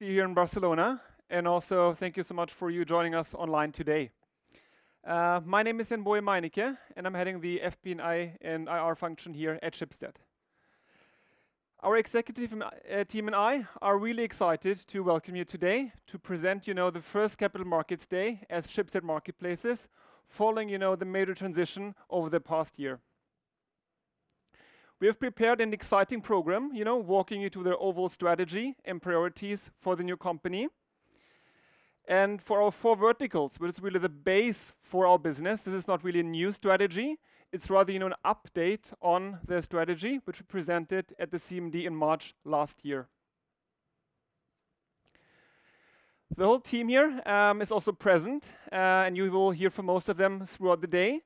Here in Barcelona, and also thank you so much for joining us online today. My name is Yongdong Peng, and I'm heading the FP&A and IR function here at Schibsted. Our executive team and I are really excited to welcome you today to present the first Capital Markets Day at Schibsted Marketplaces following the major transition over the past year. We have prepared an exciting program, walking you through the overall strategy and priorities for the new company and for our four verticals, which is really the base for our business. This is not really a new strategy; it's rather an update on the strategy which we presented at the CMD in March last year. The whole team here is also present, and you will hear from most of them throughout the day.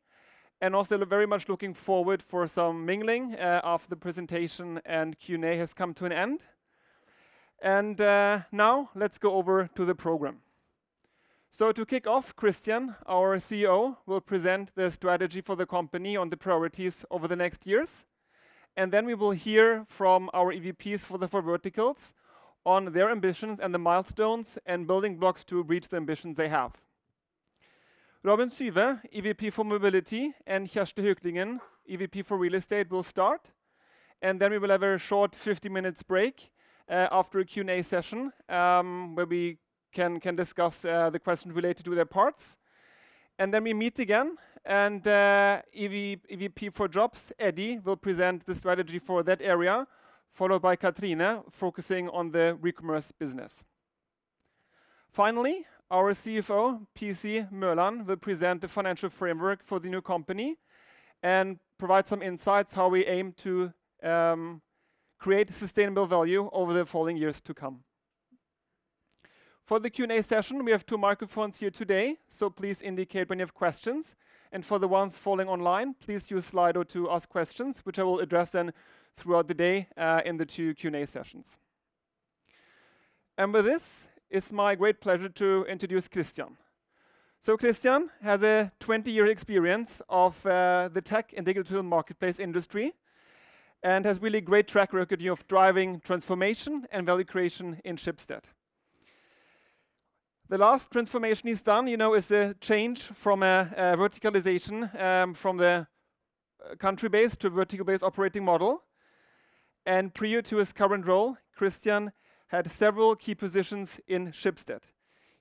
And also, they're very much looking forward to some mingling after the presentation and Q&A has come to an end. And now, let's go over to the program. So, to kick off, Christian, our CEO, will present the strategy for the company on the priorities over the next years. And then we will hear from our EVPs for the four verticals on their ambitions and the milestones and building blocks to reach the ambitions they have. Robin Suwe, EVP for Mobility, and Kjersti Høklingen, EVP for Real Estate, will start. And then we will have a short 15-minute break after a Q&A session where we can discuss the questions related to their parts. And then we meet again. And EVP for Jobs, Eddie, will present the strategy for that area, followed by Cathrine, focusing on the Re-commerce business. Finally, our CFO, PC Mørland, will present the financial framework for the new company and provide some insights on how we aim to create sustainable value over the following years to come. For the Q&A session, we have two microphones here today, so please indicate when you have questions. And for the ones falling online, please use Slido to ask questions, which I will address then throughout the day in the two Q&A sessions. And with this, it's my great pleasure to introduce Christian. So, Christian has a 20-year experience of the tech and digital marketplace industry and has a really great track record of driving transformation and value creation in Schibsted. The last transformation he's done is a change from a verticalization from the country-based to a vertical-based operating model. And prior to his current role, Christian had several key positions in Schibsted.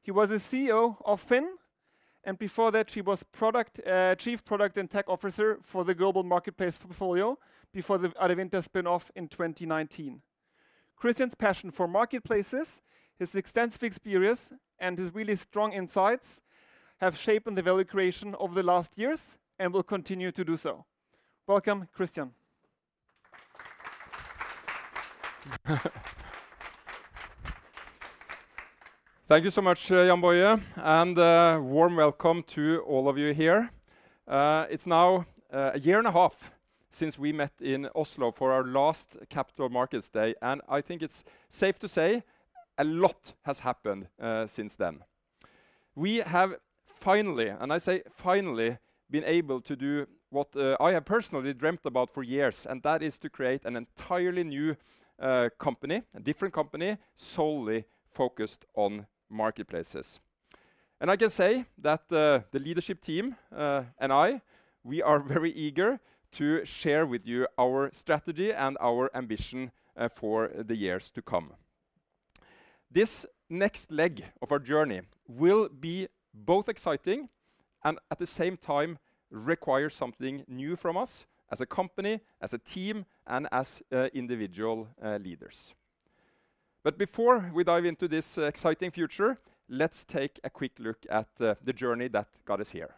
He was a CEO of FINN, and before that, he was Chief Product and Tech Officer for the global marketplace portfolio before the Adevinta spin-off in 2019. Christian's passion for Marketplaces, his extensive experience, and his really strong insights have shaped the value creation over the last years and will continue to do so. Welcome, Christian. Thank you so much, Yongdong, and a warm welcome to all of you here. It's now a year and a half since we met in Oslo for our last Capital Markets Day, and I think it's safe to say a lot has happened since then. We have finally, and I say finally, been able to do what I have personally dreamt about for years, and that is to create an entirely new company, a different company solely focused on Marketplaces. And I can say that the leadership team and I, we are very eager to share with you our strategy and our ambition for the years to come. This next leg of our journey will be both exciting and, at the same time, require something new from us as a company, as a team, and as individual leaders. But before we dive into this exciting future, let's take a quick look at the journey that got us here.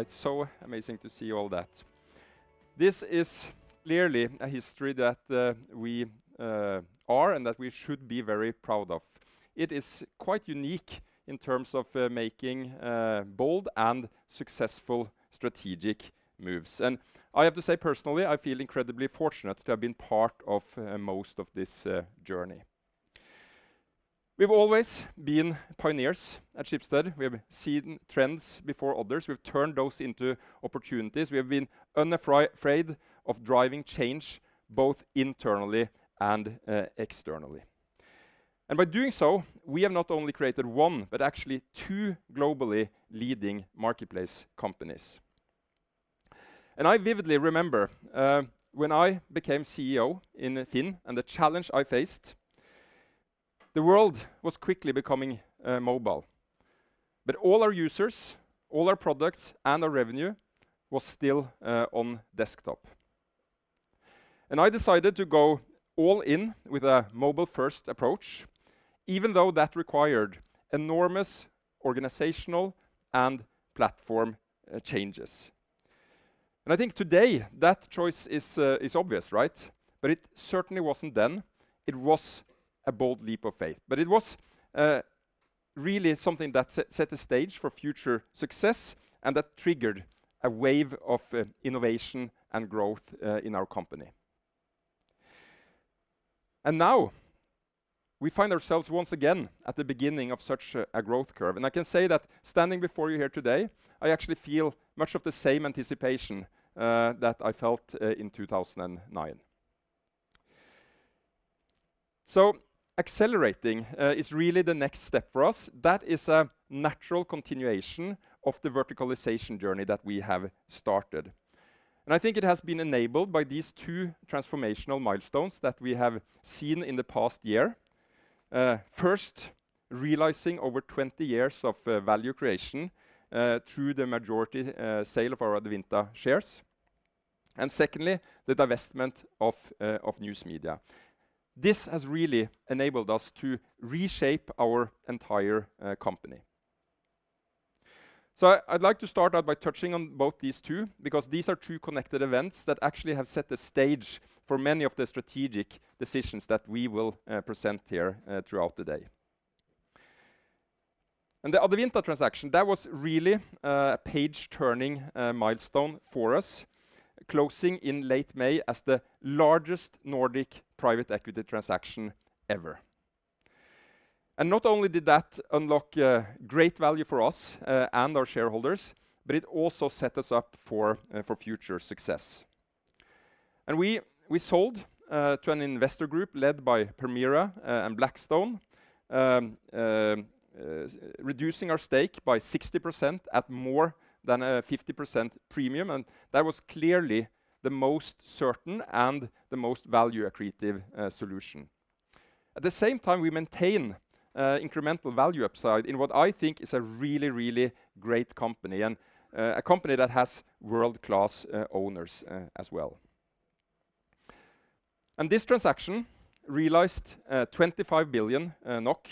It's so amazing to see all that. This is clearly a history that we are and that we should be very proud of. It is quite unique in terms of making bold and successful strategic moves. And I have to say, personally, I feel incredibly fortunate to have been part of most of this journey. We've always been pioneers at Schibsted. We have seen trends before others. We've turned those into opportunities. We have been unafraid of driving change both internally and externally. And by doing so, we have not only created one, but actually two globally leading marketplace companies. And I vividly remember when I became CEO in FINN and the challenge I faced. The world was quickly becoming mobile, but all our users, all our products, and our revenue were still on desktop, and I decided to go all in with a mobile-first approach, even though that required enormous organizational and platform changes, and I think today that choice is obvious, right, but it certainly wasn't then. It was a bold leap of faith, but it was really something that set the stage for future success, and that triggered a wave of innovation and growth in our company, and now we find ourselves once again at the beginning of such a growth curve, and I can say that standing before you here today, I actually feel much of the same anticipation that I felt in 2009, so accelerating is really the next step for us. That is a natural continuation of the verticalization journey that we have started. I think it has been enabled by these two transformational milestones that we have seen in the past year. First, realizing over 20 years of value creation through the majority sale of our Adevinta shares. Secondly, the divestment of News Media. This has really enabled us to reshape our entire company. I'd like to start out by touching on both these two because these are two connected events that actually have set the stage for many of the strategic decisions that we will present here throughout the day. The Adevinta transaction, that was really a page-turning milestone for us, closing in late May as the largest Nordic private equity transaction ever. Not only did that unlock great value for us and our shareholders, but it also set us up for future success. And we sold to an investor group led by Permira and Blackstone, reducing our stake by 60% at more than a 50% premium. And that was clearly the most certain and the most value-accretive solution. At the same time, we maintain incremental value upside in what I think is a really, really great company and a company that has world-class owners as well. And this transaction realized 25 billion NOK.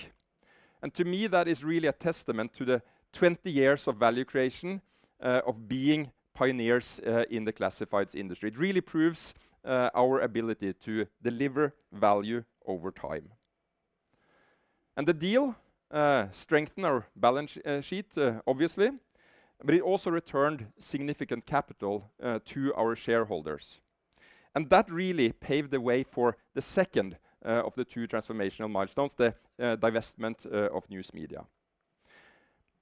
And to me, that is really a testament to the 20 years of value creation of being pioneers in the classifieds industry. It really proves our ability to deliver value over time. And the deal strengthened our balance sheet, obviously, but it also returned significant capital to our shareholders. And that really paved the way for the second of the two transformational milestones, the divestment of News Media.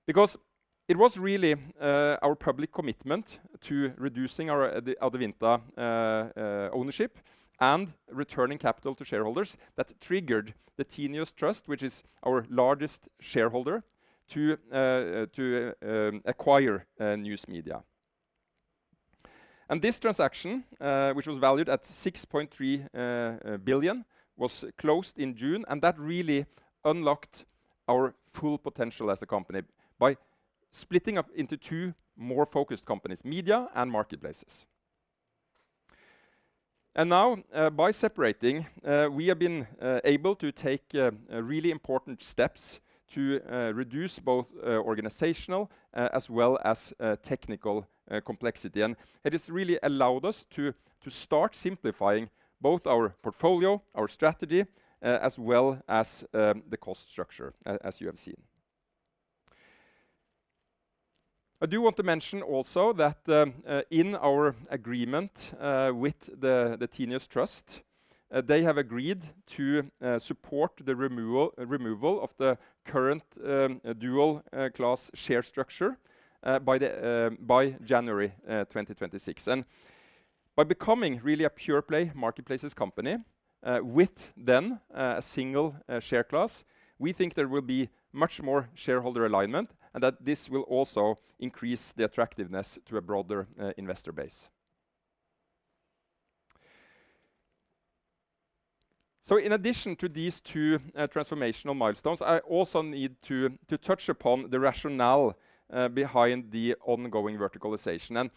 Because it was really our public commitment to reducing our Adevinta ownership and returning capital to shareholders that triggered the Tinius Trust, which is our largest shareholder, to acquire News Media. And this transaction, which was valued at 6.3 billion NOK, was closed in June, and that really unlocked our full potential as a company by splitting up into two more focused companies, Media and Marketplaces. And now, by separating, we have been able to take really important steps to reduce both organizational as well as technical complexity. And it has really allowed us to start simplifying both our portfolio, our strategy, as well as the cost structure, as you have seen. I do want to mention also that in our agreement with the Tinius Trust, they have agreed to support the removal of the current dual-class share structure by January 2026. And by becoming really a pure-play Marketplaces company with then a single share class, we think there will be much more shareholder alignment and that this will also increase the attractiveness to a broader investor base. So in addition to these two transformational milestones, I also need to touch upon the rationale behind the ongoing verticalization. And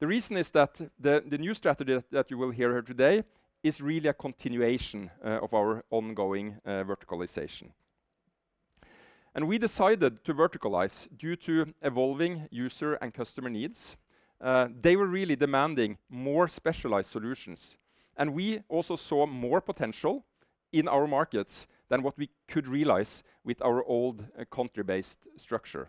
the reason is that the new strategy that you will hear here today is really a continuation of our ongoing verticalization. And we decided to verticalize due to evolving user and customer needs. They were really demanding more specialized solutions. And we also saw more potential in our markets than what we could realize with our old country-based structure.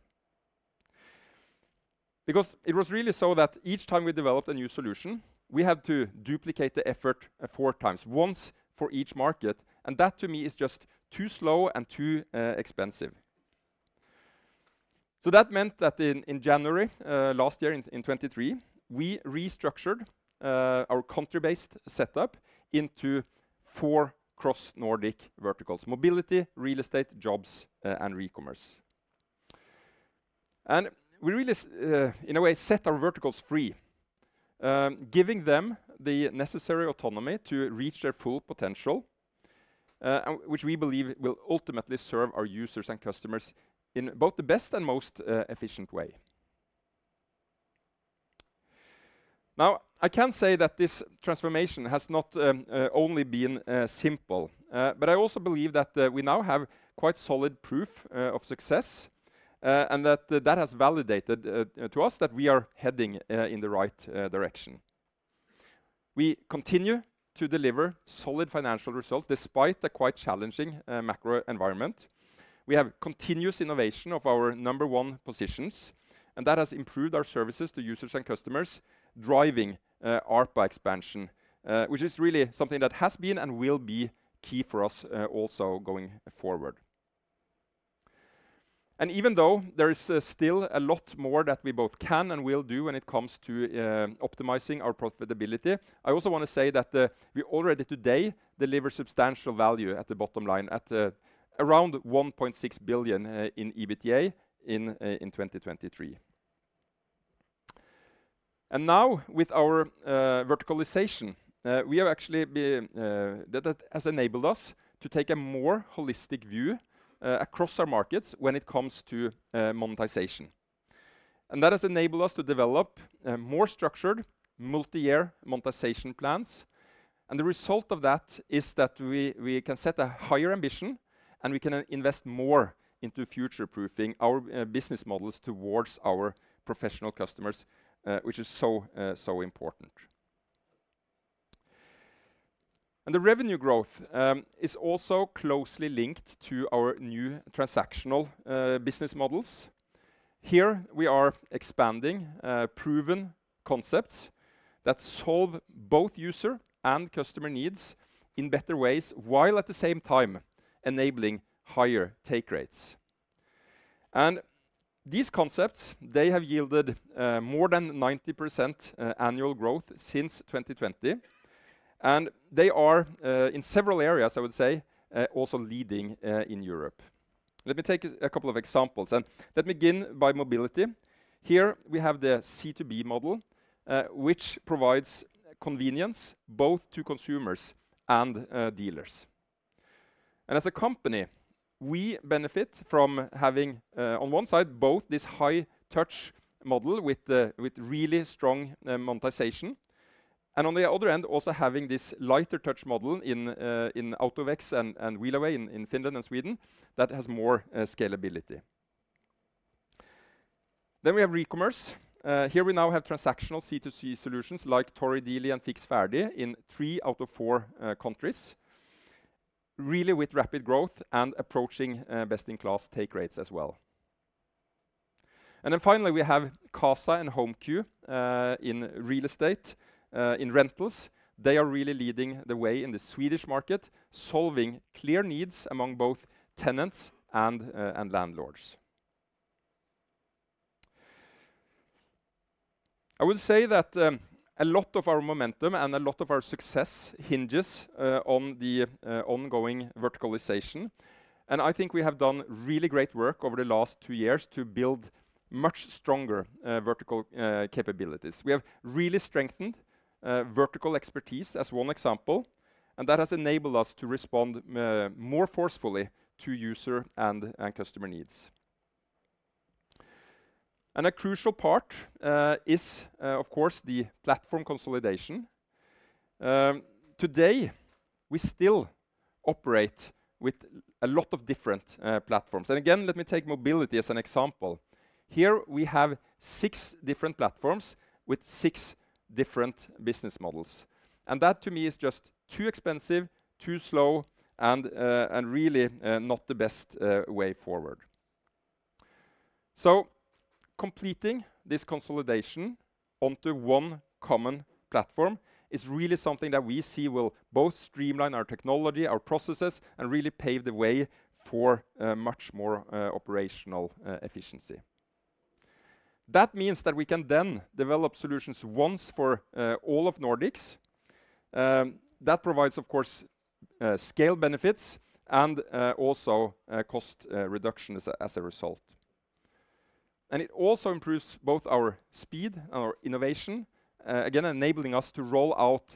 Because it was really so that each time we developed a new solution, we had to duplicate the effort four times, once for each market. That, to me, is just too slow and too expensive. That meant that in January last year, in 2023, we restructured our country-based setup into four cross-Nordic verticals: Mobility, Real Estate, Jobs, and Re-commerce. We really, in a way, set our verticals free, giving them the necessary autonomy to reach their full potential, which we believe will ultimately serve our users and customers in both the best and most efficient way. Now, I can say that this transformation has not only been simple, but I also believe that we now have quite solid proof of success and that that has validated to us that we are heading in the right direction. We continue to deliver solid financial results despite a quite challenging macro environment. We have continuous innovation of our number one positions, and that has improved our services to users and customers, driving ARPA expansion, which is really something that has been and will be key for us also going forward, and even though there is still a lot more that we both can and will do when it comes to optimizing our profitability, I also want to say that we already today deliver substantial value at the bottom line at around 1.6 billion in EBITDA in 2023, and now, with our verticalization, we have actually been that has enabled us to take a more holistic view across our markets when it comes to monetization, and that has enabled us to develop more structured multi-year monetization plans. And the result of that is that we can set a higher ambition, and we can invest more into future-proofing our business models towards our professional customers, which is so important. And the revenue growth is also closely linked to our new transactional business models. Here we are expanding proven concepts that solve both user and customer needs in better ways while at the same time enabling higher take rates. And these concepts, they have yielded more than 90% annual growth since 2020. And they are, in several areas, I would say, also leading in Europe. Let me take a couple of examples. And let me begin by mobility. Here we have the C2B model, which provides convenience both to consumers and dealers. As a company, we benefit from having, on one side, both this high-touch model with really strong monetization, and on the other end, also having this lighter-touch model in AutoVex and Hejdåbil in Finland and Sweden that has more scalability. Then we have Re-commerce. Here we now have transactional C2C solutions like ToriDiili and Fiks Ferdig in three out of four countries, really with rapid growth and approaching best-in-class take rates as well. Then finally, we have Qasa and HomeQ in real estate, in rentals. They are really leading the way in the Swedish market, solving clear needs among both tenants and landlords. I would say that a lot of our momentum and a lot of our success hinges on the ongoing verticalization. I think we have done really great work over the last two years to build much stronger vertical capabilities. We have really strengthened vertical expertise as one example, and that has enabled us to respond more forcefully to user and customer needs. And a crucial part is, of course, the platform consolidation. Today, we still operate with a lot of different platforms. And again, let me take mobility as an example. Here we have six different platforms with six different business models. And that, to me, is just too expensive, too slow, and really not the best way forward. So completing this consolidation onto one common platform is really something that we see will both streamline our technology, our processes, and really pave the way for much more operational efficiency. That means that we can then develop solutions once for all of Nordics. That provides, of course, scale benefits and also cost reduction as a result. It also improves both our speed and our innovation, again, enabling us to roll out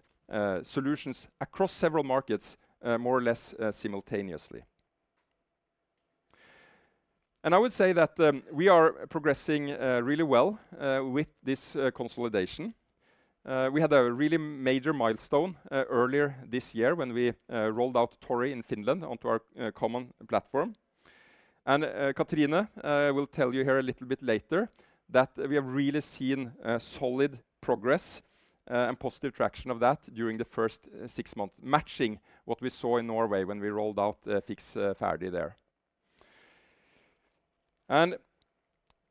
solutions across several markets more or less simultaneously. And I would say that we are progressing really well with this consolidation. We had a really major milestone earlier this year when we rolled out Tori in Finland onto our common platform. And Cathrine will tell you here a little bit later that we have really seen solid progress and positive traction of that during the first six months, matching what we saw in Norway when we rolled out Fiks Ferdig there. And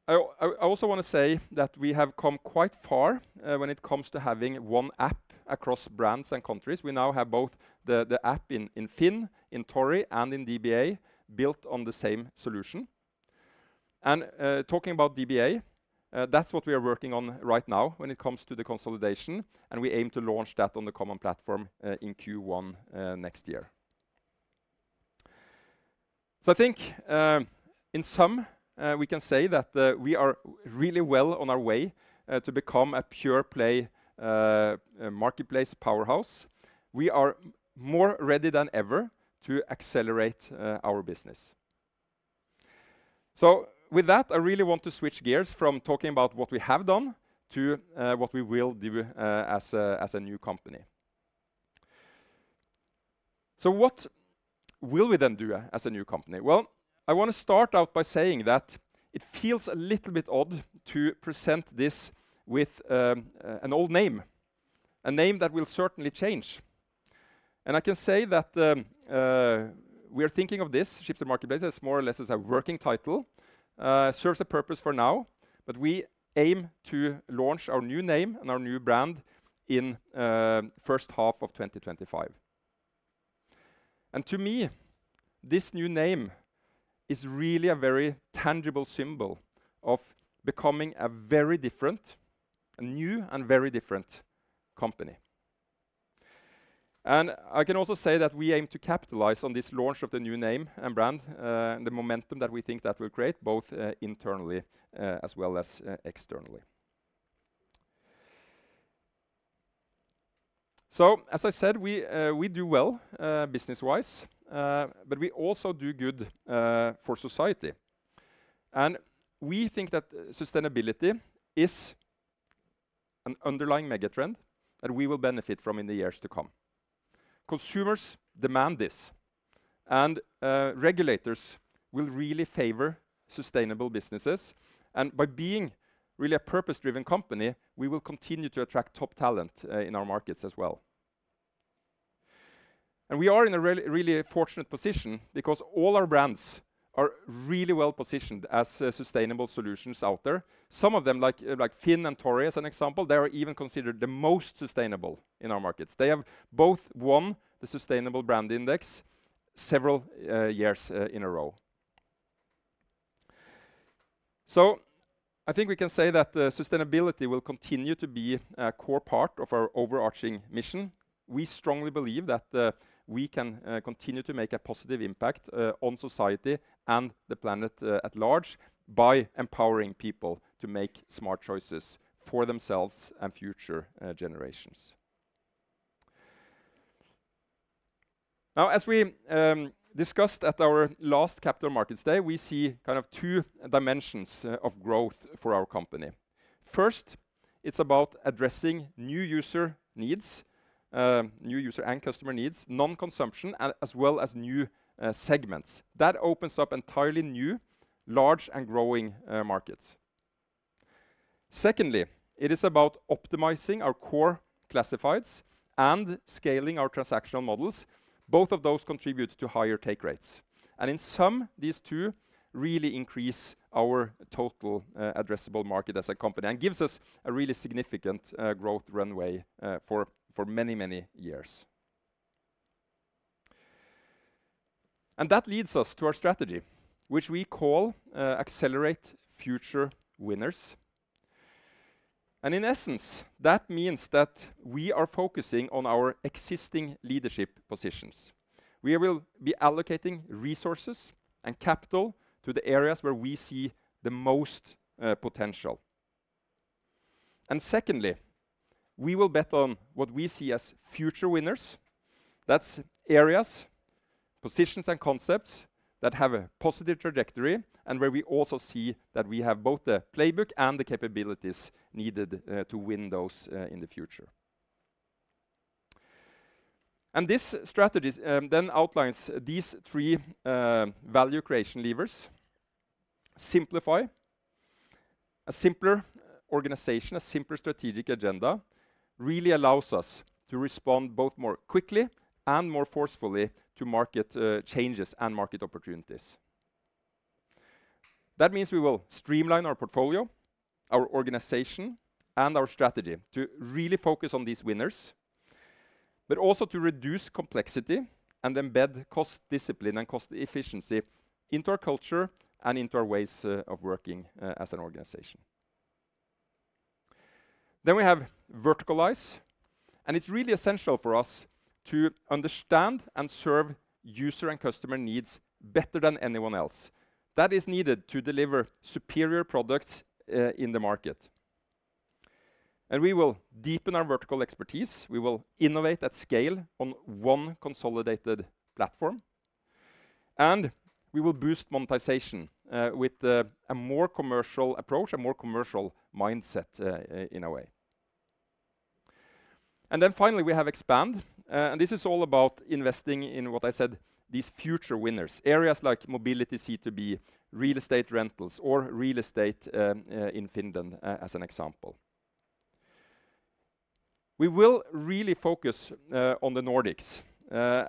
I also want to say that we have come quite far when it comes to having one app across brands and countries. We now have both the app in FINN, in Tori, and in DBA built on the same solution. Talking about DBA, that's what we are working on right now when it comes to the consolidation, and we aim to launch that on the common platform in Q1 next year. So I think in sum, we can say that we are really well on our way to become a pure-play marketplace powerhouse. We are more ready than ever to accelerate our business. So with that, I really want to switch gears from talking about what we have done to what we will do as a new company. So what will we then do as a new company? Well, I want to start out by saying that it feels a little bit odd to present this with an old name, a name that will certainly change. And I can say that we are thinking of this, Schibsted Marketplaces, more or less as a working title. It serves a purpose for now, but we aim to launch our new name and our new brand in the first half of 2025. And to me, this new name is really a very tangible symbol of becoming a very different, a new and very different company. And I can also say that we aim to capitalize on this launch of the new name and brand, the momentum that we think that will create both internally as well as externally. So as I said, we do well business-wise, but we also do good for society. And we think that sustainability is an underlying megatrend that we will benefit from in the years to come. Consumers demand this, and regulators will really favor sustainable businesses. And by being really a purpose-driven company, we will continue to attract top talent in our markets as well. And we are in a really fortunate position because all our brands are really well positioned as sustainable solutions out there. Some of them, like FINN and Tori as an example, they are even considered the most sustainable in our markets. They have both won the Sustainable Brand Index several years in a row. So I think we can say that sustainability will continue to be a core part of our overarching mission. We strongly believe that we can continue to make a positive impact on society and the planet at large by empowering people to make smart choices for themselves and future generations. Now, as we discussed at our last Capital Markets Day, we see kind of two dimensions of growth for our company. First, it's about addressing new user needs, new user and customer needs, non-consumption, as well as new segments. That opens up entirely new, large, and growing markets. Secondly, it is about optimizing our core classifieds and scaling our transactional models. Both of those contribute to higher take rates. And in sum, these two really increase our total addressable market as a company and give us a really significant growth runway for many, many years. And that leads us to our strategy, which we call Accelerate Future Winners. And in essence, that means that we are focusing on our existing leadership positions. We will be allocating resources and capital to the areas where we see the most potential. And secondly, we will bet on what we see as future winners. That's areas, positions, and concepts that have a positive trajectory and where we also see that we have both the playbook and the capabilities needed to win those in the future. This strategy then outlines these three value creation levers. Simplify, a simpler organization, a simpler strategic agenda really allows us to respond both more quickly and more forcefully to market changes and market opportunities. That means we will streamline our portfolio, our organization, and our strategy to really focus on these winners, but also to reduce complexity and embed cost discipline and cost efficiency into our culture and into our ways of working as an organization. We have verticalize, and it's really essential for us to understand and serve user and customer needs better than anyone else. That is needed to deliver superior products in the market. We will deepen our vertical expertise. We will innovate at scale on one consolidated platform, and we will boost monetization with a more commercial approach, a more commercial mindset in a way. Finally, we have expand. This is all about investing in what I said, these future winners, areas like mobility, C2B, real estate rentals, or real estate in Finland as an example. We will really focus on the Nordics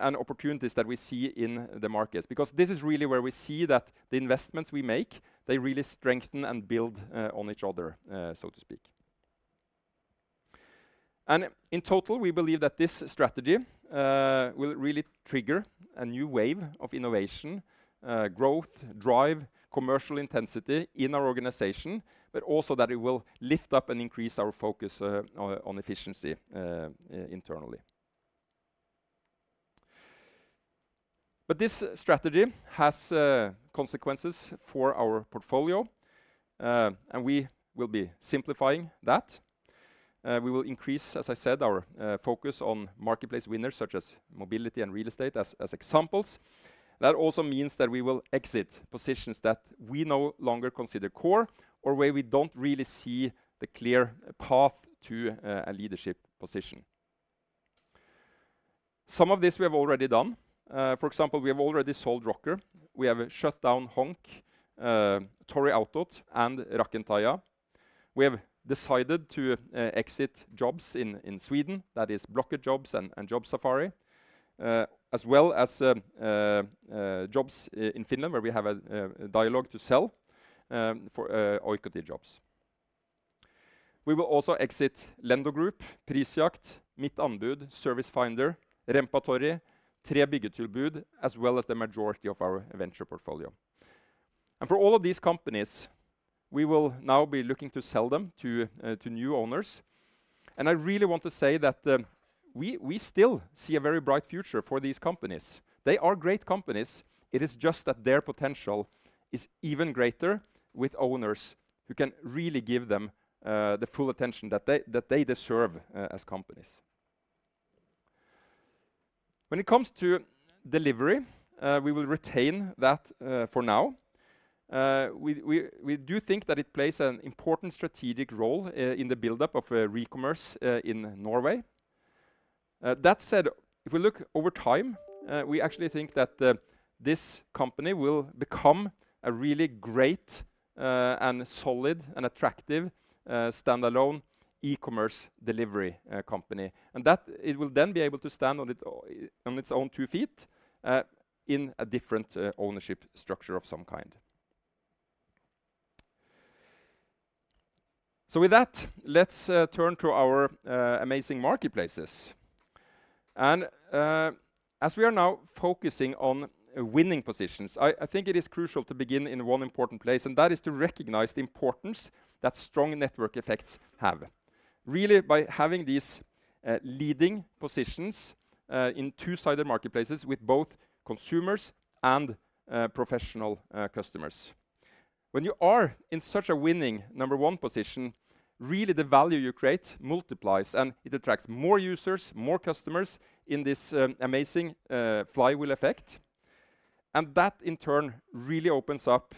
and opportunities that we see in the markets because this is really where we see that the investments we make, they really strengthen and build on each other, so to speak. In total, we believe that this strategy will really trigger a new wave of innovation, growth, drive, commercial intensity in our organization, but also that it will lift up and increase our focus on efficiency internally. This strategy has consequences for our portfolio, and we will be simplifying that. We will increase, as I said, our focus on marketplace winners such as mobility and real estate as examples. That also means that we will exit positions that we no longer consider core or where we don't really see the clear path to a leadership position. Some of this we have already done. For example, we have already sold Rocker. We have shut down Honk, Tori Autot, and Rakentaja. We have decided to exit jobs in Sweden. That is Blocket Jobs and Jobbsafari, as well as jobs in Finland where we have a dialogue to sell Oikotie Jobs. We will also exit Lendo Group, Prisjakt, Mittanbud, Servicefinder, Remppatori, 3byggetilbud, as well as the majority of our venture portfolio. And for all of these companies, we will now be looking to sell them to new owners. And I really want to say that we still see a very bright future for these companies. They are great companies. It is just that their potential is even greater with owners who can really give them the full attention that they deserve as companies. When it comes to Delivery, we will retain that for now. We do think that it plays an important strategic role in the buildup of Re-commerce in Norway. That said, if we look over time, we actually think that this company will become a really great and solid and attractive standalone e-commerce Delivery company, and that it will then be able to stand on its own two feet in a different ownership structure of some kind, so with that, let's turn to our amazing Marketplaces, and as we are now focusing on winning positions, I think it is crucial to begin in one important place, and that is to recognize the importance that strong network effects have. Really, by having these leading positions in two-sided Marketplaces with both consumers and professional customers. When you are in such a winning number one position, really the value you create multiplies, and it attracts more users, more customers in this amazing flywheel effect. And that in turn really opens up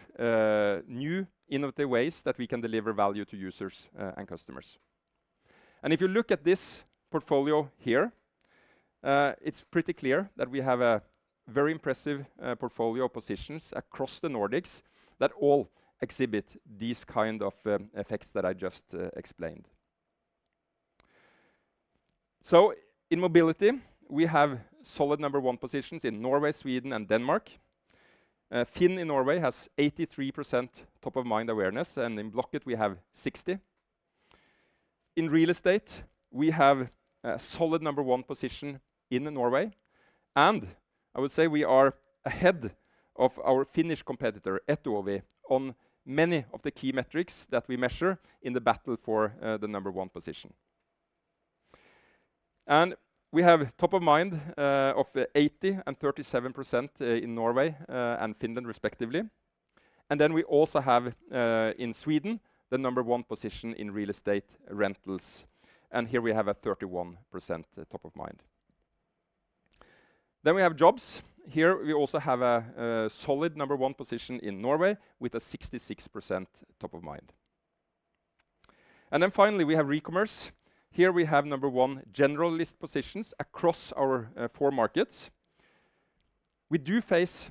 new innovative ways that we can deliver value to users and customers. And if you look at this portfolio here, it's pretty clear that we have a very impressive portfolio of positions across the Nordics that all exhibit these kinds of effects that I just explained. So in mobility, we have solid number one positions in Norway, Sweden, and Denmark. FINN in Norway has 83% top-of-mind awareness, and in Blocket, we have 60%. In real estate, we have a solid number one position in Norway. I would say we are ahead of our FINN's competitor, Etuovi, on many of the key metrics that we measure in the battle for the number one position. We have top-of-mind of 80% and 37% in Norway and Finland, respectively. We also have in Sweden the number one position in Real Estate rentals. Here we have a 31% top-of-mind. We have Jobs. Here we also have a solid number one position in Norway with a 66% top-of-mind. Finally, we have Re-commerce. Here we have number one general list positions across our four markets. We do face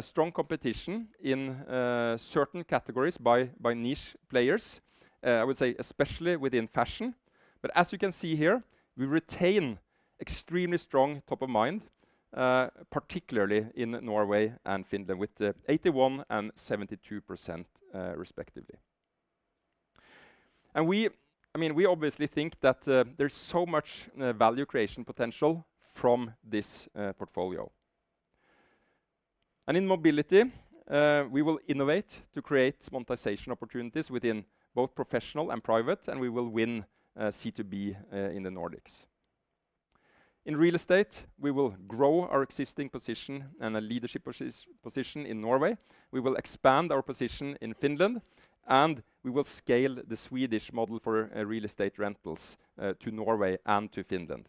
strong competition in certain categories by niche players, I would say, especially within fashion. As you can see here, we retain extremely strong top-of-mind, particularly in Norway and Finland with 81% and 72%, respectively. I mean, we obviously think that there's so much value creation potential from this portfolio. In mobility, we will innovate to create monetization opportunities within both professional and private, and we will win C2B in the Nordics. In real estate, we will grow our existing position and a leadership position in Norway. We will expand our position in Finland, and we will scale the Swedish model for real estate rentals to Norway and to Finland.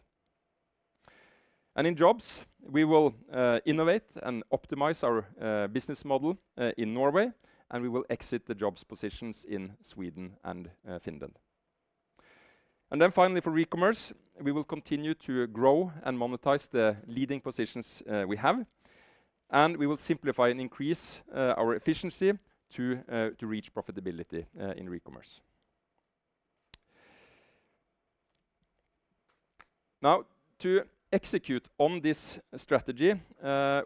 In jobs, we will innovate and optimize our business model in Norway, and we will exit the jobs positions in Sweden and Finland. Finally, for Re-commerce, we will continue to grow and monetize the leading positions we have, and we will simplify and increase our efficiency to reach profitability in Re-commerce. Now, to execute on this strategy,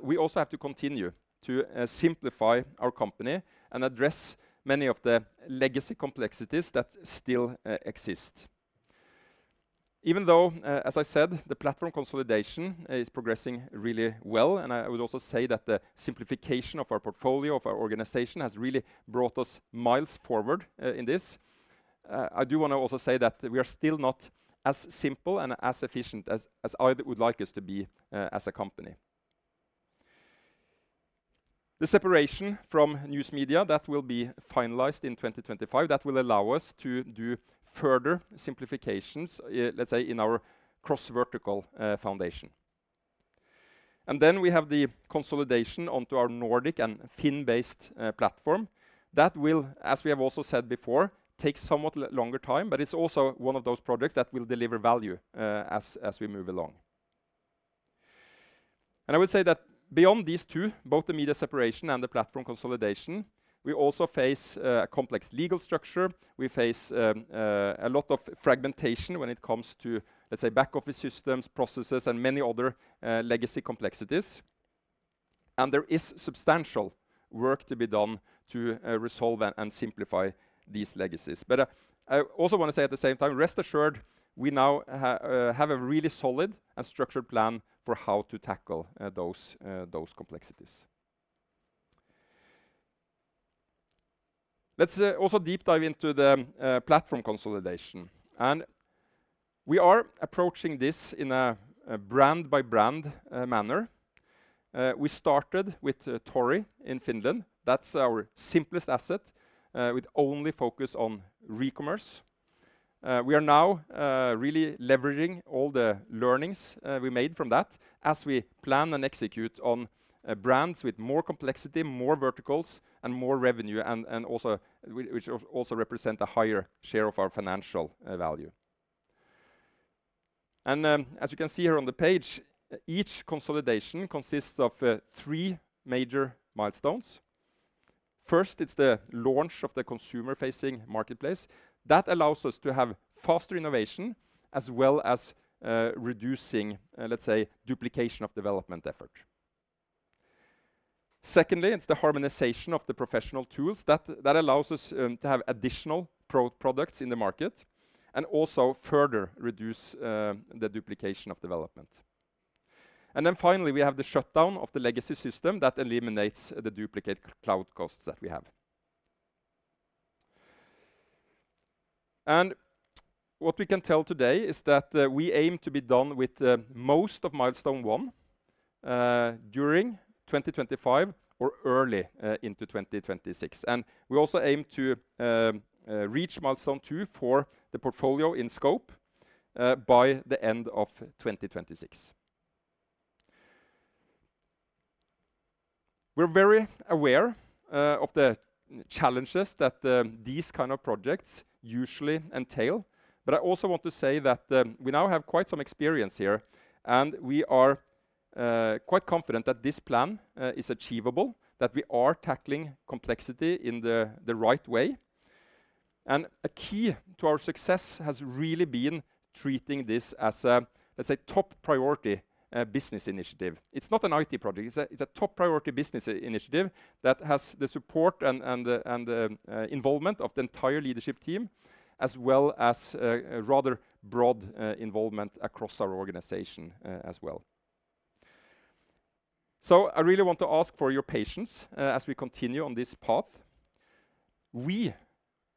we also have to continue to simplify our company and address many of the legacy complexities that still exist. Even though, as I said, the platform consolidation is progressing really well, and I would also say that the simplification of our portfolio, of our organization, has really brought us miles forward in this. I do want to also say that we are still not as simple and as efficient as I would like us to be as a company. The separation from News Media that will be finalized in 2025, that will allow us to do further simplifications, let's say, in our cross-vertical Foundation. And then we have the consolidation onto our Nordic and FINN-based platform. That will, as we have also said before, take somewhat longer time, but it's also one of those projects that will deliver value as we move along. I would say that beyond these two, both the Media separation and the platform consolidation, we also face a complex legal structure. We face a lot of fragmentation when it comes to, let's say, back-office systems, processes, and many other legacy complexities. There is substantial work to be done to resolve and simplify these legacies. But I also want to say at the same time, rest assured, we now have a really solid and structured plan for how to tackle those complexities. Let's also deep dive into the platform consolidation. We are approaching this in a brand-by-brand manner. We started with Tori in Finland. That's our simplest asset with only focus on Re-commerce. We are now really leveraging all the learnings we made from that as we plan and execute on brands with more complexity, more verticals, and more revenue, and also which also represent a higher share of our financial value. And as you can see here on the page, each consolidation consists of three major milestones. First, it's the launch of the consumer-facing marketplace. That allows us to have faster innovation as well as reducing, let's say, duplication of development effort. Secondly, it's the harmonization of the professional tools that allows us to have additional products in the market and also further reduce the duplication of development. And then finally, we have the shutdown of the legacy system that eliminates the duplicate cloud costs that we have. And what we can tell today is that we aim to be done with most of milestone one during 2025 or early into 2026. We also aim to reach milestone two for the portfolio in scope by the end of 2026. We're very aware of the challenges that these kinds of projects usually entail, but I also want to say that we now have quite some experience here, and we are quite confident that this plan is achievable, that we are tackling complexity in the right way. A key to our success has really been treating this as a, let's say, top-priority business initiative. It's not an IT project. It's a top-priority business initiative that has the support and involvement of the entire leadership team, as well as a rather broad involvement across our organization as well. I really want to ask for your patience as we continue on this path. We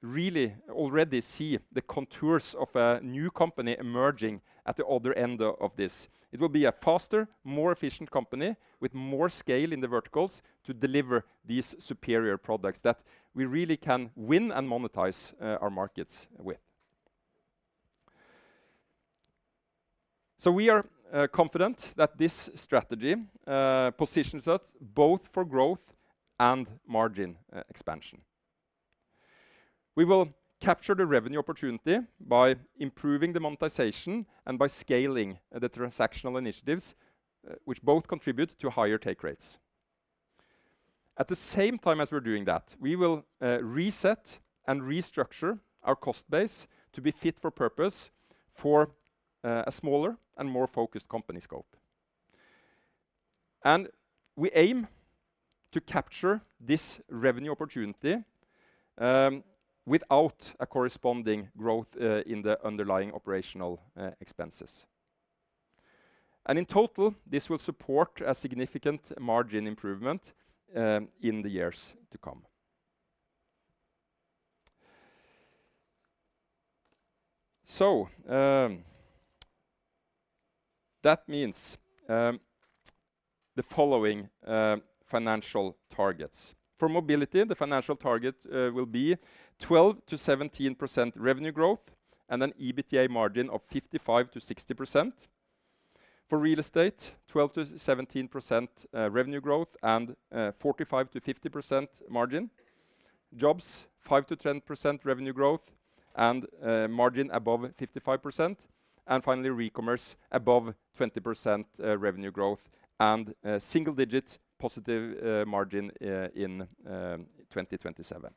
really already see the contours of a new company emerging at the other end of this. It will be a faster, more efficient company with more scale in the verticals to deliver these superior products that we really can win and monetize our markets with. So we are confident that this strategy positions us both for growth and margin expansion. We will capture the revenue opportunity by improving the monetization and by scaling the transactional initiatives, which both contribute to higher take rates. At the same time as we're doing that, we will reset and restructure our cost base to be fit for purpose for a smaller and more focused company scope. And we aim to capture this revenue opportunity without a corresponding growth in the underlying operational expenses. And in total, this will support a significant margin improvement in the years to come. So that means the following financial targets. For Mobility, the financial target will be 12%-17% revenue growth and an EBITDA margin of 55%-60%. For Real Estate, 12%-17% revenue growth and 45%-50% margin. Jobs, 5%-10% revenue growth and margin above 55%. And finally, Re-commerce above 20% revenue growth and single-digit positive margin in 2027.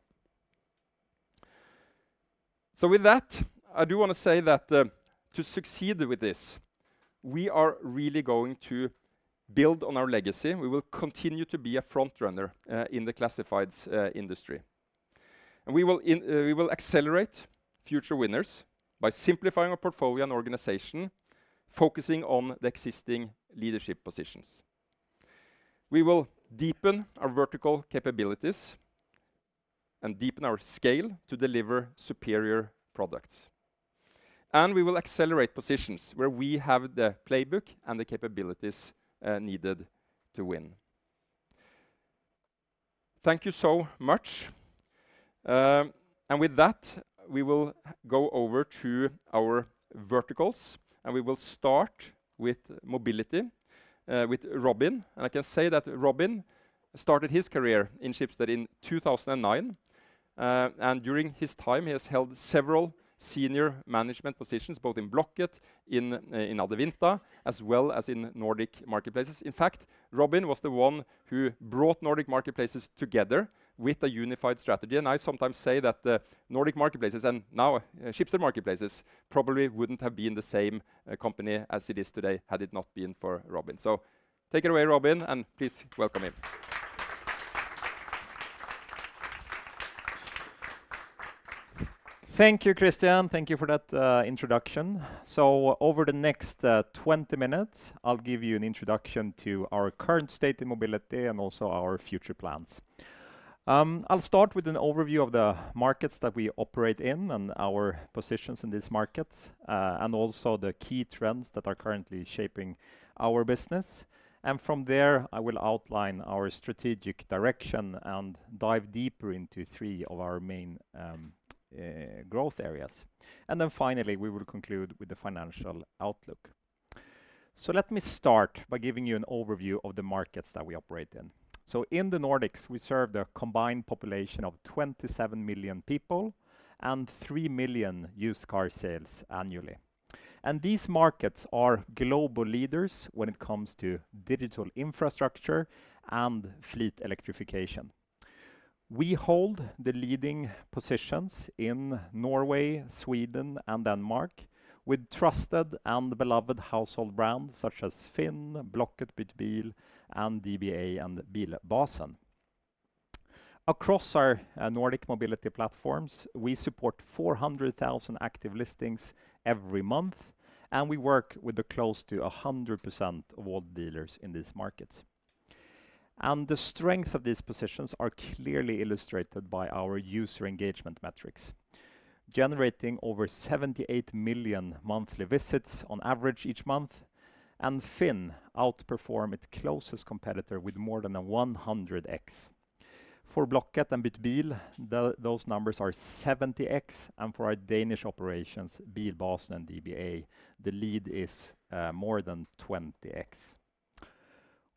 So with that, I do want to say that to succeed with this, we are really going to build on our legacy. We will continue to be a front-runner in the classifieds industry. And we will Accelerate Future Winners by simplifying our portfolio and organization, focusing on the existing leadership positions. We will deepen our vertical capabilities and deepen our scale to deliver superior products. And we will accelerate positions where we have the playbook and the capabilities needed to win. Thank you so much. With that, we will go over to our verticals, and we will start with mobility with Robin. I can say that Robin started his career in Schibsted in 2009. During his time, he has held several senior management positions, both in Blocket, in Adevinta, as well as in Nordic Marketplaces. In fact, Robin was the one who brought Nordic Marketplaces together with a unified strategy. I sometimes say that the Nordic Marketplaces and now Schibsted Marketplaces probably wouldn't have been the same company as it is today had it not been for Robin. Take it away, Robin, and please welcome him. Thank you, Christian. Thank you for that introduction. Over the next 20 minutes, I'll give you an introduction to our current state in mobility and also our future plans. I'll start with an overview of the markets that we operate in and our positions in these markets, and also the key trends that are currently shaping our business. And from there, I will outline our strategic direction and dive deeper into three of our main growth areas. And then finally, we will conclude with the financial outlook. So let me start by giving you an overview of the markets that we operate in. So in the Nordics, we serve the combined population of 27 million people and three million used car sales annually. And these markets are global leaders when it comes to digital infrastructure and fleet electrification. We hold the leading positions in Norway, Sweden, and Denmark with trusted and beloved household brands such as FINN, Blocket, Bytbil, and DBA and Bilbasen. Across our Nordic mobility platforms, we support 400,000 active listings every month, and we work with close to 100% of all dealers in these markets. And the strength of these positions is clearly illustrated by our user engagement metrics, generating over 78 million monthly visits on average each month, and FINN outperforms its closest competitor with more than 100x. For Blocket and Bytbil, those numbers are 70x, and for our Danish operations, Bilbasen and DBA, the lead is more than 20x.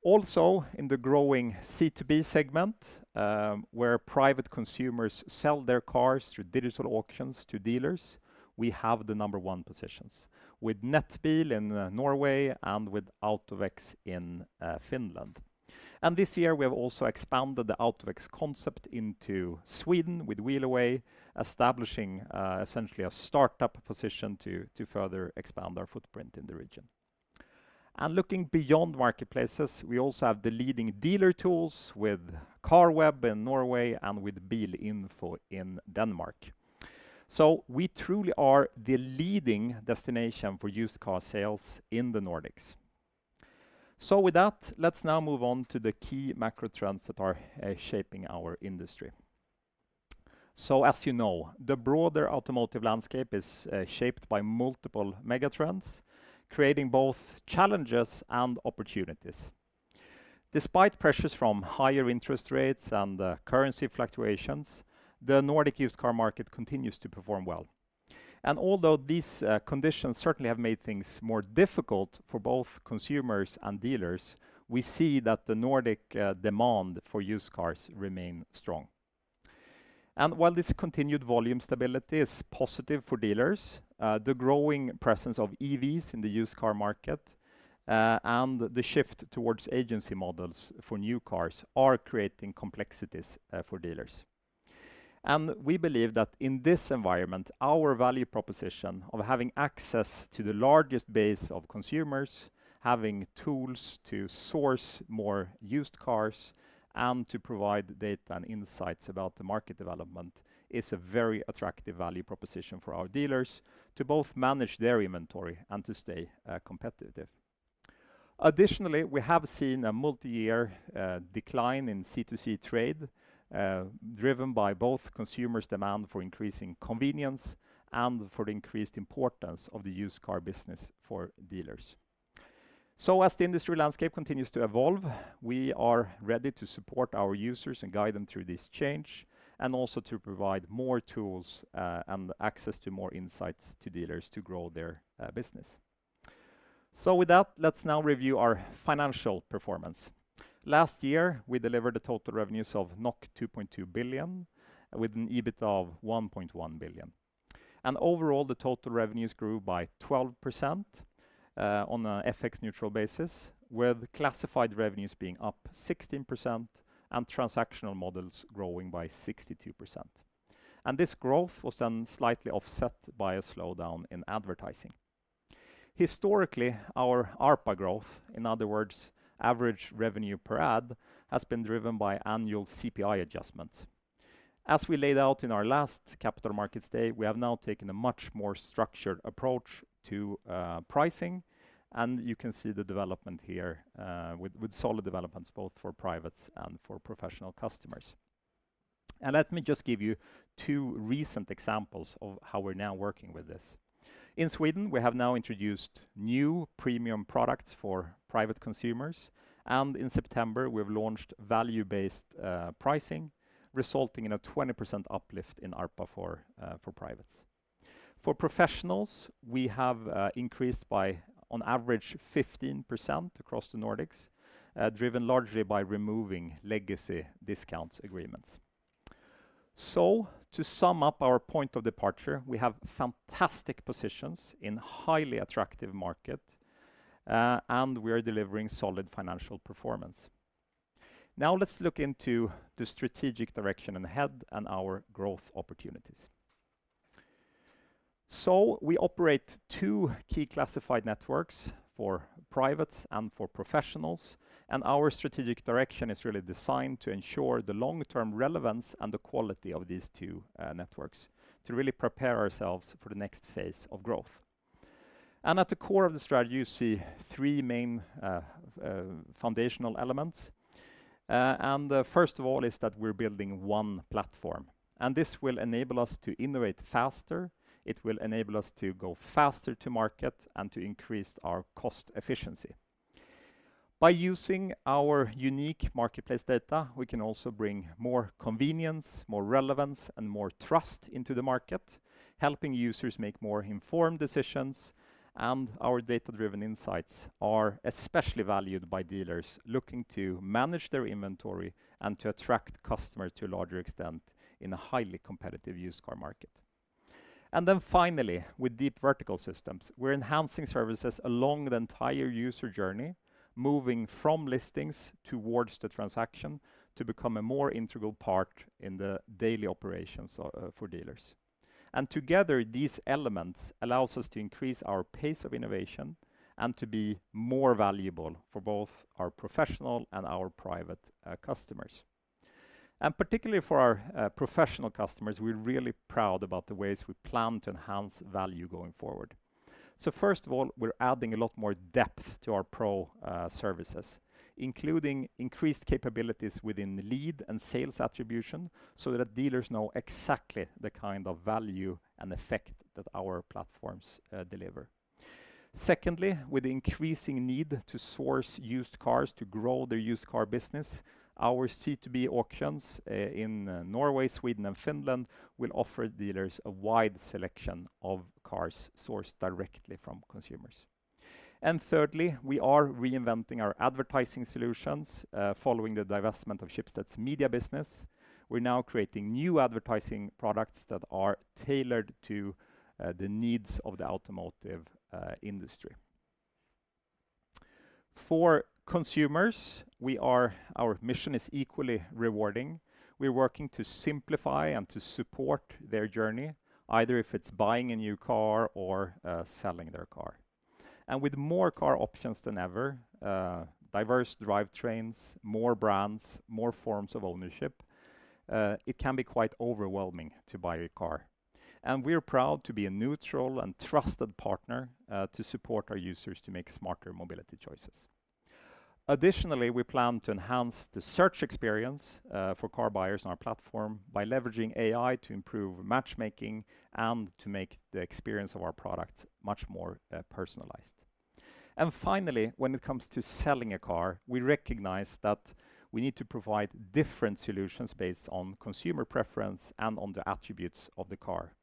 Also, in the growing C2B segment, where private consumers sell their cars through digital auctions to dealers, we have the number one positions with Nettbil in Norway and with AutoVex in Finland. And this year, we have also expanded the AutoVex concept into Sweden with Wheelaway, establishing essentially a startup position to further expand our footprint in the region. And looking beyond Marketplaces, we also have the leading dealer tools with Carweb in Norway and with Bilinfo in Denmark. So we truly are the leading destination for used car sales in the Nordics. So with that, let's now move on to the key macro trends that are shaping our industry. So as you know, the broader automotive landscape is shaped by multiple mega trends, creating both challenges and opportunities. Despite pressures from higher interest rates and currency fluctuations, the Nordic used car market continues to perform well. And although these conditions certainly have made things more difficult for both consumers and dealers, we see that the Nordic demand for used cars remains strong. And while this continued volume stability is positive for dealers, the growing presence of EVs in the used car market and the shift towards agency models for new cars are creating complexities for dealers. We believe that in this environment, our value proposition of having access to the largest base of consumers, having tools to source more used cars, and to provide data and insights about the market development is a very attractive value proposition for our dealers to both manage their inventory and to stay competitive. Additionally, we have seen a multi-year decline in C2C trade, driven by both consumers' demand for increasing convenience and for the increased importance of the used car business for dealers. As the industry landscape continues to evolve, we are ready to support our users and guide them through this change, and also to provide more tools and access to more insights to dealers to grow their business. With that, let's now review our financial performance. Last year, we delivered total revenues of 2.2 billion with an EBITDA of 1.1 billion. Overall, the total revenues grew by 12% on an FX-neutral basis, with classified revenues being up 16% and transactional models growing by 62%. This growth was then slightly offset by a slowdown in advertising. Historically, our ARPA growth, in other words, average revenue per ad, has been driven by annual CPI adjustments. As we laid out in our last Capital Markets Day, we have now taken a much more structured approach to pricing, and you can see the development here with solid developments both for privates and for professional customers. Let me just give you two recent examples of how we're now working with this. In Sweden, we have now introduced new premium products for private consumers, and in September, we've launched value-based pricing, resulting in a 20% uplift in ARPA for privates. For professionals, we have increased by, on average, 15% across the Nordics, driven largely by removing legacy discount agreements. So to sum up our point of departure, we have fantastic positions in a highly attractive market, and we are delivering solid financial performance. Now let's look into the strategic direction ahead and our growth opportunities. So we operate two key classified networks for privates and for professionals, and our strategic direction is really designed to ensure the long-term relevance and the quality of these two networks to really prepare ourselves for the next phase of growth. And at the core of the strategy, you see three main foundational elements. And first of all, is that we're building one platform, and this will enable us to innovate faster. It will enable us to go faster to market and to increase our cost efficiency. By using our unique marketplace data, we can also bring more convenience, more relevance, and more trust into the market, helping users make more informed decisions. Our data-driven insights are especially valued by dealers looking to manage their inventory and to attract customers to a larger extent in a highly competitive used car market. Then finally, with deep vertical systems, we're enhancing services along the entire user journey, moving from listings towards the transaction to become a more integral part in the daily operations for dealers. Together, these elements allow us to increase our pace of innovation and to be more valuable for both our professional and our private customers. Particularly for our professional customers, we're really proud about the ways we plan to enhance value going forward. First of all, we're adding a lot more depth to our pro services, including increased capabilities within lead and sales attribution so that dealers know exactly the kind of value and effect that our platforms deliver. Secondly, with the increasing need to source used cars to grow their used car business, our C2B auctions in Norway, Sweden, and Finland will offer dealers a wide selection of cars sourced directly from consumers. Thirdly, we are reinventing our advertising solutions following the divestment of Schibsted's Media business. We're now creating new advertising products that are tailored to the needs of the automotive industry. For consumers, our mission is equally rewarding. We're working to simplify and to support their journey, either if it's buying a new car or selling their car. With more car options than ever, diverse drivetrains, more brands, more forms of ownership, it can be quite overwhelming to buy a car. We're proud to be a neutral and trusted partner to support our users to make smarter mobility choices. Additionally, we plan to enhance the search experience for car buyers on our platform by leveraging AI to improve matchmaking and to make the experience of our products much more personalized. Finally, when it comes to selling a car, we recognize that we need to provide different solutions based on consumer preference and on the attributes of the car.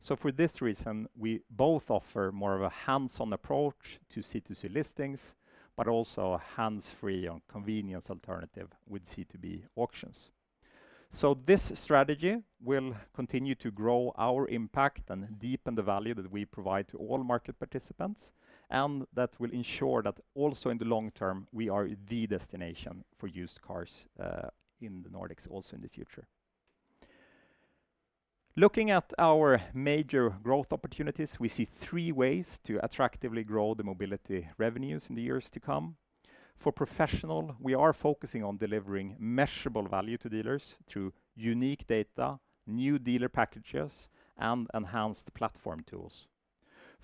For this reason, we both offer more of a hands-on approach to C2C listings, but also a hands-free and convenience alternative with C2B auctions. So this strategy will continue to grow our impact and deepen the value that we provide to all market participants, and that will ensure that also in the long term, we are the destination for used cars in the Nordics also in the future. Looking at our major growth opportunities, we see three ways to attractively grow the mobility revenues in the years to come. For professional, we are focusing on delivering measurable value to dealers through unique data, new dealer packages, and enhanced platform tools.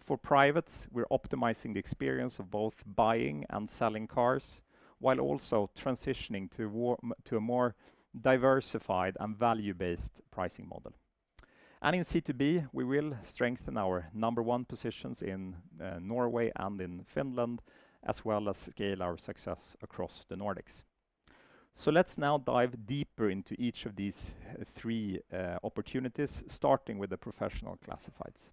For privates, we're optimizing the experience of both buying and selling cars while also transitioning to a more diversified and value-based pricing model. And in C2B, we will strengthen our number one positions in Norway and in Finland, as well as scale our success across the Nordics. So let's now dive deeper into each of these three opportunities, starting with the professional classifieds.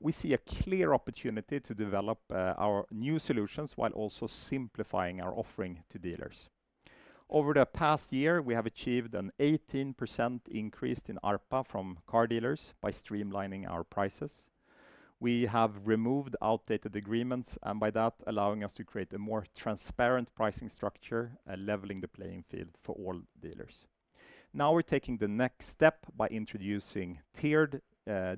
We see a clear opportunity to develop our new solutions while also simplifying our offering to dealers. Over the past year, we have achieved an 18% increase in ARPA from car dealers by streamlining our prices. We have removed outdated agreements, and by that, allowing us to create a more transparent pricing structure and leveling the playing field for all dealers. Now we're taking the next step by introducing tiered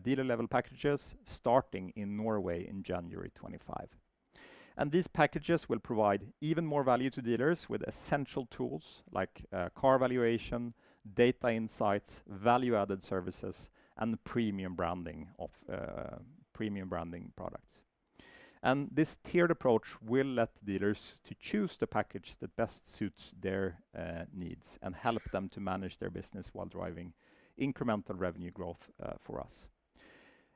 dealer-level packages, starting in Norway in January 2025. These packages will provide even more value to dealers with essential tools like car valuation, data insights, value-added services, and premium branding products. This tiered approach will let dealers choose the package that best suits their needs and help them to manage their business while driving incremental revenue growth for us.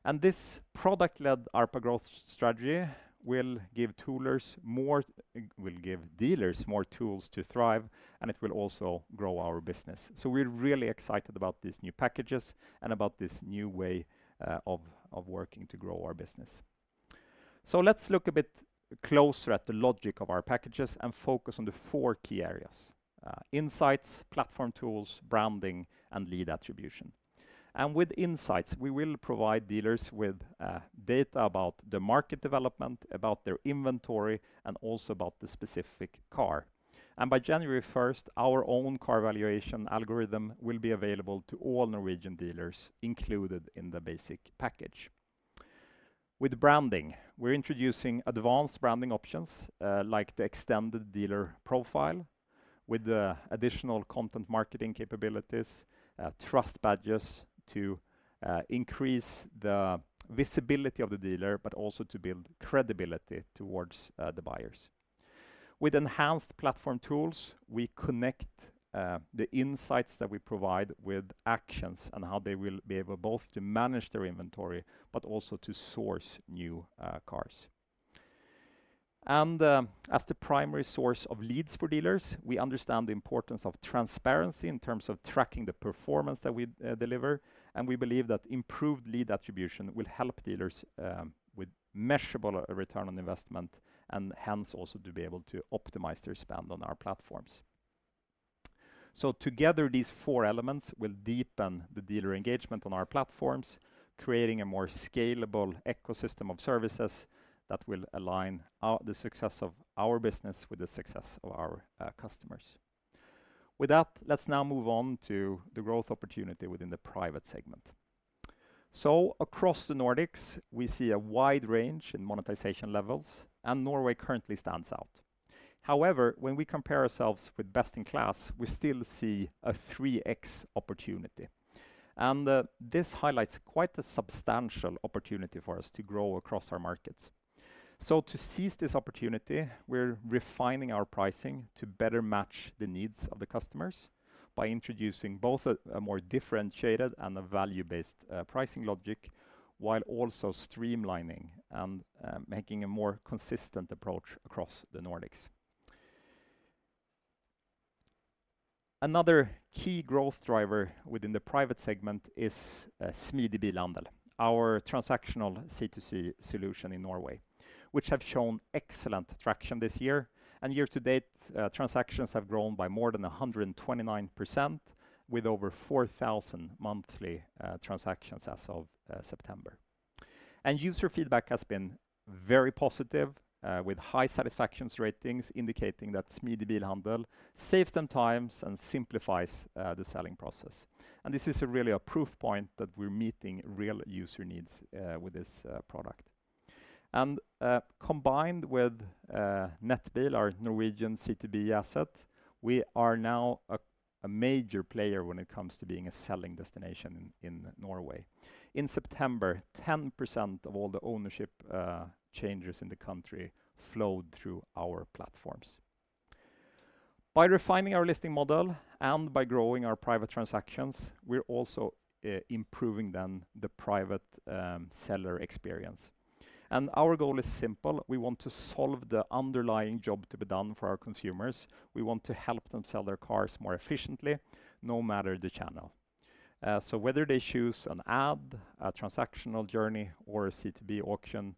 And this product-led ARPA growth strategy will give dealers more tools to thrive, and it will also grow our business. So we're really excited about these new packages and about this new way of working to grow our business. So let's look a bit closer at the logic of our packages and focus on the four key areas: insights, platform tools, branding, and lead attribution. And with insights, we will provide dealers with data about the market development, about their inventory, and also about the specific car. And by January 1st, our own car valuation algorithm will be available to all Norwegian dealers included in the basic package. With branding, we're introducing advanced branding options like the extended dealer profile with additional content marketing capabilities, trust badges to increase the visibility of the dealer, but also to build credibility towards the buyers. With enhanced platform tools, we connect the insights that we provide with actions and how they will be able both to manage their inventory, but also to source new cars. And as the primary source of leads for dealers, we understand the importance of transparency in terms of tracking the performance that we deliver, and we believe that improved lead attribution will help dealers with measurable return on investment and hence also to be able to optimize their spend on our platforms. So together, these four elements will deepen the dealer engagement on our platforms, creating a more scalable ecosystem of services that will align the success of our business with the success of our customers. With that, let's now move on to the growth opportunity within the private segment. So across the Nordics, we see a wide range in monetization levels, and Norway currently stands out. However, when we compare ourselves with best in class, we still see a 3x opportunity. And this highlights quite a substantial opportunity for us to grow across our markets. So to seize this opportunity, we're refining our pricing to better match the needs of the customers by introducing both a more differentiated and a value-based pricing logic, while also streamlining and making a more consistent approach across the Nordics. Another key growth driver within the private segment is Smidig Bilhandel, our transactional C2C solution in Norway, which has shown excellent traction this year. And year to date, transactions have grown by more than 129%, with over 4,000 monthly transactions as of September. And user feedback has been very positive, with high satisfaction ratings indicating that Smidig Bilhandel saves them time and simplifies the selling process. This is really a proof point that we're meeting real user needs with this product. Combined with Nettbil, our Norwegian C2B asset, we are now a major player when it comes to being a selling destination in Norway. In September, 10% of all the ownership changes in the country flowed through our platforms. By refining our listing model and by growing our private transactions, we're also improving the private seller experience. Our goal is simple. We want to solve the underlying job to be done for our consumers. We want to help them sell their cars more efficiently, no matter the channel. Whether they choose an ad, a transactional journey, or a C2B auction,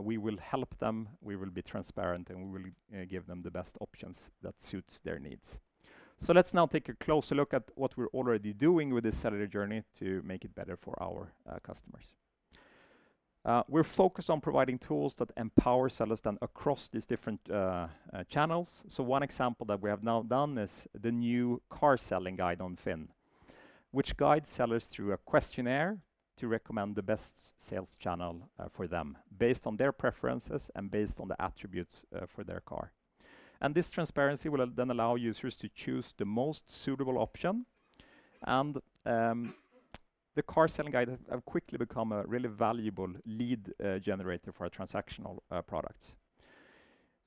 we will help them. We will be transparent, and we will give them the best options that suit their needs. So let's now take a closer look at what we're already doing with this seller journey to make it better for our customers. We're focused on providing tools that empower sellers then across these different channels. So one example that we have now done is the new car selling guide on FINN, which guides sellers through a questionnaire to recommend the best sales channel for them based on their preferences and based on the attributes for their car. And this transparency will then allow users to choose the most suitable option. And the car selling guide has quickly become a really valuable lead generator for our transactional products.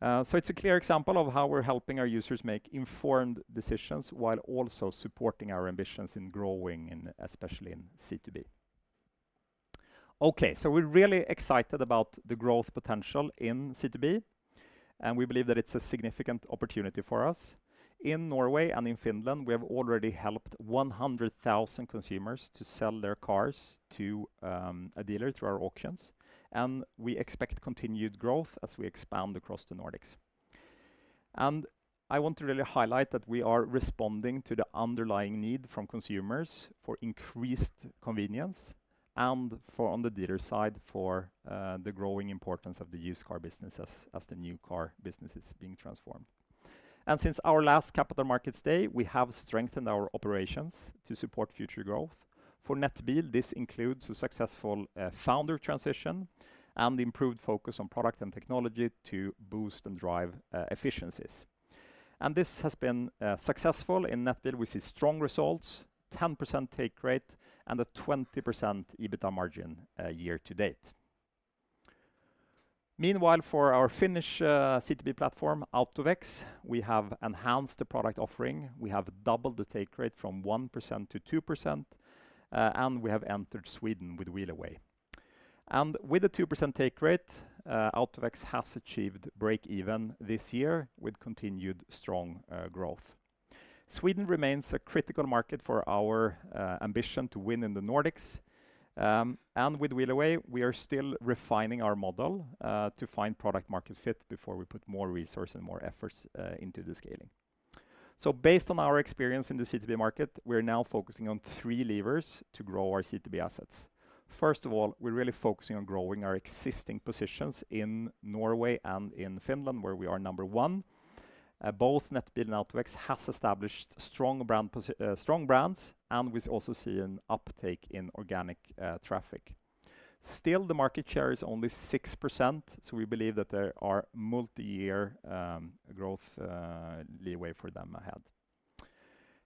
So it's a clear example of how we're helping our users make informed decisions while also supporting our ambitions in growing, especially in C2B. Okay, so we're really excited about the growth potential in C2B, and we believe that it's a significant opportunity for us. In Norway and in Finland, we have already helped 100,000 consumers to sell their cars to a dealer through our auctions, and we expect continued growth as we expand across the Nordics. And I want to really highlight that we are responding to the underlying need from consumers for increased convenience and on the dealer side for the growing importance of the used car business as the new car business is being transformed. And since our last Capital Markets Day, we have strengthened our operations to support future growth. For Nettbil, this includes a successful founder transition and improved focus on product and technology to boost and drive efficiencies. And this has been successful in Nettbil. We see strong results, a 10% take rate, and a 20% EBITDA margin year to date. Meanwhile, for our Finnish C2B platform, AutoVex, we have enhanced the product offering. We have doubled the take rate from 1% to 2%, and we have entered Sweden with Wheelaway. And with a 2% take rate, AutoVex has achieved break-even this year with continued strong growth. Sweden remains a critical market for our ambition to win in the Nordics. And with Wheelaway, we are still refining our model to find product-market fit before we put more resources and more efforts into the scaling. So based on our experience in the C2B market, we're now focusing on three levers to grow our C2B assets. First of all, we're really focusing on growing our existing positions in Norway and in Finland, where we are number one. Both Nettbil and AutoVex have established strong brands, and we also see an uptake in organic traffic. Still, the market share is only 6%, so we believe that there are multi-year growth leeway for them ahead.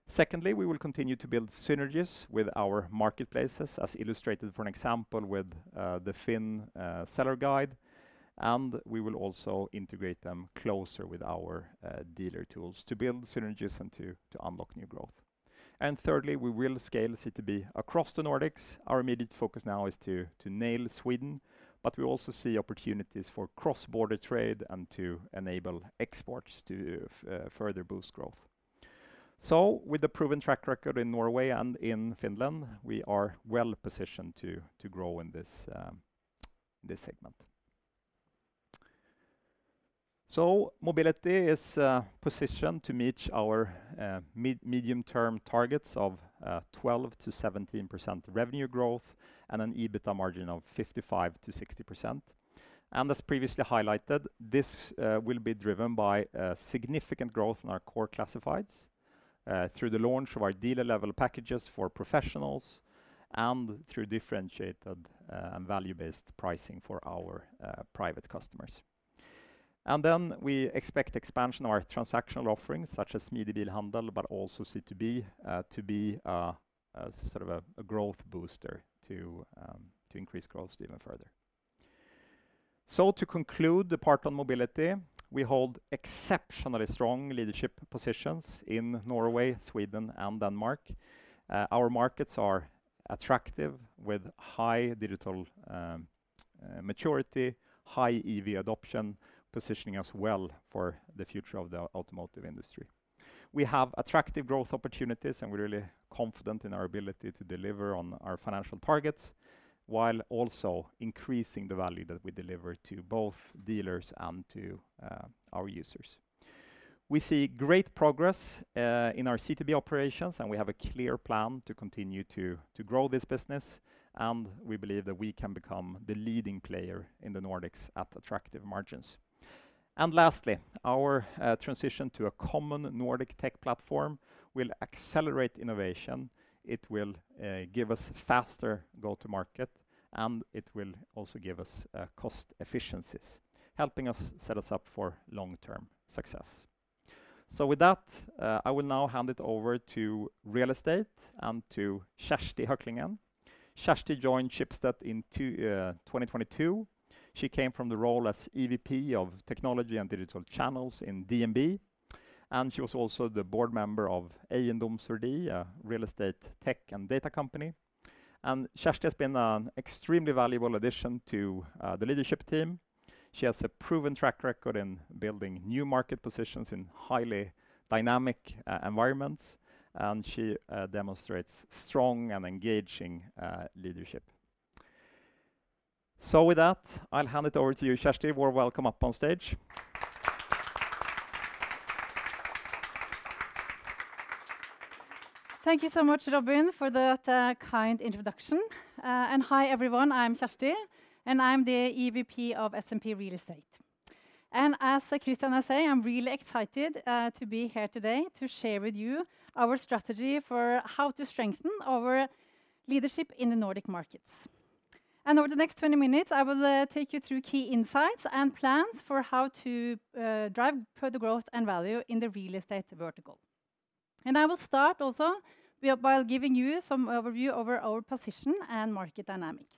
Secondly, we will continue to build synergies with our Marketplaces, as illustrated, for example, with the FINN seller guide, and we will also integrate them closer with our dealer tools to build synergies and to unlock new growth. And thirdly, we will scale C2B across the Nordics. Our immediate focus now is to nail Sweden, but we also see opportunities for cross-border trade and to enable exports to further boost growth. So with the proven track record in Norway and in Finland, we are well positioned to grow in this segment. Mobility is positioned to meet our medium-term targets of 12%-17% revenue growth and an EBITDA margin of 55%-60%. And as previously highlighted, this will be driven by significant growth in our core classifieds through the launch of our dealer-level packages for professionals and through differentiated and value-based pricing for our private customers. And then we expect expansion of our transactional offerings, such as Smidig Bilhandel, but also C2B, to be sort of a growth booster to increase growth even further. So to conclude the part on Mobility, we hold exceptionally strong leadership positions in Norway, Sweden, and Denmark. Our markets are attractive with high digital maturity, high EV adoption, positioning us well for the future of the automotive industry. We have attractive growth opportunities, and we're really confident in our ability to deliver on our financial targets while also increasing the value that we deliver to both dealers and to our users. We see great progress in our C2B operations, and we have a clear plan to continue to grow this business, and we believe that we can become the leading player in the Nordics at attractive margins, and lastly, our transition to a common Nordic tech platform will accelerate innovation. It will give us faster go-to-market, and it will also give us cost efficiencies, helping us set up for long-term success, so with that, I will now hand it over to real estate and to Kjersti Høklingen. Kjersti joined Schibsted in 2022. She came from the role as EVP of technology and digital channels in DNB, and she was also the board member of Eiendomsverdi, a real estate tech and data company. And Kjersti has been an extremely valuable addition to the leadership team. She has a proven track record in building new market positions in highly dynamic environments, and she demonstrates strong and engaging leadership. So with that, I'll hand it over to you, Kjersti. Warm welcome up on stage. Thank you so much, Robin, for that kind introduction. And hi everyone, I'm Kjersti, and I'm the EVP of Schibsted Real Estate. And as Christian has said, I'm really excited to be here today to share with you our strategy for how to strengthen our leadership in the Nordic markets. Over the next 20 minutes, I will take you through key insights and plans for how to drive further growth and value in the real estate vertical. I will start also by giving you some overview over our position and market dynamics.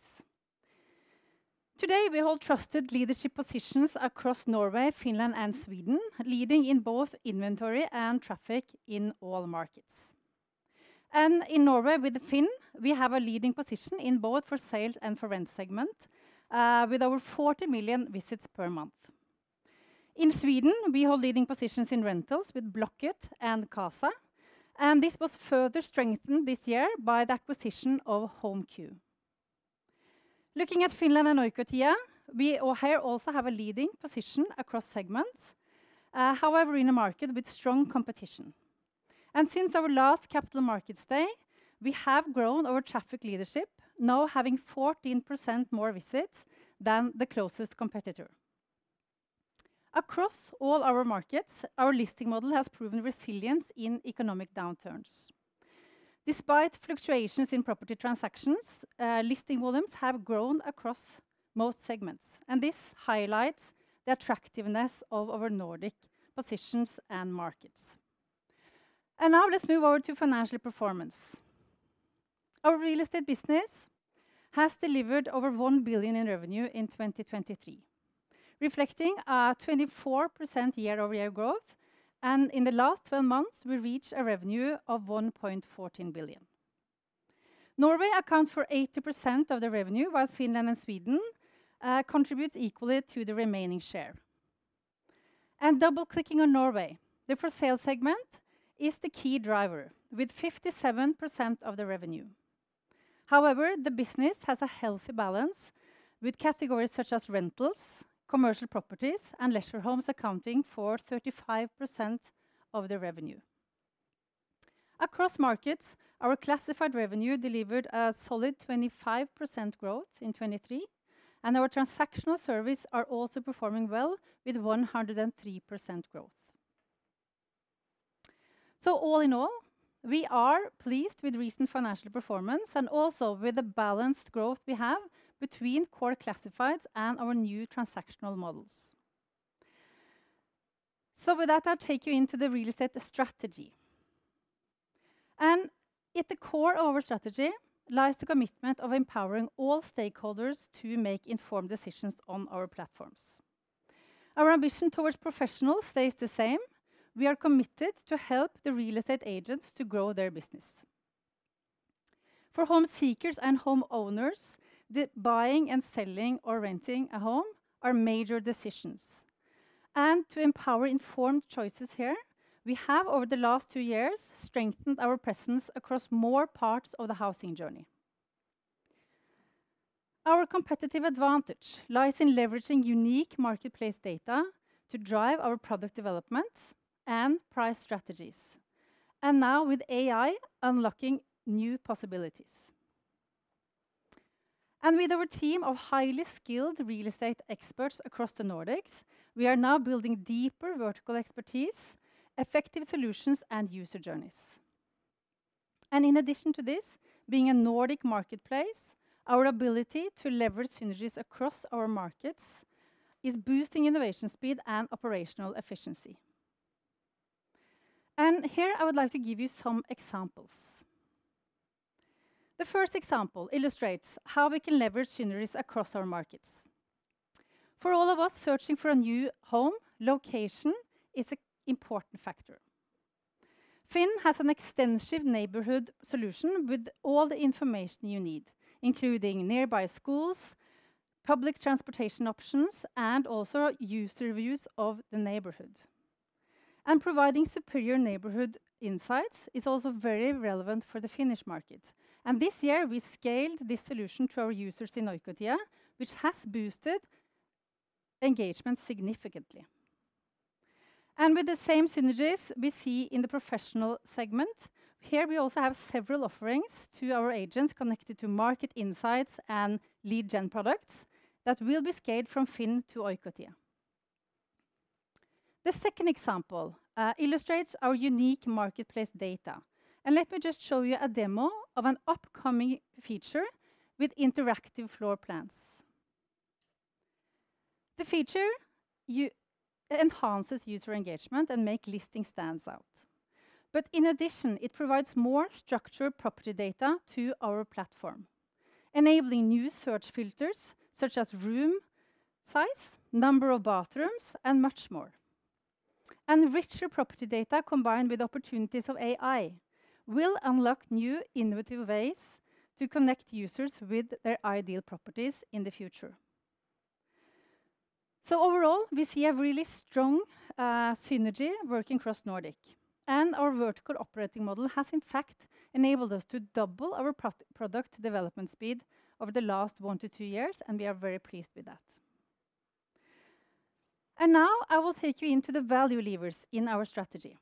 Today, we hold trusted leadership positions across Norway, Finland, and Sweden, leading in both inventory and traffic in all markets. In Norway, with FINN, we have a leading position in both for sales and for rent segment with over 40 million visits per month. In Sweden, we hold leading positions in rentals with Blocket and Qasa, and this was further strengthened this year by the acquisition of HomeQ. Looking at Finland and Norway, we also have a leading position across segments, however, in a market with strong competition. Since our last Capital Markets Day, we have grown our traffic leadership, now having 14% more visits than the closest competitor. Across all our markets, our listing model has proven resilience in economic downturns. Despite fluctuations in property transactions, listing volumes have grown across most segments, and this highlights the attractiveness of our Nordic positions and markets. Now let's move over to financial performance. Our real estate business has delivered over 1 billion in revenue in 2023, reflecting a 24% year-over-year growth, and in the last 12 months, we reached a revenue of 1.14 billion. Norway accounts for 80% of the revenue, while Finland and Sweden contribute equally to the remaining share. Double-clicking on Norway, the for sale segment is the key driver with 57% of the revenue. However, the business has a healthy balance with categories such as rentals, commercial properties, and leisure homes accounting for 35% of the revenue. Across markets, our classified revenue delivered a solid 25% growth in 2023, and our transactional service is also performing well with 103% growth. So all in all, we are pleased with recent financial performance and also with the balanced growth we have between core classifieds and our new transactional models. So with that, I'll take you into the real estate strategy. And at the core of our strategy lies the commitment of empowering all stakeholders to make informed decisions on our platforms. Our ambition towards professionals stays the same. We are committed to helping the real estate agents to grow their business. For home seekers and homeowners, the buying and selling or renting a home are major decisions. And to empower informed choices here, we have over the last two years strengthened our presence across more parts of the housing journey. Our competitive advantage lies in leveraging unique marketplace data to drive our product development and price strategies, and now with AI unlocking new possibilities. And with our team of highly skilled real estate experts across the Nordics, we are now building deeper vertical expertise, effective solutions, and user journeys. And in addition to this, being a Nordic marketplace, our ability to leverage synergies across our markets is boosting innovation speed and operational efficiency. And here I would like to give you some examples. The first example illustrates how we can leverage synergies across our markets. For all of us searching for a new home, location is an important factor. FINN has an extensive neighborhood solution with all the information you need, including nearby schools, public transportation options, and also user reviews of the neighborhood, and providing superior neighborhood insights is also very relevant for the FINNish market, and this year, we scaled this solution to our users in Norway, which has boosted engagement significantly, and with the same synergies we see in the professional segment, here we also have several offerings to our agents connected to market insights and lead gen products that will be scaled from FINN to Norway. The second example illustrates our unique marketplace data, and let me just show you a demo of an upcoming feature with interactive floor plans. The feature enhances user engagement and makes listings stand out. But in addition, it provides more structured property data to our platform, enabling new search filters such as room size, number of bathrooms, and much more. And richer property data combined with opportunities of AI will unlock new innovative ways to connect users with their ideal properties in the future. So overall, we see a really strong synergy working across Nordics, and our vertical operating model has in fact enabled us to double our product development speed over the last one to two years, and we are very pleased with that. And now I will take you into the value levers in our strategy.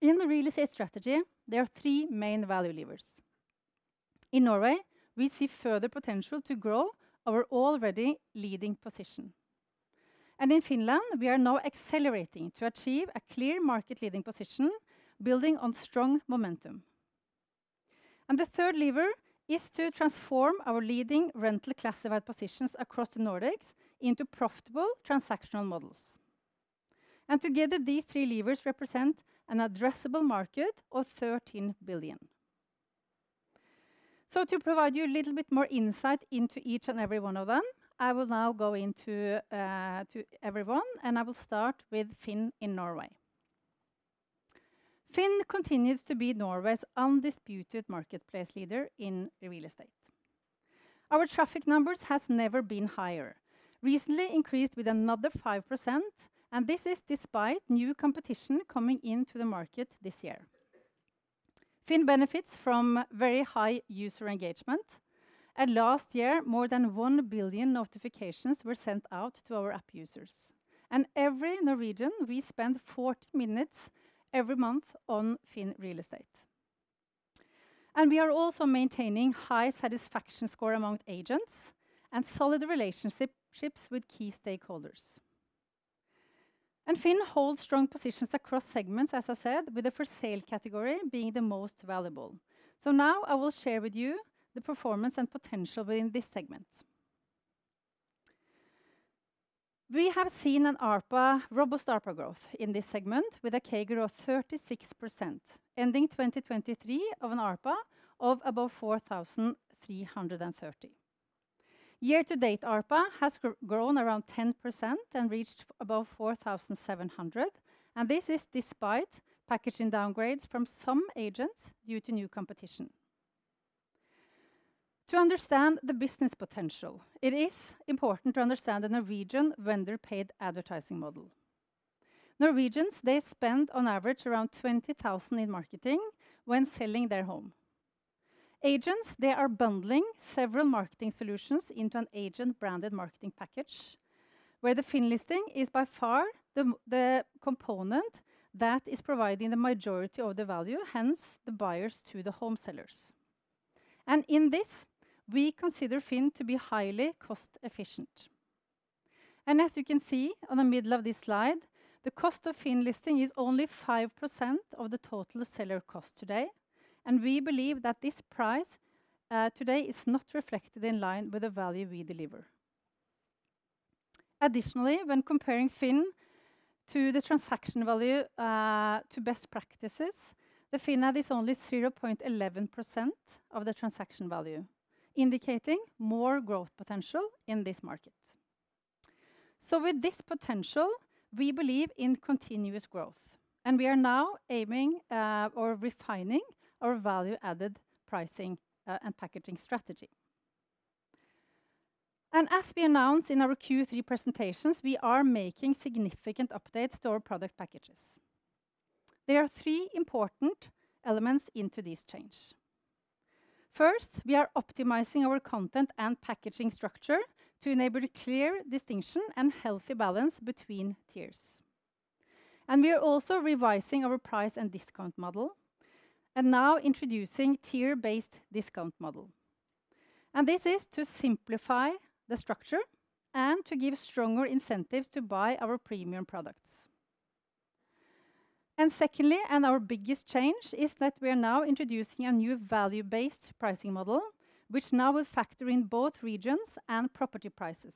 In the real estate strategy, there are three main value levers. In Norway, we see further potential to grow our already leading position. And in Finland, we are now accelerating to achieve a clear market leading position, building on strong momentum. The third lever is to transform our leading rental classified positions across the Nordics into profitable transactional models. Together, these three levers represent an addressable market of 13 billion. To provide you a little bit more insight into each and every one of them, I will now go into everyone, and I will start with FINN in Norway. FINN continues to be Norway's undisputed marketplace leader in real estate. Our traffic numbers have never been higher, recently increased with another 5%, and this is despite new competition coming into the market this year. FINN benefits from very high user engagement. Last year, more than 1 billion notifications were sent out to our app users. Every Norwegian, we spend 40 minutes every month on FINN real estate. We are also maintaining a high satisfaction score among agents and solid relationships with key stakeholders. FINN holds strong positions across segments, as I said, with the for sale category being the most valuable. Now I will share with you the performance and potential within this segment. We have seen a robust ARPA growth in this segment with a CAGR of 36%, ending 2023 of an ARPA of above 4,330. Year-to-date ARPA has grown around 10% and reached above 4,700. This is despite packaging downgrades from some agents due to new competition. To understand the business potential, it is important to understand the Norwegian vendor-paid advertising model. Norwegians, they spend on average around 20,000 in marketing when selling their home. Agents, they are bundling several marketing solutions into an agent-branded marketing package, where the FINN listing is by far the component that is providing the majority of the value, hence the buyers to the home sellers. In this, we consider FINN to be highly cost-efficient. As you can see in the middle of this slide, the cost of FINN listing is only 5% of the total seller cost today. We believe that this price today is not reflected in line with the value we deliver. Additionally, when comparing FINN to the transaction value to best practices, the FINN ad is only 0.11% of the transaction value, indicating more growth potential in this market. With this potential, we believe in continuous growth, and we are now aiming or refining our value-added pricing and packaging strategy. As we announced in our Q3 presentations, we are making significant updates to our product packages. There are three important elements into this change. First, we are optimizing our content and packaging structure to enable clear distinction and healthy balance between tiers. We are also revising our price and discount model and now introducing a tier-based discount model. This is to simplify the structure and to give stronger incentives to buy our premium products. Secondly, our biggest change is that we are now introducing a new value-based pricing model, which now will factor in both regions and property prices.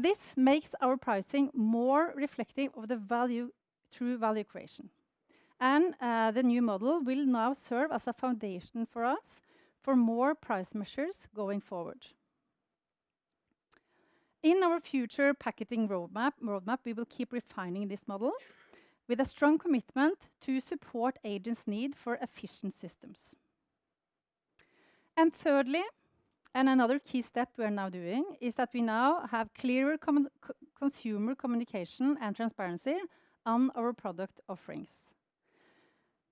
This makes our pricing more reflective of the true value creation. The new model will now serve as a Foundation for us for more price measures going forward. In our future packaging roadmap, we will keep refining this model with a strong commitment to support agents' need for efficient systems. Thirdly, another key step we are now doing is that we now have clearer consumer communication and transparency on our product offerings.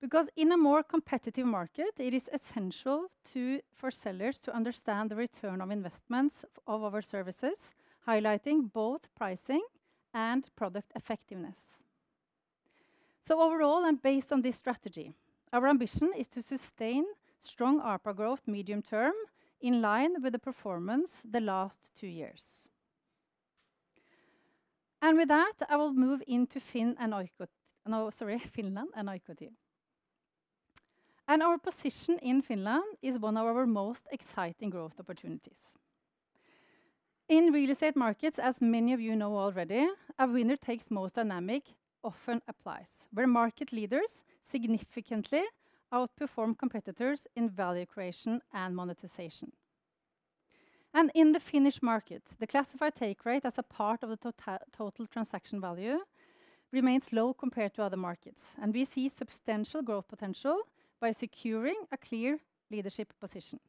Because in a more competitive market, it is essential for sellers to understand the return on investments of our services, highlighting both pricing and product effectiveness. Overall, and based on this strategy, our ambition is to sustain strong ARPA growth medium term in line with the performance of the last two years. With that, I will move into FINN and Norway, sorry, Finland and Norway. Our position in Finland is one of our most exciting growth opportunities. In real estate markets, as many of you know already, a winner-takes-most dynamic often applies where market leaders significantly outperform competitors in value creation and monetization. In the FINNish market, the classified take rate as a part of the total transaction value remains low compared to other markets, and we see substantial growth potential by securing a clear leadership position.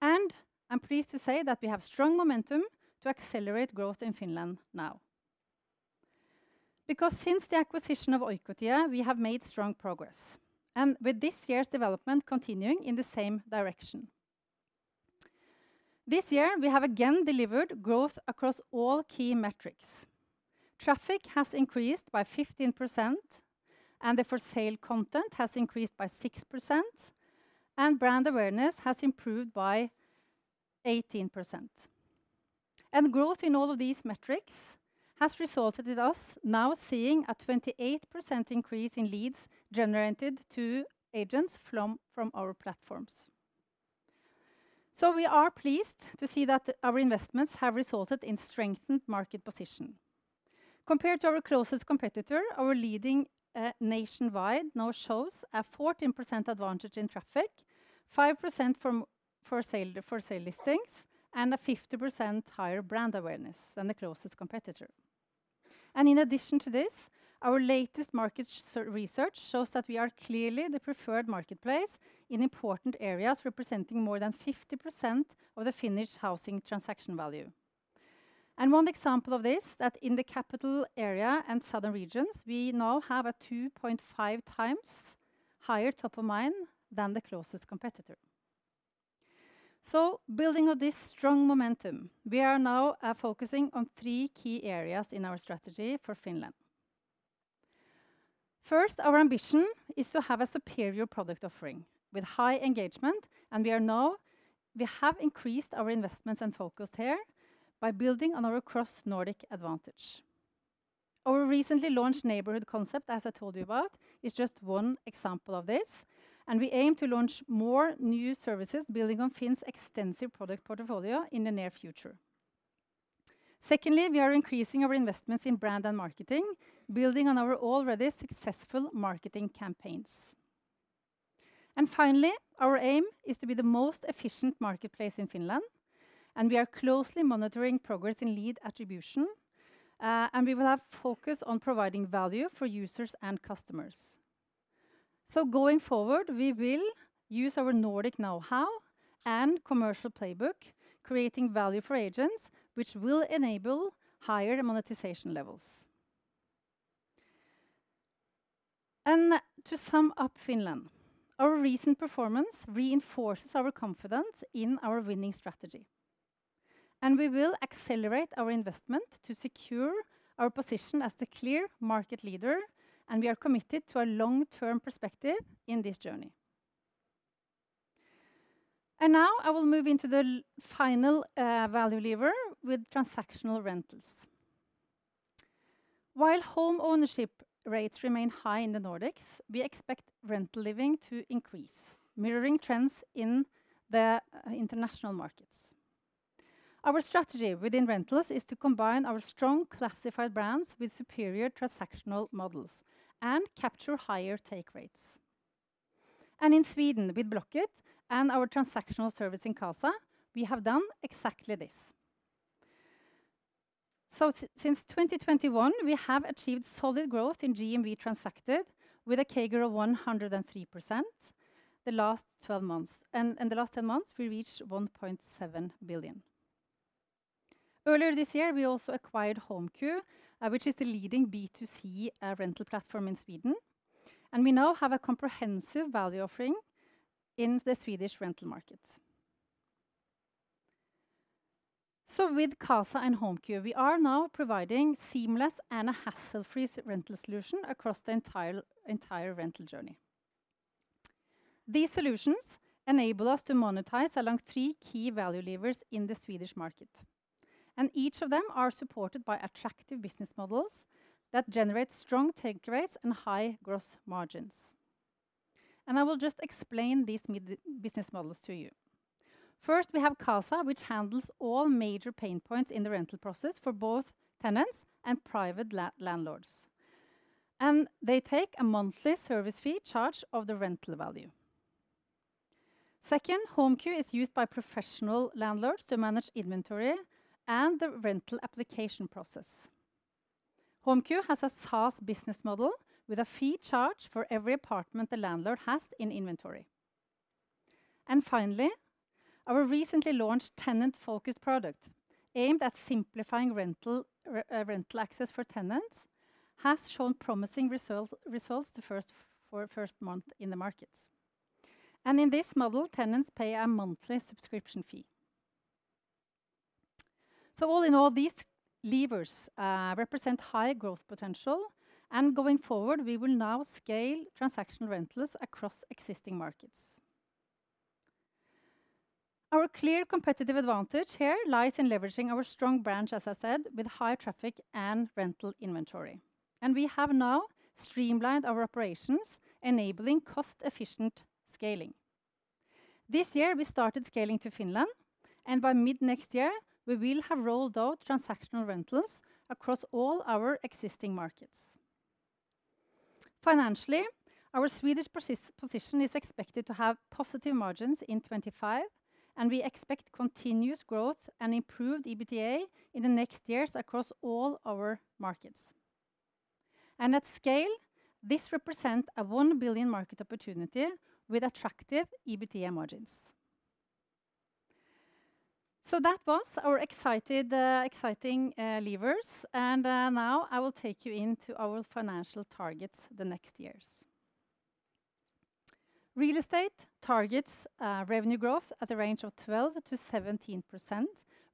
And I'm pleased to say that we have strong momentum to accelerate growth in Finland now. Because since the acquisition of Oikotie, we have made strong progress, and with this year's development continuing in the same direction. This year, we have again delivered growth across all key metrics. Traffic has increased by 15%, and the for sale content has increased by 6%, and brand awareness has improved by 18%. And growth in all of these metrics has resulted in us now seeing a 28% increase in leads generated to agents from our platforms. So we are pleased to see that our investments have resulted in strengthened market position. Compared to our closest competitor, our leading nationwide now shows a 14% advantage in traffic, 5% for sale listings, and a 50% higher brand awareness than the closest competitor. In addition to this, our latest market research shows that we are clearly the preferred marketplace in important areas representing more than 50% of the FINNish housing transaction value. One example of this is that in the capital area and southern regions, we now have a 2.5 times higher top of mind than the closest competitor. Building on this strong momentum, we are now focusing on three key areas in our strategy for Finland. First, our ambition is to have a superior product offering with high engagement, and we have increased our investments and focused here by building on our cross-Nordic advantage. Our recently launched neighborhood concept, as I told you about, is just one example of this, and we aim to launch more new services building on FINN's extensive product portfolio in the near future. Secondly, we are increasing our investments in brand and marketing, building on our already successful marketing campaigns, and finally, our aim is to be the most efficient marketplace in Finland, and we are closely monitoring progress in lead attribution, and we will have focus on providing value for users and customers, so going forward, we will use our Nordic know-how and commercial playbook, creating value for agents, which will enable higher monetization levels, and to sum up Finland, our recent performance reinforces our confidence in our winning strategy, and we will accelerate our investment to secure our position as the clear market leader, and we are committed to a long-term perspective in this journey, and now I will move into the final value lever with transactional rentals. While home ownership rates remain high in the Nordics, we expect rental living to increase, mirroring trends in the international markets. Our strategy within rentals is to combine our strong classified brands with superior transactional models and capture higher take rates. And in Sweden with Blocket and our transactional service in Qasa, we have done exactly this. So since 2021, we have achieved solid growth in GMV transacted with a CAGR of 103% the last 12 months, and in the last 10 months, we reached 1.7 billion. Earlier this year, we also acquired HomeQ, which is the leading B2C rental platform in Sweden, and we now have a comprehensive value offering in the Swedish rental market. So with Qasa and HomeQ, we are now providing seamless and a hassle-free rental solution across the entire rental journey. These solutions enable us to monetize along three key value levers in the Swedish market, and each of them is supported by attractive business models that generate strong take rates and high gross margins. I will just explain these business models to you. First, we have Qasa, which handles all major pain points in the rental process for both tenants and private landlords, and they take a monthly service fee charge of the rental value. Second, HomeQ is used by professional landlords to manage inventory and the rental application process. HomeQ has a SaaS business model with a fee charge for every apartment the landlord has in inventory. Finally, our recently launched tenant-focused product aimed at simplifying rental access for tenants has shown promising results the first month in the markets. In this model, tenants pay a monthly subscription fee. All in all, these levers represent high growth potential, and going forward, we will now scale transactional rentals across existing markets. Our clear competitive advantage here lies in leveraging our strong brand, as I said, with high traffic and rental inventory. We have now streamlined our operations, enabling cost-efficient scaling. This year, we started scaling to Finland, and by mid-next year, we will have rolled out transactional rentals across all our existing markets. Financially, our Swedish position is expected to have positive margins in 2025, and we expect continuous growth and improved EBITDA in the next years across all our markets. At scale, this represents a 1 billion market opportunity with attractive EBITDA margins. That was our exciting levers, and now I will take you into our financial targets the next years. Real Estate targets revenue growth at a range of 12%-17%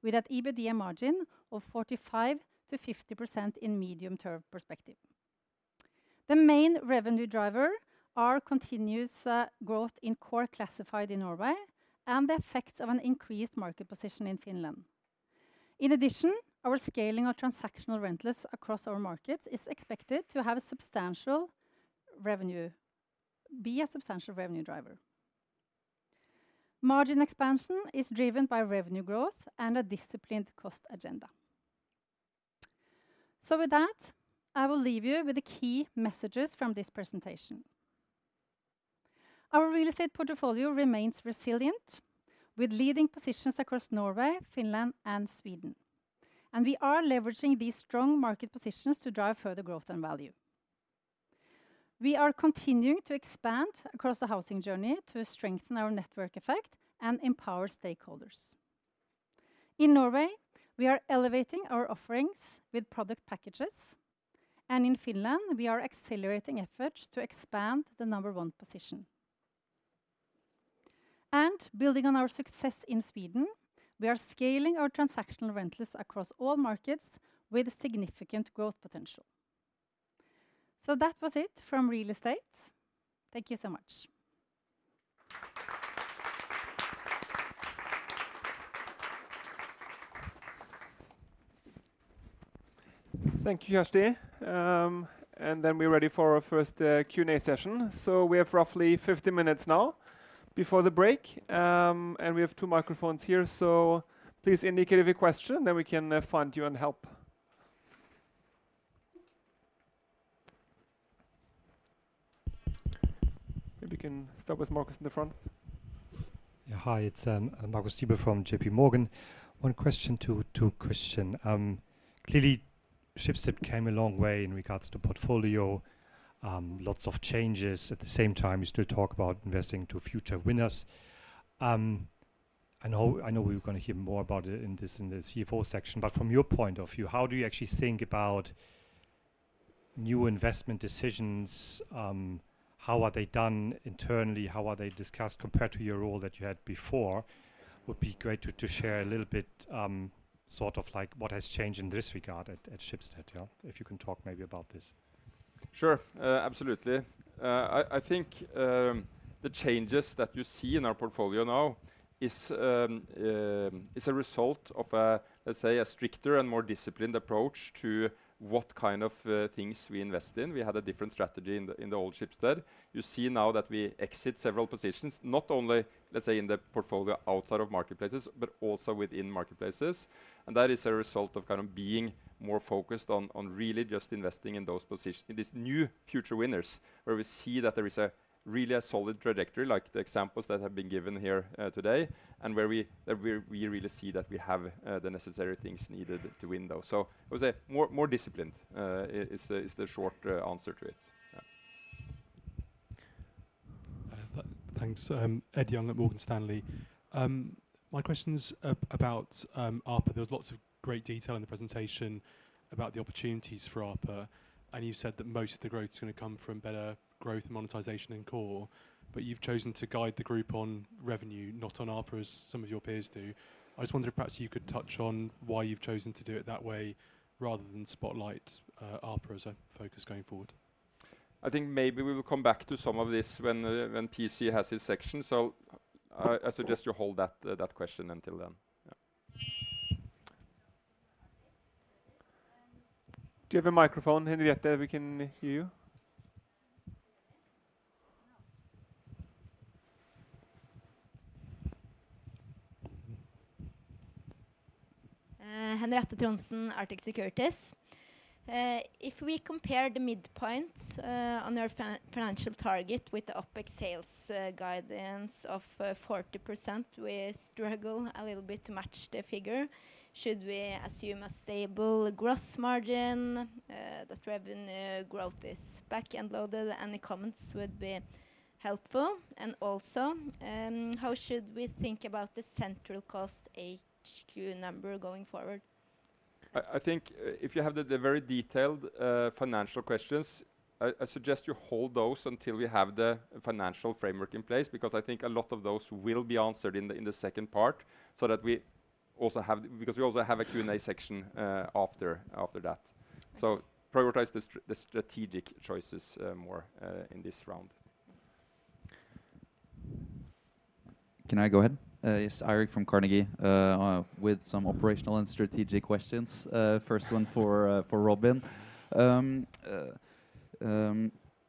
with an EBITDA margin of 45%-50% in medium-term perspective. The main revenue driver is continuous growth in core classifieds in Norway and the effects of an increased market position in Finland. In addition, our scaling of transactional rentals across our markets is expected to have a substantial revenue driver. Margin expansion is driven by revenue growth and a disciplined cost agenda. So with that, I will leave you with the key messages from this presentation. Our real estate portfolio remains resilient with leading positions across Norway, Finland, and Sweden, and we are leveraging these strong market positions to drive further growth and value. We are continuing to expand across the housing journey to strengthen our network effect and empower stakeholders. In Norway, we are elevating our offerings with product packages, and in Finland, we are accelerating efforts to expand the number one position. Building on our success in Sweden, we are scaling our transactional rentals across all markets with significant growth potential. That was it from real estate. Thank you so much. Thank you, Kjersti. Then we're ready for our first Q&A session. We have roughly 15 minutes now before the break, and we have two microphones here, so please indicate if you have a question, then we can find you and help. Maybe you can start with Marcus in the front. Hi, it's Marcus Diebel from J.P. Morgan. One question to Christian. Clearly, Schibsted came a long way in regards to portfolio, lots of changes. At the same time, you still talk about investing to future winners. I know we're going to hear more about it in this year four section, but from your point of view, how do you actually think about new investment decisions? How are they done internally? How are they discussed compared to your role that you had before? It would be great to share a little bit sort of like what has changed in this regard at Schibsted, if you can talk maybe about this. Sure, absolutely. I think the changes that you see in our portfolio now is a result of, let's say, a stricter and more disciplined approach to what kind of things we invest in. We had a different strategy in the old Schibsted. You see now that we exit several positions, not only, let's say, in the portfolio outside of Marketplaces, but also within Marketplaces. And that is a result of kind of being more focused on really just investing in those positions, in these new future winners, where we see that there is really a solid trajectory, like the examples that have been given here today, and where we really see that we have the necessary things needed to win those. So I would say more disciplined is the short answer to it. Thanks. Ed Young at Morgan Stanley. My question about ARPA. There was lots of great detail in the presentation about the opportunities for ARPA, and you said that most of the growth is going to come from better growth and monetization in core, but you've chosen to guide the group on revenue, not on ARPA, as some of your peers do. I just wondered if perhaps you could touch on why you've chosen to do it that way rather than spotlight ARPA as a focus going forward. I think maybe we will come back to some of this when PC has his section, so I suggest you hold that question until then. Do you have a microphone, Henriette? We can hear you? Henriette Trondsen, Arctic Securities. If we compare the midpoint on our financial target with the OPEX sales guidance of 40%, we struggle a little bit to match the figure. Should we assume a stable gross margin, that revenue growth is back-loaded, and the comments would be helpful? And also, how should we think about the central cost HQ number going forward? I think if you have the very detailed financial questions, I suggest you hold those until we have the financial framework in place, because I think a lot of those will be answered in the second part, so that we also have a Q&A section after that. Prioritize the strategic choices more in this round. Can I go ahead? Yes, Eirik from Carnegie with some operational and strategic questions. First one for Robin.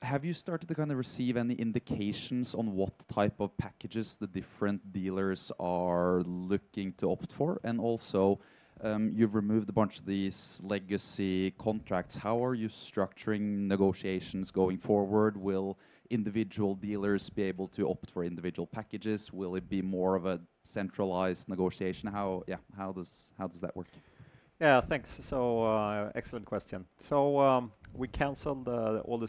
Have you started to kind of receive any indications on what type of packages the different dealers are looking to opt for? And also, you've removed a bunch of these legacy contracts. How are you structuring negotiations going forward? Will individual dealers be able to opt for individual packages? Will it be more of a centralized negotiation? How does that w ork? Yeah, thanks. So excellent question. We canceled all the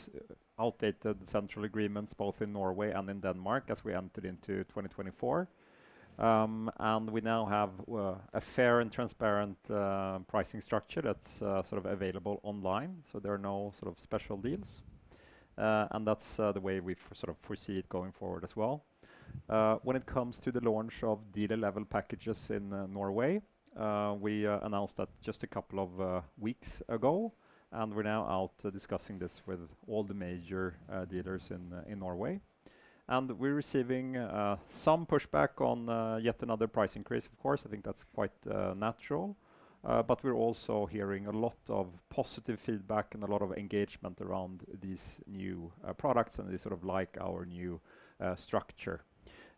outdated central agreements both in Norway and in Denmark as we entered into 2024. And we now have a fair and transparent pricing structure that's sort of available online, so there are no sort of special deals. And that's the way we sort of foresee it going forward as well. When it comes to the launch of dealer-level packages in Norway, we announced that just a couple of weeks ago, and we're now out discussing this with all the major dealers in Norway. And we're receiving some pushback on yet another price increase, of course. I think that's quite natural. But we're also hearing a lot of positive feedback and a lot of engagement around these new products and this sort of like our new structure.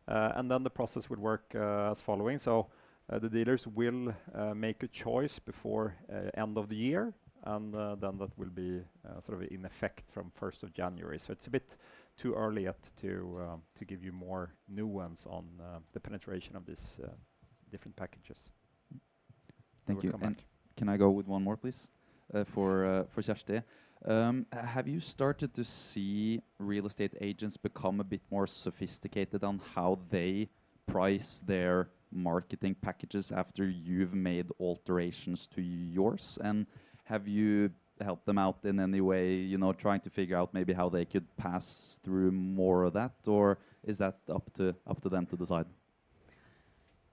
And then the process would work as follows. So the dealers will make a choice before the end of the year, and then that will be sort of in effect from 1st of January. So it's a bit too early yet to give you more nuance on the penetration of these different packages. Thank you. And can I go with one more, please, for Kjersti? Have you started to see real estate agents become a bit more sophisticated on how they price their marketing packages after you've made alterations to yours? And have you helped them out in any way, you know, trying to figure out maybe how they could pass through more of that, or is that up to them to decide?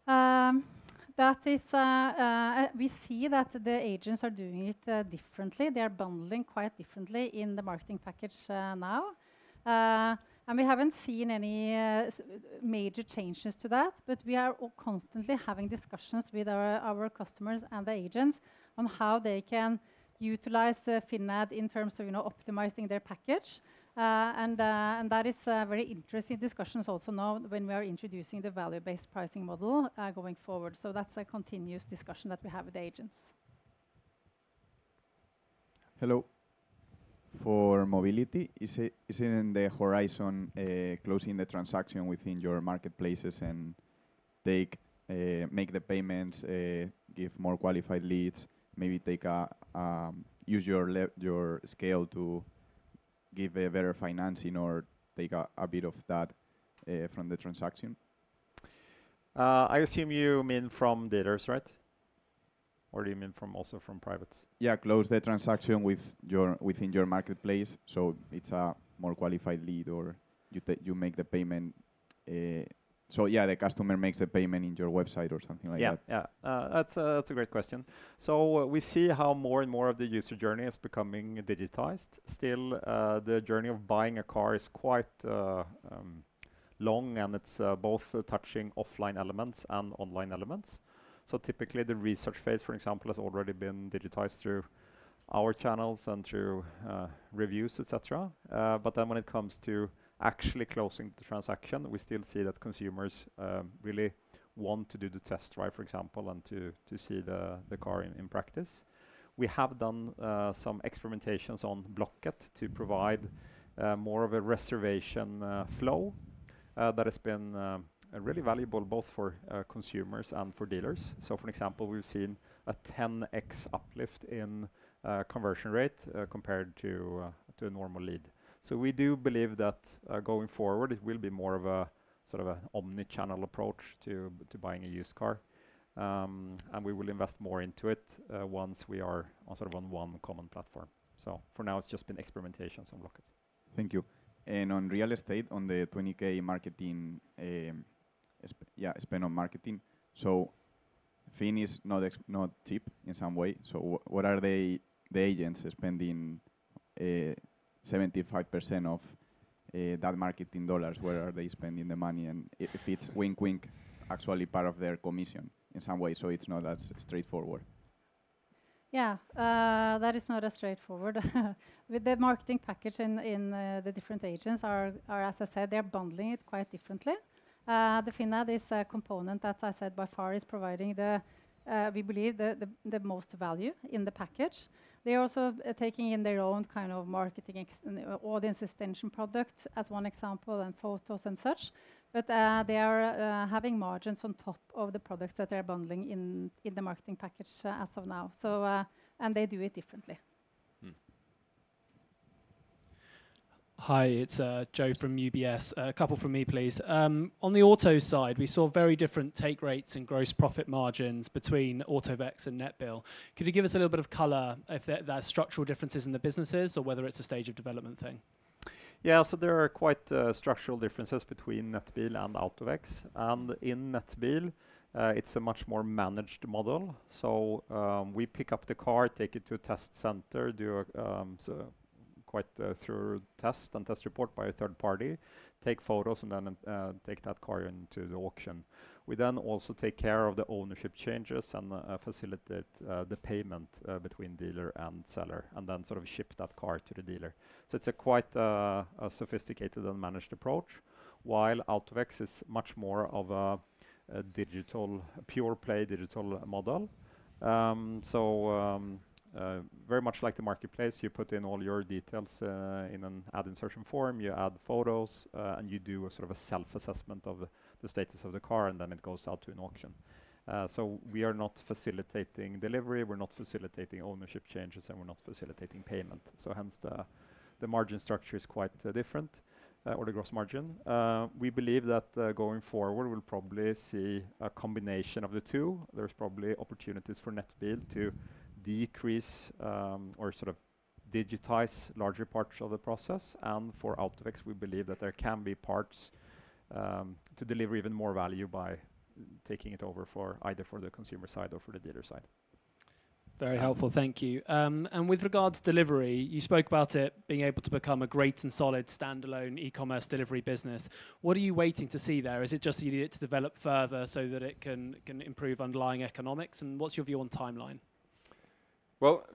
That is, we see that the agents are doing it differently. They are bundling quite differently in the marketing package now. We haven't seen any major changes to that, but we are constantly having discussions with our customers and the agents on how they can utilize FINN in terms of optimizing their package. That is a very interesting discussion also now when we are introducing the value-based pricing model going forward. That's a continuous discussion that we have with the agents. Hello. For mobility, isn't the horizon closing the transaction within your Marketplaces and make the payments, give more qualified leads, maybe use your scale to give a better financing or take a bit of that from the transaction? I assume you mean from dealers, right? Or do you mean also from privates? Yeah, close the transaction within your marketplace. So it's a more qualified lead or you make the payment. So yeah, the customer makes the payment in your website or something like that. Yeah, that's a great question. So we see how more and more of the user journey is becoming digitized. Still, the journey of buying a car is quite long, and it's both touching offline elements and online elements. So typically, the research phase, for example, has already been digitized through our channels and through reviews, etc. But then when it comes to actually closing the transaction, we still see that consumers really want to do the test drive, for example, and to see the car in practice. We have done some experimentations on Blocket to provide more of a reservation flow that has been really valuable both for consumers and for dealers. So for example, we've seen a 10x uplift in conversion rate compared to a normal lead. We do believe that going forward, it will be more of a sort of an omnichannel approach to buying a used car. We will invest more into it once we are sort of on one common platform. For now, it's just been experimentations on Blocket. Thank you. On real estate, on the 20,000 marketing spend on marketing. FINN is not cheap in some way. What are the agents spending 75% of that marketing dollars? Where are they spending the money? If it's wink, wink, actually part of their commission in some way, it's not as straightforward. That is not as straightforward. With the marketing package in the different agents, as I said, they're bundling it quite differently. The FINN is a component that, as I said, by far is providing the, we believe, the most value in the package. They are also taking in their own kind of marketing audience extension product as one example and photos and such. But they are having margins on top of the products that they're bundling in the marketing package as of now. And they do it differently. Hi, it's Joe from UBS. A couple from me, please. On the auto side, we saw very different take rates and gross profit margins between AutoVex and Nettbil. Could you give us a little bit of color if there are structural differences in the businesses or whether it's a stage of development thing? Yeah, so there are quite structural differences between Nettbil and AutoVex. And in Nettbil, it's a much more managed model. So we pick up the car, take it to a test center, do quite a thorough test and test report by a third party, take photos, and then take that car into the auction. We then also take care of the ownership changes and facilitate the payment between dealer and seller, and then sort of ship that car to the dealer. So it's a quite sophisticated and managed approach, while AutoVex is much more of a digital pure play digital model. So very much like the marketplace, you put in all your details in an ad insertion form, you add photos, and you do a sort of a self-assessment of the status of the car, and then it goes out to an auction. So we are not facilitating Delivery, we're not facilitating ownership changes, and we're not facilitating payment. So hence, the margin structure is quite different, or the gross margin. We believe that going forward, we'll probably see a combination of the two. There's probably opportunities for Nettbil to decrease or sort of digitize larger parts of the process. And for AutoVex, we believe that there can be parts to deliver even more value by taking it over for either the consumer side or for the dealer side. Very helpful, thank you. And with regards to Delivery, you spoke about it being able to become a great and solid standalone e-commerce Delivery business. What are you waiting to see there? Is it just that you need it to develop further so that it can improve underlying economics? And what's your view on timeline?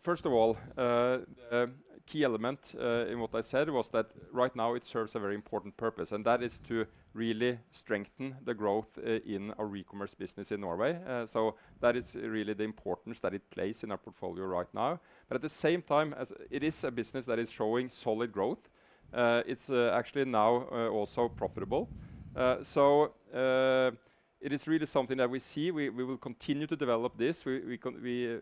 First of all, the key element in what I said was that right now it serves a very important purpose, and that is to really strengthen the growth in our e-commerce business in Norway. So that is really the importance that it plays in our portfolio right now. But at the same time, as it is a business that is showing solid growth, it's actually now also profitable. So it is really something that we see. We will continue to develop this. We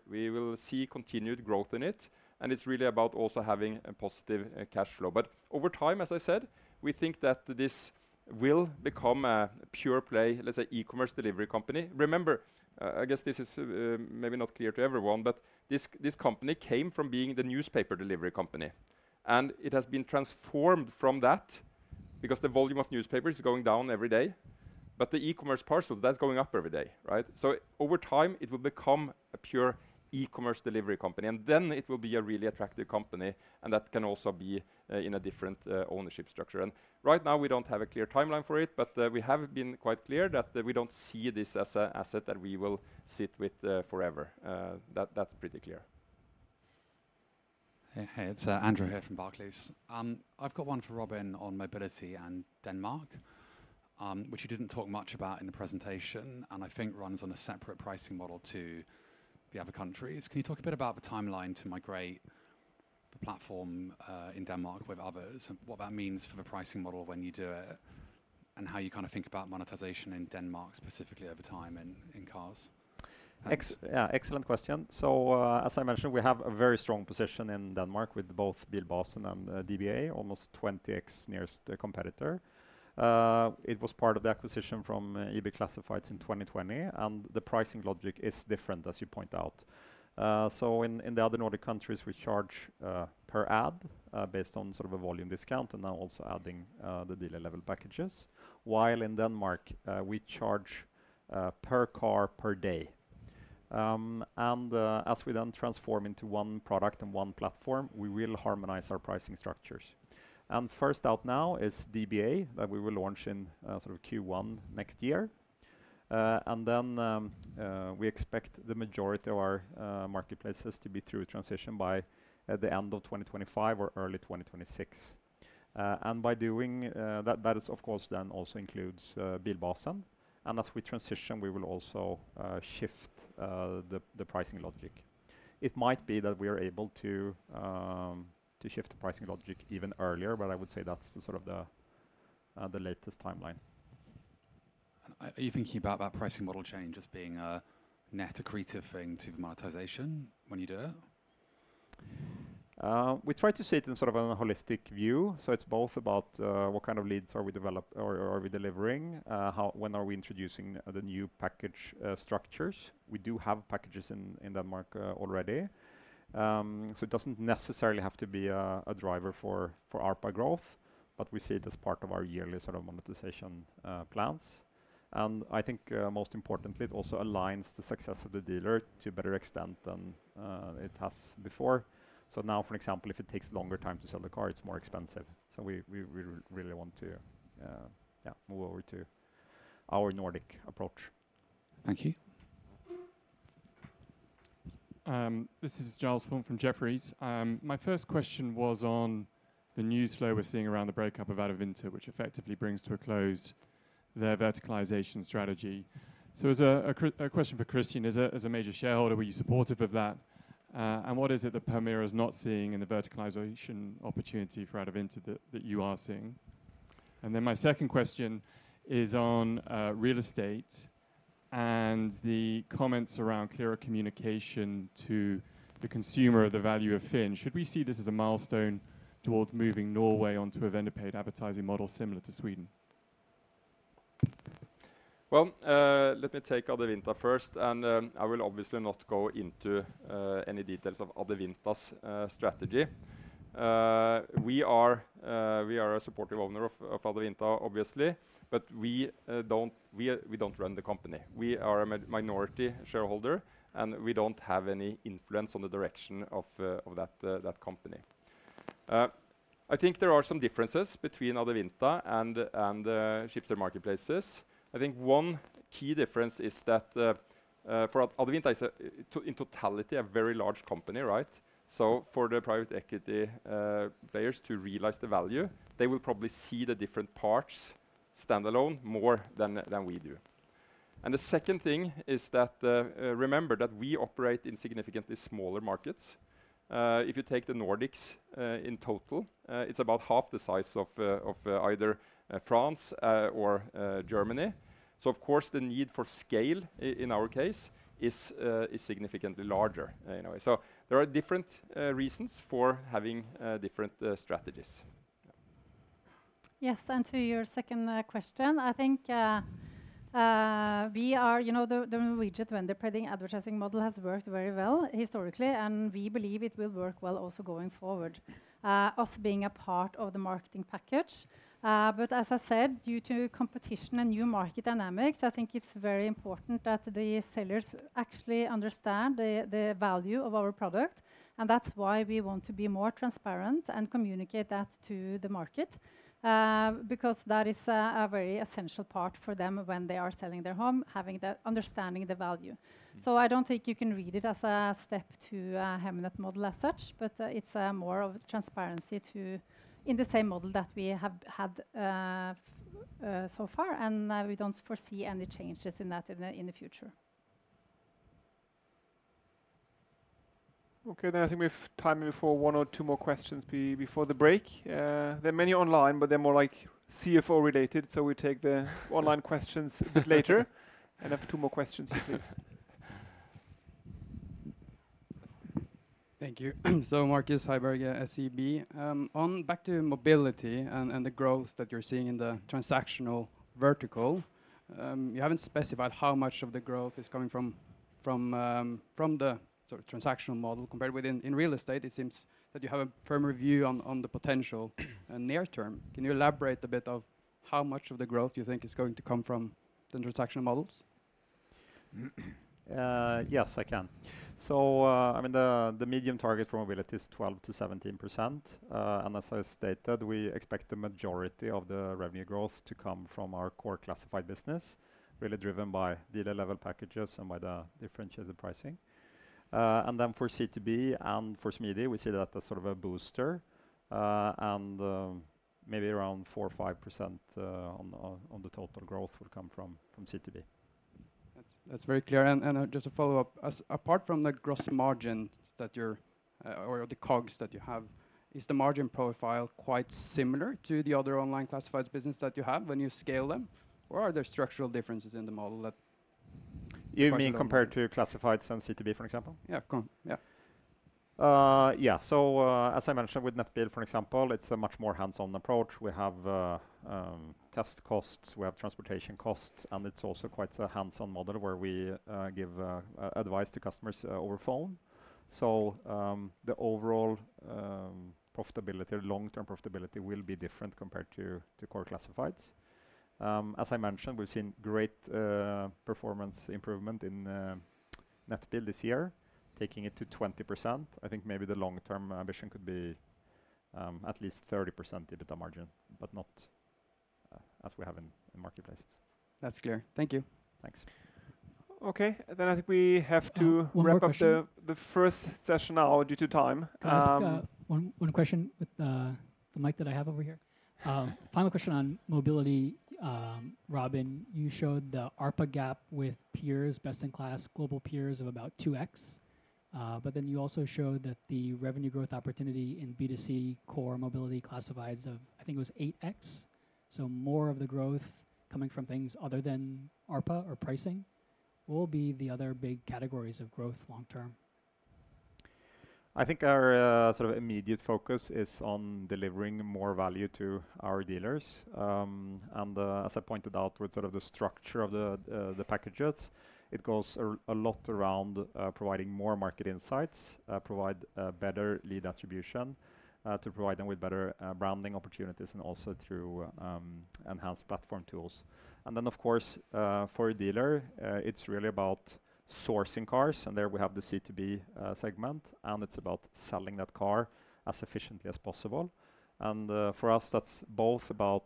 will see continued growth in it. And it's really about also having a positive cash flow. But over time, as I said, we think that this will become a pure play, let's say, e-commerce Delivery company. Remember, I guess this is maybe not clear to everyone, but this company came from being the newspaper Delivery company. It has been transformed from that because the volume of newspapers is going down every day. But the e-commerce parcels, that's going up every day, right? So over time, it will become a pure e-commerce Delivery company. And then it will be a really attractive company, and that can also be in a different ownership structure. And right now, we don't have a clear timeline for it, but we have been quite clear that we don't see this as an asset that we will sit with forever. That's pretty clear. Hey, it's Andrew here from Barclays. I've got one for Robin on mobility and Denmark, which you didn't talk much about in the presentation, and I think runs on a separate pricing model to the other countries. Can you talk a bit about the timeline to migrate the platform in Denmark with others? What that means for the pricing model when you do it, and how you kind of think about monetization in Denmark specifically over time in cars? Yeah, excellent question, so as I mentioned, we have a very strong position in Denmark with both Bilbasen and DBA, almost 20x nearest competitor. It was part of the acquisition from EB Classifieds in 2020, and the pricing logic is different, as you point out, so in the other Nordic countries, we charge per ad based on sort of a volume discount, and now also adding the dealer-level packages. While in Denmark, we charge per car per day. And as we then transform into one product and one platform, we will harmonize our pricing structures, and first out now is DBA that we will launch in sort of Q1 next year. And then we expect the majority of our Marketplaces to be through transition by the end of 2025 or early 2026. And by doing that, that is of course then also includes Bilbasen. And as we transition, we will also shift the pricing logic. It might be that we are able to shift the pricing logic even earlier, but I would say that's sort of the latest timeline. Are you thinking about that pricing model change as being a net accretive thing to monetization when you do it? We try to see it in sort of a holistic view. So it's both about what kind of leads are we developing or are we delivering, when are we introducing the new package structures. We do have packages in Denmark already. So it doesn't necessarily have to be a driver for our growth, but we see it as part of our yearly sort of monetization plans. And I think most importantly, it also aligns the success of the dealer to a better extent than it has before. So now, for example, if it takes longer time to sell the car, it's more expensive. So we really want to move over to our Nordic approach. Thank you. This is Giles Thorne from Jefferies. My first question was on the news flow we're seeing around the breakup of Adevinta, which effectively brings to a close their verticalization strategy. So it's a question for Christian. As a major shareholder, were you supportive of that? And what is it that Permira is not seeing in the verticalization opportunity for Adevinta that you are seeing? And then my second question is on real estate and the comments around clearer communication to the consumer of the value of FINN. Should we see this as a milestone towards moving Norway onto a vendor-paid advertising model similar to Sweden? Well, let me take Adevinta first, and I will obviously not go into any details of Adevinta's strategy. We are a supportive owner of Adevinta, obviously, but we don't run the company. We are a minority shareholder, and we don't have any influence on the direction of that company. I think there are some differences between Adevinta and Schibsted Marketplaces. I think one key difference is that for Adevinta, in totality, a very large company, right? So for the private equity players to realize the value, they will probably see the different parts standalone more than we do. And the second thing is that, remember that we operate in significantly smaller markets. If you take the Nordics in total, it's about half the size of either France or Germany. So of course, the need for scale in our case is significantly larger in a way. So there are different reasons for having different strategies. Yes, and to your second question, I think the Norwegian pay-per-click advertising model has worked very well historically, and we believe it will work well also going forward, us being a part of the marketing package. But as I said, due to competition and new market dynamics, I think it's very important that the sellers actually understand the value of our product. And that's why we want to be more transparent and communicate that to the market, because that is a very essential part for them when they are selling their home, having the understanding of the value. So I don't think you can read it as a step to a Hemnet model as such, but it's more of transparency in the same model that we have had so far, and we don't foresee any changes in that in the future. Okay, then I think we have time for one or two more questions before the break. There are many online, but they're more like CFO-related, so we take the online questions a bit later. And I have two more questions, please. Thank you. So Marcus Heiberg, SEB. Back to mobility and the growth that you're seeing in the transactional vertical, you haven't specified how much of the growth is coming from the transactional model compared with real estate. It seems that you have a firm view on the potential near term. Can you elaborate a bit on how much of the growth you think is going to come from the transactional models? Yes, I can. So I mean, the mid-term target for mobility is 12%-17%. And as I stated, we expect the majority of the revenue growth to come from our core classified business, really driven by dealer-level packages and by the differentiated pricing. And then for C2B and for Smidig, we see that as sort of a booster. And maybe around 4% or 5% on the total growth would come from C2B. That's very clear. And just a follow-up. Apart from the gross margin or the COGS that you have, is the margin profile quite similar to the other online classifieds business that you have when you scale them? Or are there structural differences in the model that? You mean compared to classifieds and C2B, for example? Yeah, yeah. Yeah, so as I mentioned with Nettbil, for example, it's a much more hands-on approach. We have test costs, we have transportation costs, and it's also quite a hands-on model where we give advice to customers over phone. So the overall profitability, long-term profitability will be different compared to core classifieds. As I mentioned, we've seen great performance improvement in Nettbil this year, taking it to 20%. I think maybe the long-term ambition could be at least 30% EBITDA margin, but not as we have in Marketplaces. That's clear. Thank you. Thanks. Okay, then I think we have to wrap up the first session now due to time. One question with the mic that I have over here. Final question on mobility, Robin. You showed the ARPA gap with peers, best-in-class global peers of about 2X. But then you also showed that the revenue growth opportunity in B2C core mobility classifieds of, I think it was 8X. So more of the growth coming from things other than ARPA or pricing. What will be the other big categories of growth long-term? I think our sort of immediate focus is on delivering more value to our dealers. And as I pointed out with sort of the structure of the packages, it goes a lot around providing more market insights, provide better lead attribution, to provide them with better branding opportunities, and also through enhanced platform tools. And then, of course, for a dealer, it's really about sourcing cars. And there we have the C2B segment, and it's about selling that car as efficiently as possible. And for us, that's both about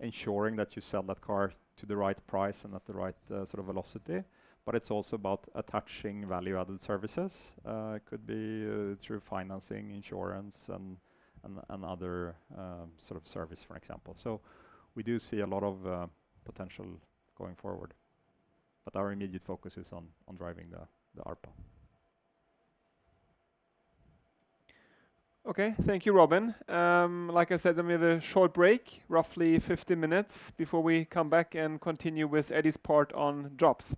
ensuring that you sell that car to the right price and at the right sort of velocity. But it's also about attaching value-added services. It could be through financing, insurance, and other sort of service, for example. So we do see a lot of potential going forward. But our immediate focus is on driving the ARPA. Okay, thank you, Robin. Like I said, then we have a short break, roughly 15 minutes, before we come back and continue with Eddie's part on jobs.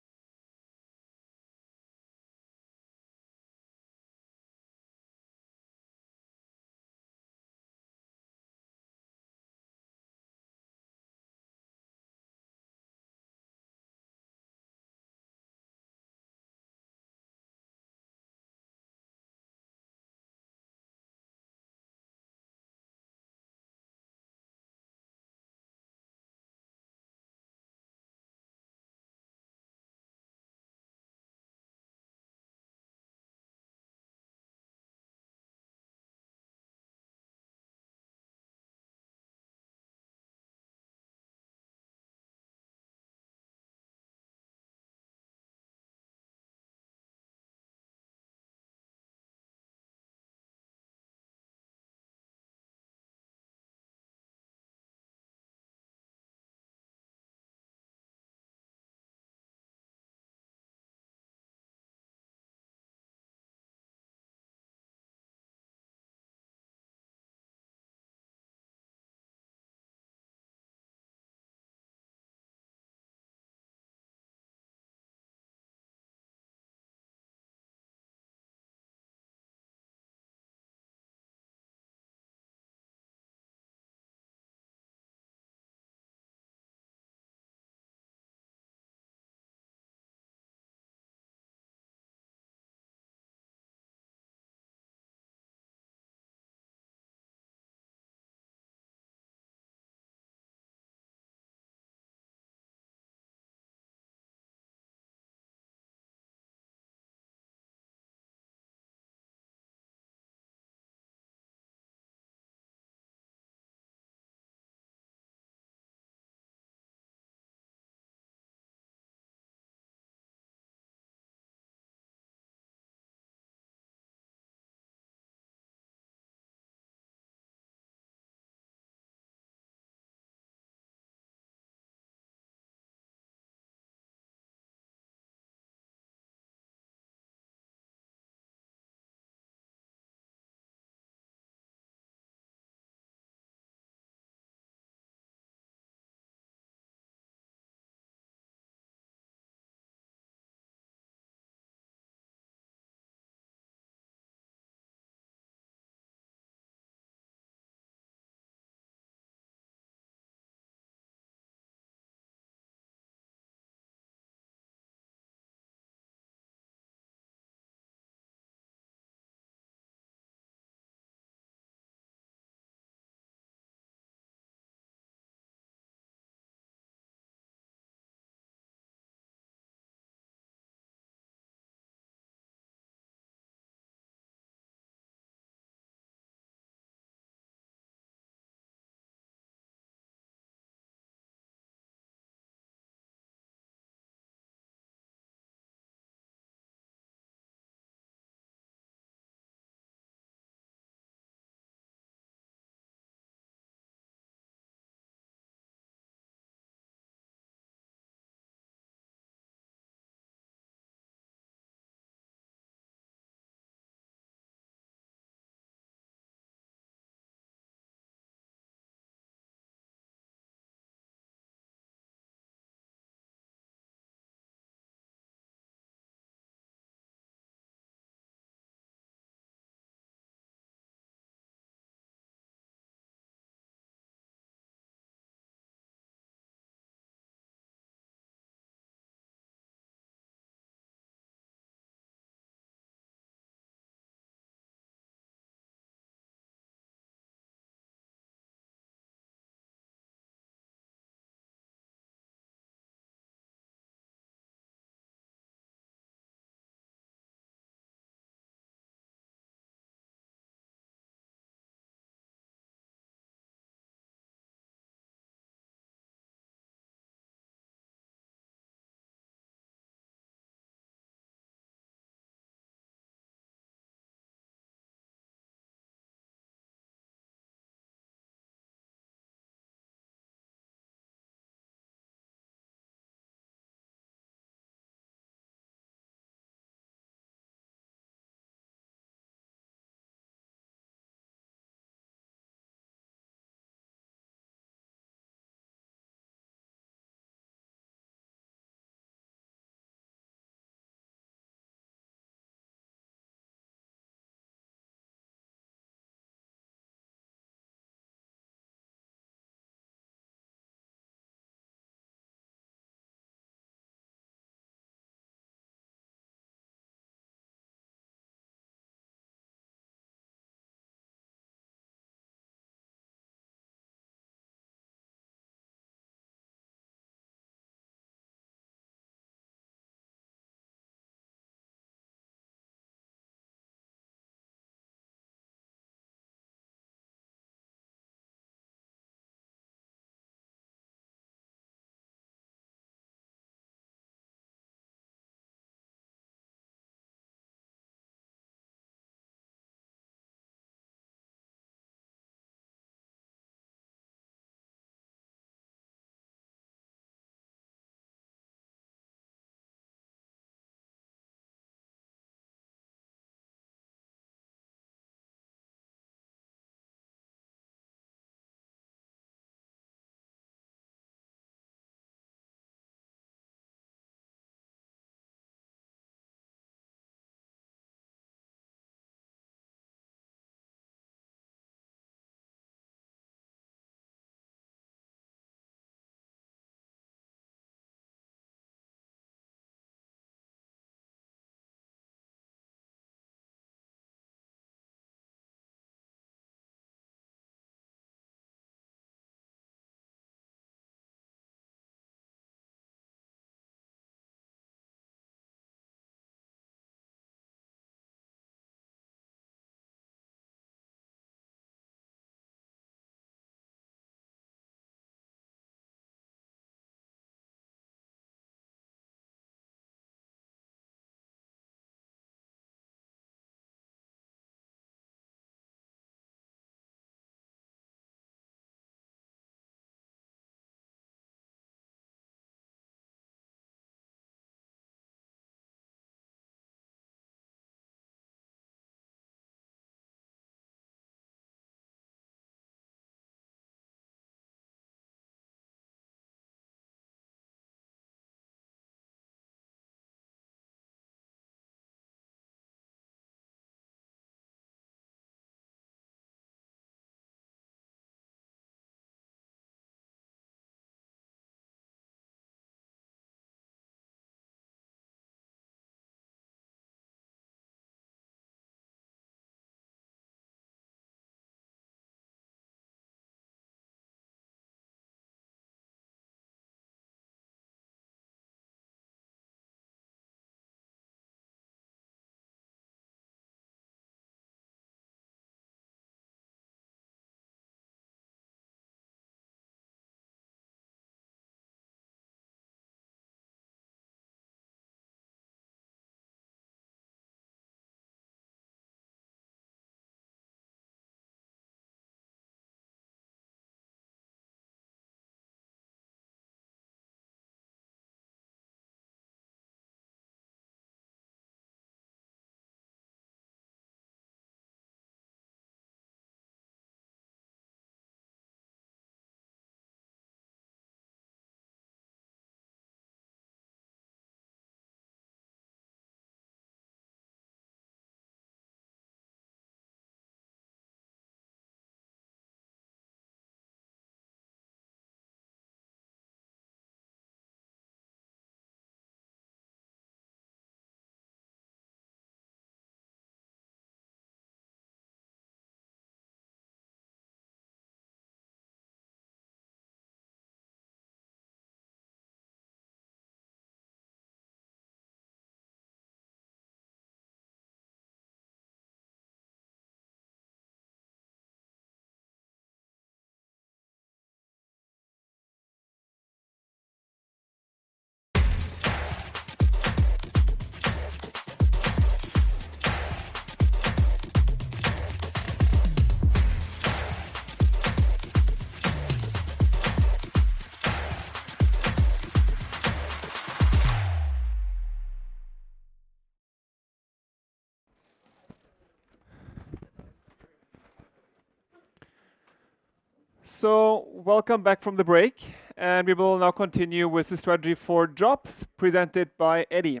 So, welcome back from the break, and we will now continue with the strategy for Jobs presented by Eddie.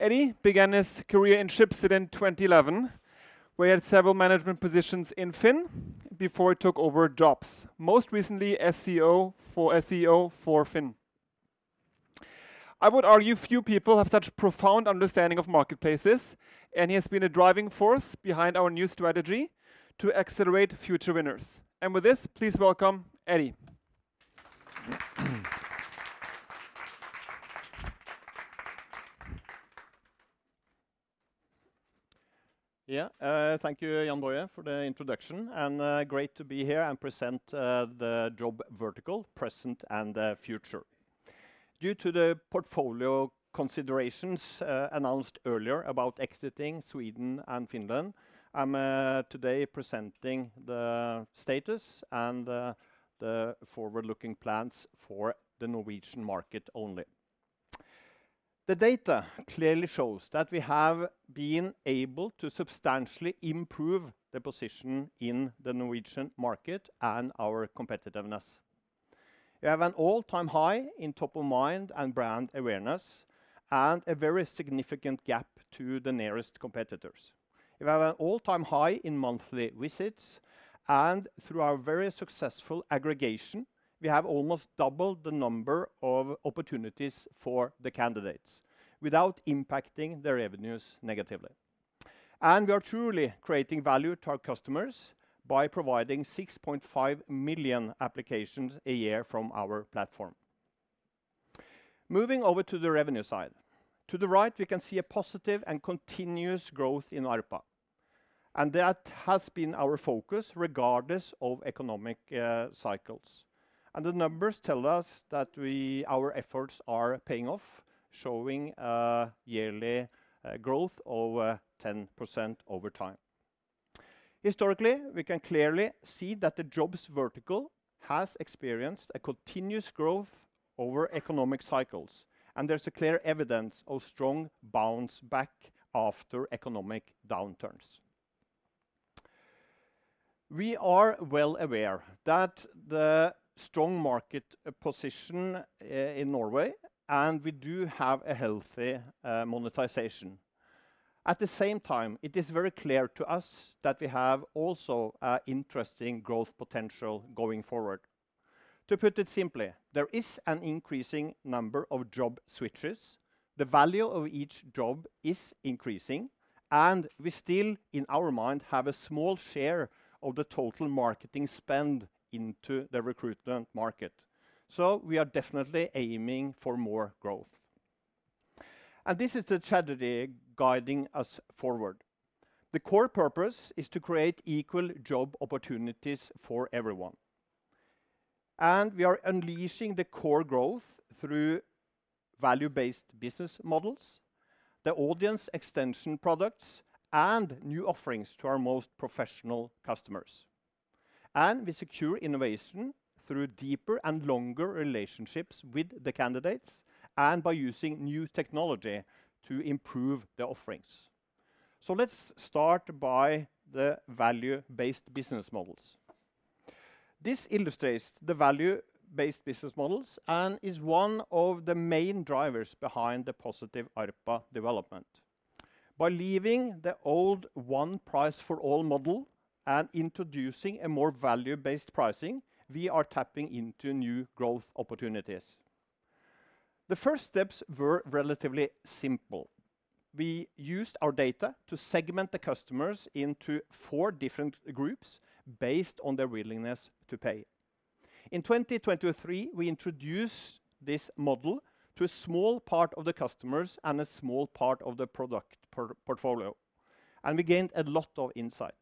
Eddie began his career in Schibsted in 2011. We had several management positions in FINN before he took over Jobs, most recently CEO for FINN. I would argue few people have such a profound understanding of Marketplaces, and he has been a driving force behind our new strategy to Accelerate Future Winners. With this, please welcome Eddie. Yeah, thank you, Yongdong, for the introduction, and great to be here and present the Job Vertical: Present and Future. Due to the portfolio considerations announced earlier about exiting Sweden and Finland, I'm today presenting the status and the forward-looking plans for the Norwegian market only. The data clearly shows that we have been able to substantially improve the position in the Norwegian market and our competitiveness. We have an all-time high in top-of-mind and brand awareness and a very significant gap to the nearest competitors. We have an all-time high in monthly visits, and through our very successful aggregation, we have almost doubled the number of opportunities for the candidates without impacting their revenues negatively, and we are truly creating value to our customers by providing 6.5 million applications a year from our platform. Moving over to the revenue side, to the right, we can see a positive and continuous growth in ARPA, and that has been our focus regardless of economic cycles, and the numbers tell us that our efforts are paying off, showing a yearly growth of 10% over time. Historically, we can clearly see that the Jobs vertical has experienced a continuous growth over economic cycles, and there's clear evidence of strong bounce back after economic downturns. We are well aware that the strong market position in Norway, and we do have a healthy monetization. At the same time, it is very clear to us that we have also an interesting growth potential going forward. To put it simply, there is an increasing number of job switches. The value of each job is increasing, and we still, in our mind, have a small share of the total marketing spend into the recruitment market. So we are definitely aiming for more growth. And this is the strategy guiding us forward. The core purpose is to create equal job opportunities for everyone. And we are unleashing the core growth through value-based business models, the audience extension products, and new offerings to our most professional customers. And we secure innovation through deeper and longer relationships with the candidates and by using new technology to improve the offerings. So let's start by the value-based business models. This illustrates the value-based business models and is one of the main drivers behind the positive ARPA development. By leaving the old one-price-for-all model and introducing a more value-based pricing, we are tapping into new growth opportunities. The first steps were relatively simple. We used our data to segment the customers into four different groups based on their willingness to pay. In 2023, we introduced this model to a small part of the customers and a small part of the product portfolio, and we gained a lot of insight.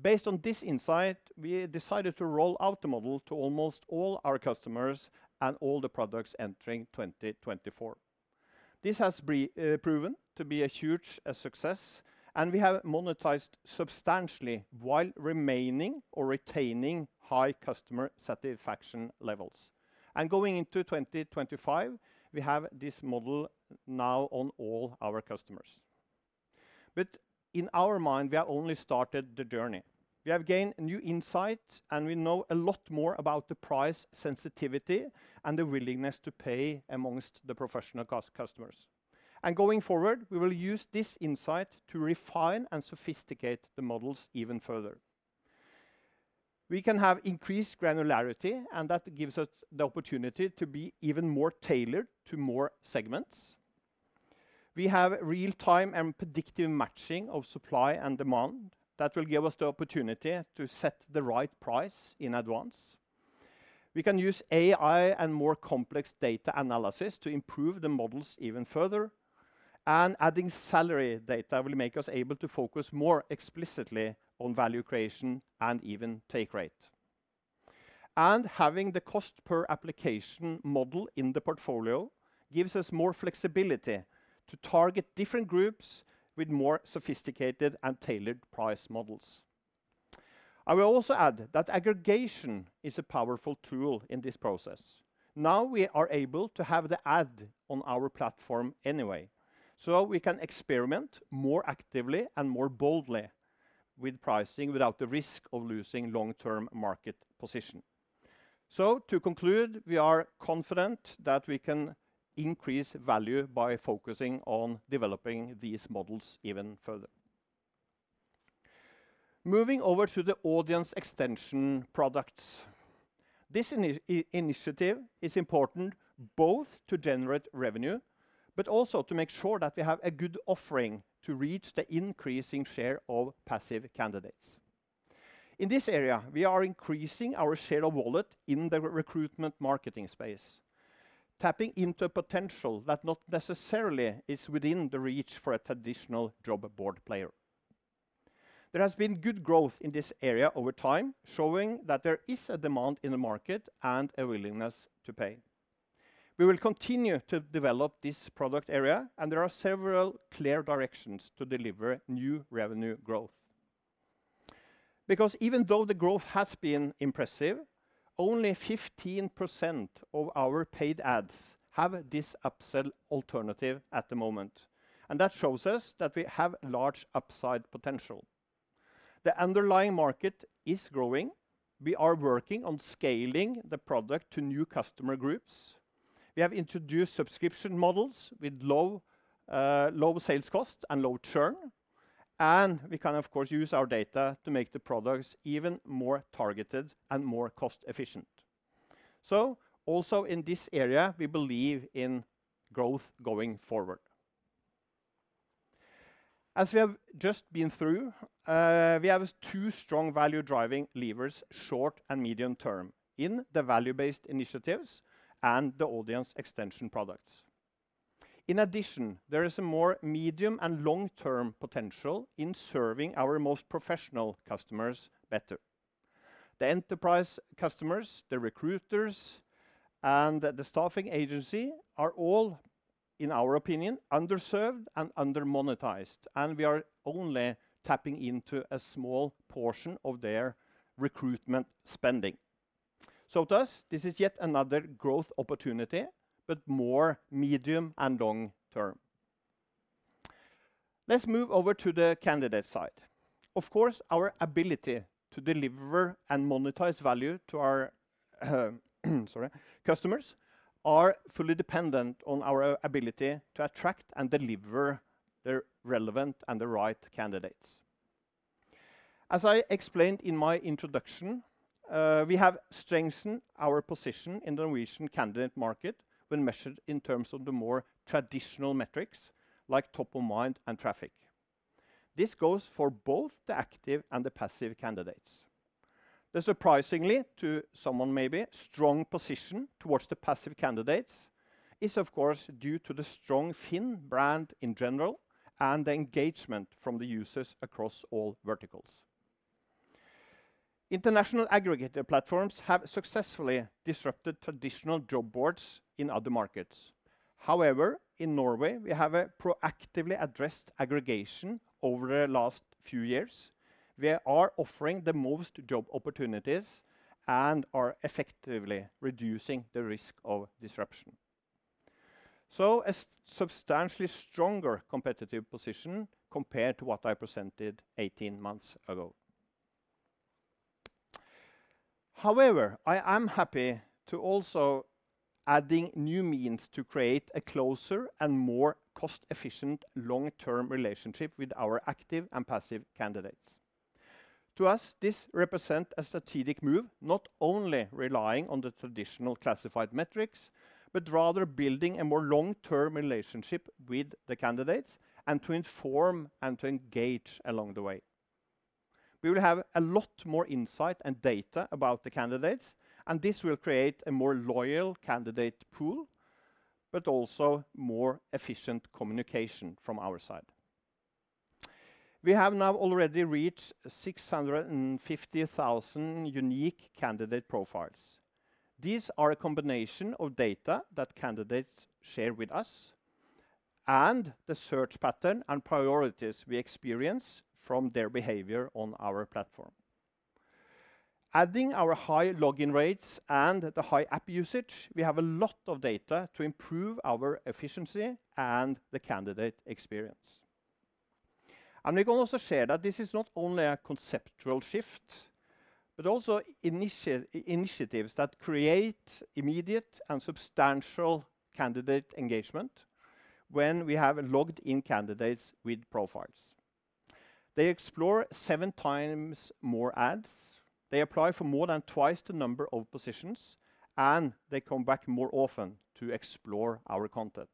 Based on this insight, we decided to roll out the model to almost all our customers and all the products entering 2024. This has proven to be a huge success, and we have monetized substantially while remaining or retaining high customer satisfaction levels, and going into 2025, we have this model now on all our customers. But in our mind, we have only started the journey. We have gained new insight, and we know a lot more about the price sensitivity and the willingness to pay amongst the professional customers. And going forward, we will use this insight to refine and sophisticate the models even further. We can have increased granularity, and that gives us the opportunity to be even more tailored to more segments. We have real-time and predictive matching of supply and demand that will give us the opportunity to set the right price in advance. We can use AI and more complex data analysis to improve the models even further. And adding salary data will make us able to focus more explicitly on value creation and even take rate. Having the cost per application model in the portfolio gives us more flexibility to target different groups with more sophisticated and tailored price models. I will also add that aggregation is a powerful tool in this process. Now we are able to have the ad on our platform anyway, so we can experiment more actively and more boldly with pricing without the risk of losing long-term market position. To conclude, we are confident that we can increase value by focusing on developing these models even further. Moving over to the audience extension products. This initiative is important both to generate revenue, but also to make sure that we have a good offering to reach the increasing share of passive candidates. In this area, we are increasing our share of wallet in the recruitment marketing space, tapping into a potential that not necessarily is within the reach for a traditional job board player. There has been good growth in this area over time, showing that there is a demand in the market and a willingness to pay. We will continue to develop this product area, and there are several clear directions to deliver new revenue growth. Because even though the growth has been impressive, only 15% of our paid ads have this upsell alternative at the moment, and that shows us that we have large upside potential. The underlying market is growing. We are working on scaling the product to new customer groups. We have introduced subscription models with low sales cost and low churn, and we can, of course, use our data to make the products even more targeted and more cost-efficient. So also in this area, we believe in growth going forward. As we have just been through, we have two strong value-driving levers: short and medium term in the value-based initiatives and the audience extension products. In addition, there is a more medium and long-term potential in serving our most professional customers better. The enterprise customers, the recruiters, and the staffing agency are all, in our opinion, underserved and under-monetized, and we are only tapping into a small portion of their recruitment spending. So to us, this is yet another growth opportunity, but more medium and long term. Let's move over to the candidate side. Of course, our ability to deliver and monetize value to our customers is fully dependent on our ability to attract and deliver the relevant and the right candidates. As I explained in my introduction, we have strengthened our position in the Norwegian candidate market when measured in terms of the more traditional metrics like top-of-mind and traffic. This goes for both the active and the passive candidates. The surprisingly, to someone maybe, strong position towards the passive candidates is, of course, due to the strong FINN brand in general and the engagement from the users across all verticals. International aggregator platforms have successfully disrupted traditional job boards in other markets. However, in Norway, we have a proactively addressed aggregation over the last few years. We are offering the most job opportunities and are effectively reducing the risk of disruption. So a substantially stronger competitive position compared to what I presented 18 months ago. However, I am happy to also add new means to create a closer and more cost-efficient long-term relationship with our active and passive candidates. To us, this represents a strategic move, not only relying on the traditional classified metrics, but rather building a more long-term relationship with the candidates and to inform and to engage along the way. We will have a lot more insight and data about the candidates, and this will create a more loyal candidate pool, but also more efficient communication from our side. We have now already reached 650,000 unique candidate profiles. These are a combination of data that candidates share with us and the search pattern and priorities we experience from their behavior on our platform. Adding our high login rates and the high app usage, we have a lot of data to improve our efficiency and the candidate experience. And we can also share that this is not only a conceptual shift, but also initiatives that create immediate and substantial candidate engagement when we have logged-in candidates with profiles. They explore seven times more ads, they apply for more than twice the number of positions, and they come back more often to explore our content.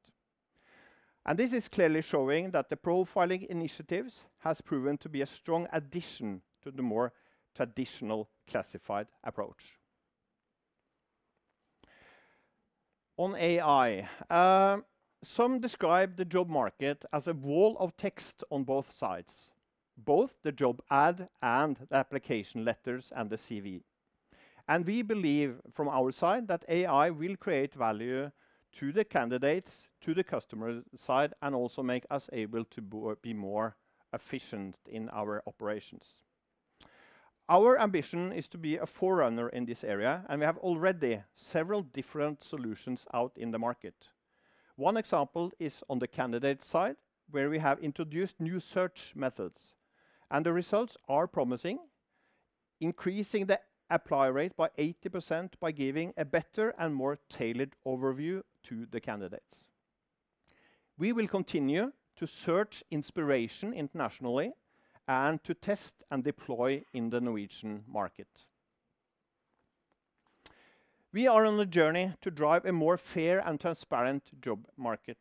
And this is clearly showing that the profiling initiatives have proven to be a strong addition to the more traditional classified approach. On AI, some describe the job market as a wall of text on both sides, both the job ad and the application letters and the CV. We believe from our side that AI will create value to the candidates, to the customer side, and also make us able to be more efficient in our operations. Our ambition is to be a forerunner in this area, and we have already several different solutions out in the market. One example is on the candidate side, where we have introduced new search methods, and the results are promising, increasing the apply rate by 80% by giving a better and more tailored overview to the candidates. We will continue to search inspiration internationally and to test and deploy in the Norwegian market. We are on a journey to drive a more fair and transparent job market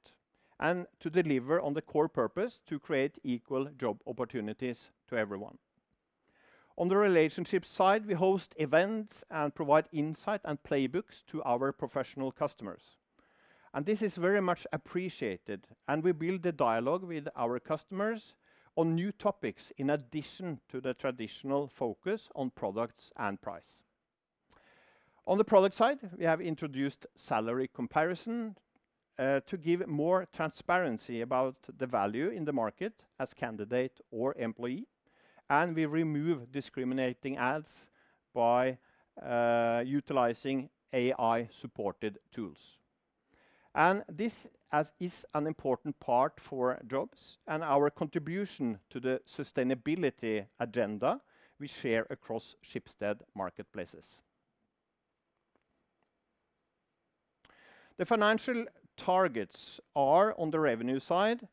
and to deliver on the core purpose to create equal job opportunities to everyone. On the relationship side, we host events and provide insight and playbooks to our professional customers. This is very much appreciated, and we build a dialogue with our customers on new topics in addition to the traditional focus on products and price. On the product side, we have introduced salary comparison to give more transparency about the value in the market as candidate or employee, and we remove discriminating ads by utilizing AI-supported tools. This is an important part for jobs and our contribution to the sustainability agenda we share across Schibsted Marketplaces. The financial targets are on the revenue side,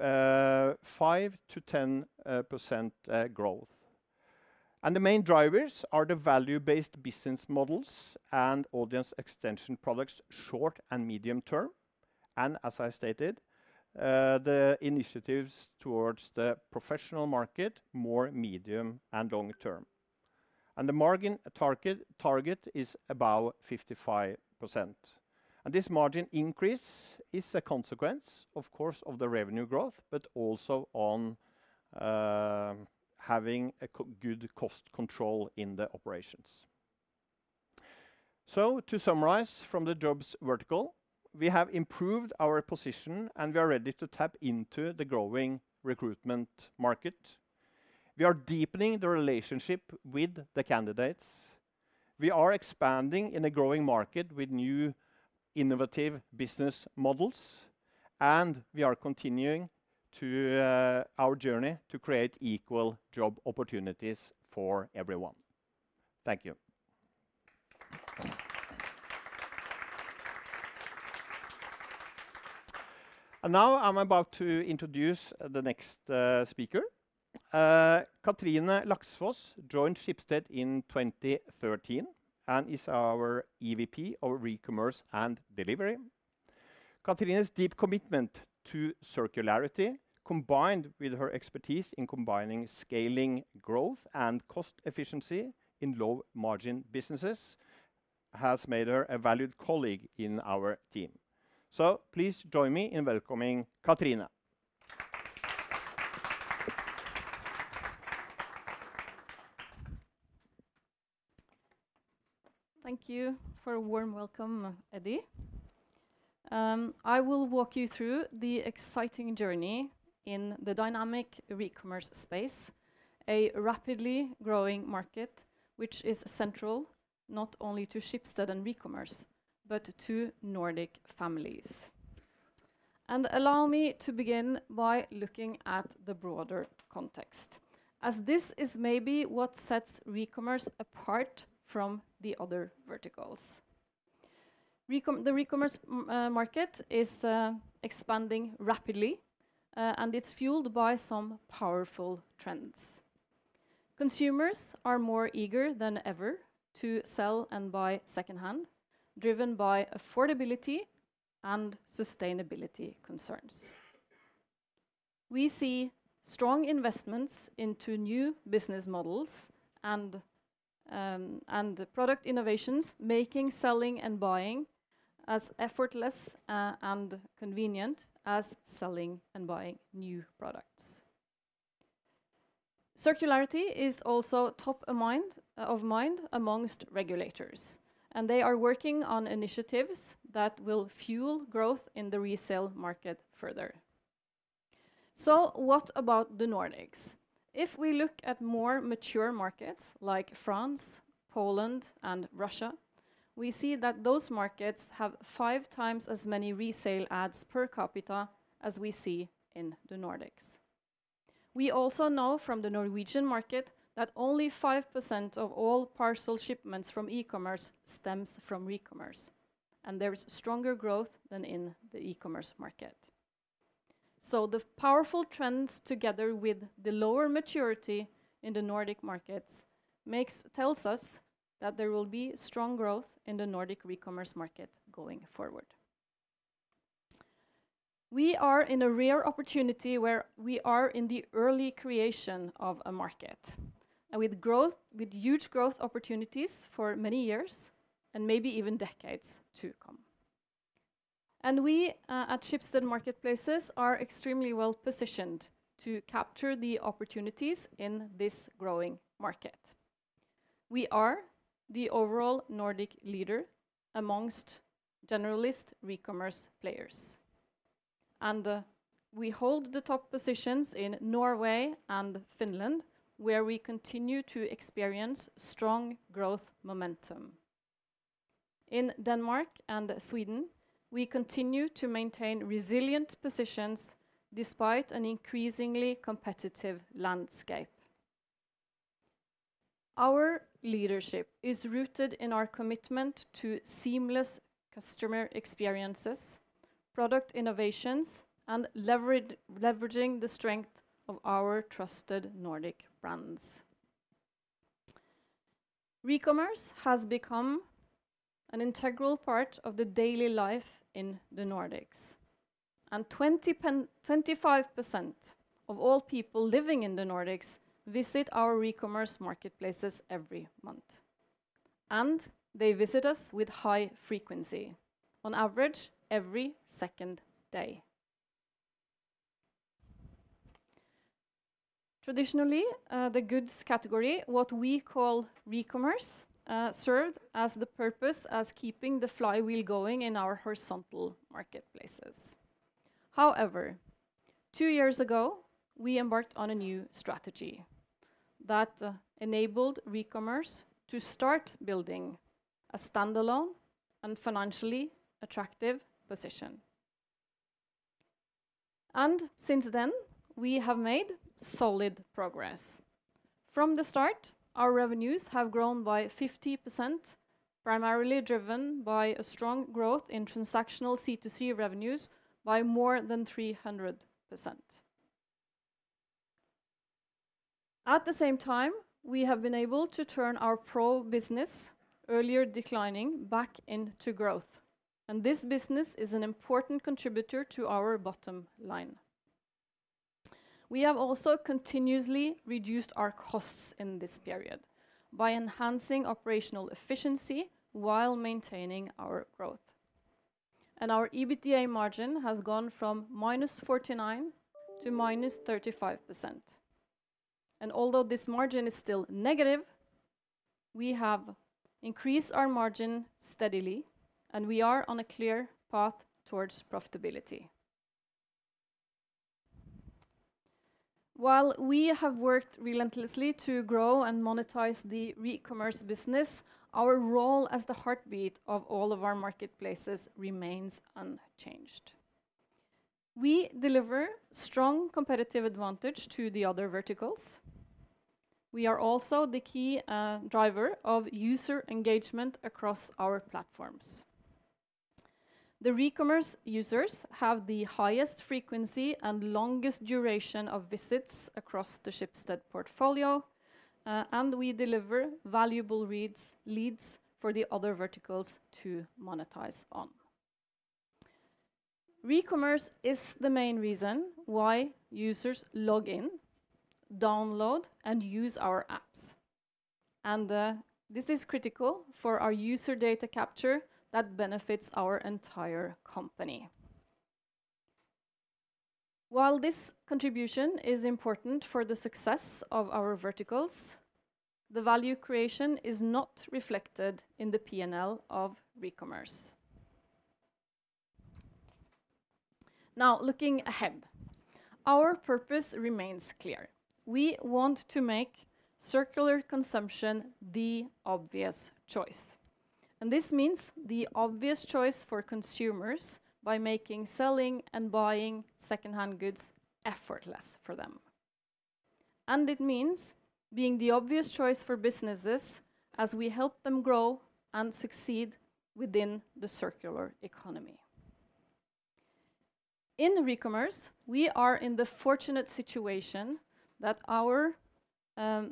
5%-10% growth. The main drivers are the value-based business models and audience extension products short and medium term. As I stated, the initiatives towards the professional market, more medium and long term. The margin target is about 55%. This margin increase is a consequence, of course, of the revenue growth, but also of having good cost control in the operations. So to summarize from the Jobs vertical, we have improved our position and we are ready to tap into the growing recruitment market. We are deepening the relationship with the candidates. We are expanding in a growing market with new innovative business models, and we are continuing our journey to create equal job opportunities for everyone. Thank you. Now I'm about to introduce the next speaker, Cathrine Laksfoss, who joined Schibsted in 2013 and is our EVP of e-commerce and Delivery. Cathrine's deep commitment to circularity, combined with her expertise in combining scaling growth and cost efficiency in low-margin businesses, has made her a valued colleague in our team. So please join me in welcoming Cathrine. Thank you for a warm welcome, Eddie. I will walk you through the exciting journey in the dynamic e-commerce space, a rapidly growing market which is central not only to Schibsted and e-commerce, but to Nordic families, and allow me to begin by looking at the broader context, as this is maybe what sets e-commerce apart from the other verticals. The e-commerce market is expanding rapidly, and it's fueled by some powerful trends. Consumers are more eager than ever to sell and buy secondhand, driven by affordability and sustainability concerns. We see strong investments into new business models and product innovations making selling and buying as effortless and convenient as selling and buying new products. Circularity is also top of mind among regulators, and they are working on initiatives that will fuel growth in the resale market further, so what about the Nordics? If we look at more mature markets like France, Poland, and Russia, we see that those markets have five times as many resale ads per capita as we see in the Nordics. We also know from the Norwegian market that only 5% of all parcel shipments stem from Re-commerce, and there is stronger growth than in the e-commerce market, so the powerful trends together with the lower maturity in the Nordic markets tell us that there will be strong growth in the Nordic Re-commerce market going forward. We are in a rare opportunity where we are in the early creation of a market and with huge growth opportunities for many years and maybe even decades to come, and we at Schibsted Marketplaces are extremely well positioned to capture the opportunities in this growing market. We are the overall Nordic leader amongst generalist e-commerce players, and we hold the top positions in Norway and Finland, where we continue to experience strong growth momentum. In Denmark and Sweden, we continue to maintain resilient positions despite an increasingly competitive landscape. Our leadership is rooted in our commitment to seamless customer experiences, product innovations, and leveraging the strength of our trusted Nordic brands. E-commerce has become an integral part of the daily life in the Nordics, and 25% of all people living in the Nordics visit our e-commerce marketplaces every month, and they visit us with high frequency, on average, every second day. Traditionally, the goods category, what we call e-commerce, served as the purpose of keeping the flywheel going in our horizontal marketplaces. However, two years ago, we embarked on a new strategy that enabled e-commerce to start building a standalone and financially attractive position. Since then, we have made solid progress. From the start, our revenues have grown by 50%, primarily driven by a strong growth in transactional C2C revenues by more than 300%. At the same time, we have been able to turn our Pro business, earlier declining, back into growth, and this business is an important contributor to our bottom line. We have also continuously reduced our costs in this period by enhancing operational efficiency while maintaining our growth. Our EBITDA margin has gone from -49% to -35%. Although this margin is still negative, we have increased our margin steadily, and we are on a clear path towards profitability. While we have worked relentlessly to grow and monetize the e-commerce business, our role as the heartbeat of all of our Marketplaces remains unchanged. We deliver strong competitive advantage to the other verticals. We are also the key driver of user engagement across our platforms. The e-commerce users have the highest frequency and longest duration of visits across the Schibsted portfolio, and we deliver valuable leads for the other verticals to monetize on. E-commerce is the main reason why users log in, download, and use our apps, and this is critical for our user data capture that benefits our entire company. While this contribution is important for the success of our verticals, the value creation is not reflected in the P&L of e-commerce. Now, looking ahead, our purpose remains clear. We want to make circular consumption the obvious choice, and this means the obvious choice for consumers by making selling and buying secondhand goods effortless for them, and it means being the obvious choice for businesses as we help them grow and succeed within the circular economy. In e-commerce, we are in the fortunate situation that our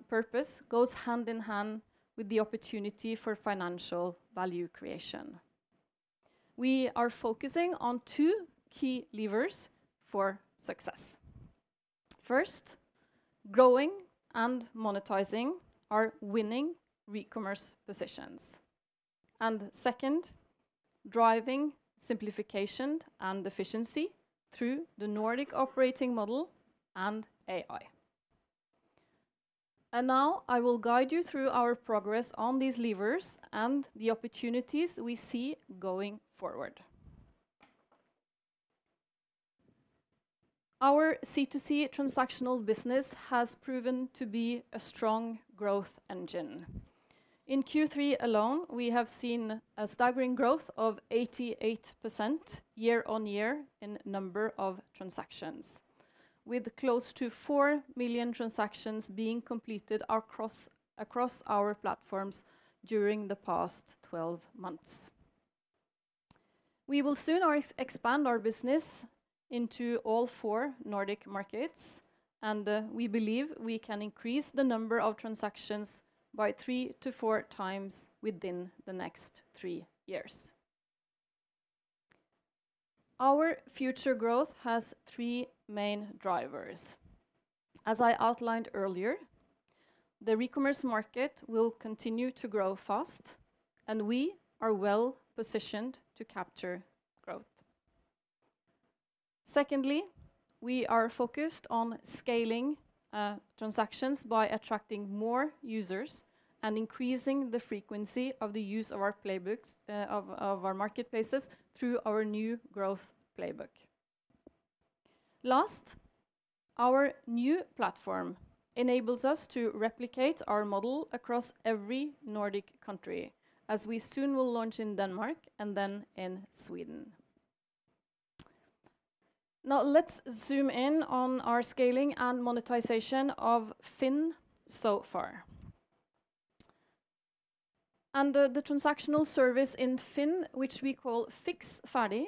purpose goes hand in hand with the opportunity for financial value creation. We are focusing on two key levers for success. First, growing and monetizing our winning e-commerce positions. And second, driving simplification and efficiency through the Nordic operating model and AI. And now I will guide you through our progress on these levers and the opportunities we see going forward. Our C2C transactional business has proven to be a strong growth engine. In Q3 alone, we have seen a staggering growth of 88% year on year in number of transactions, with close to four million transactions being completed across our platforms during the past 12 months. We will soon expand our business into all four Nordic markets, and we believe we can increase the number of transactions by three to four times within the next three years. Our future growth has three main drivers. As I outlined earlier, the e-commerce market will continue to grow fast, and we are well positioned to capture growth. Secondly, we are focused on scaling transactions by attracting more users and increasing the frequency of the use of our playbooks of our Marketplaces through our new growth playbook. Last, our new platform enables us to replicate our model across every Nordic country, as we soon will launch in Denmark and then in Sweden. Now, let's zoom in on our scaling and monetization of FINN so far, and the transactional service in FINN, which we call Fiks Ferdig,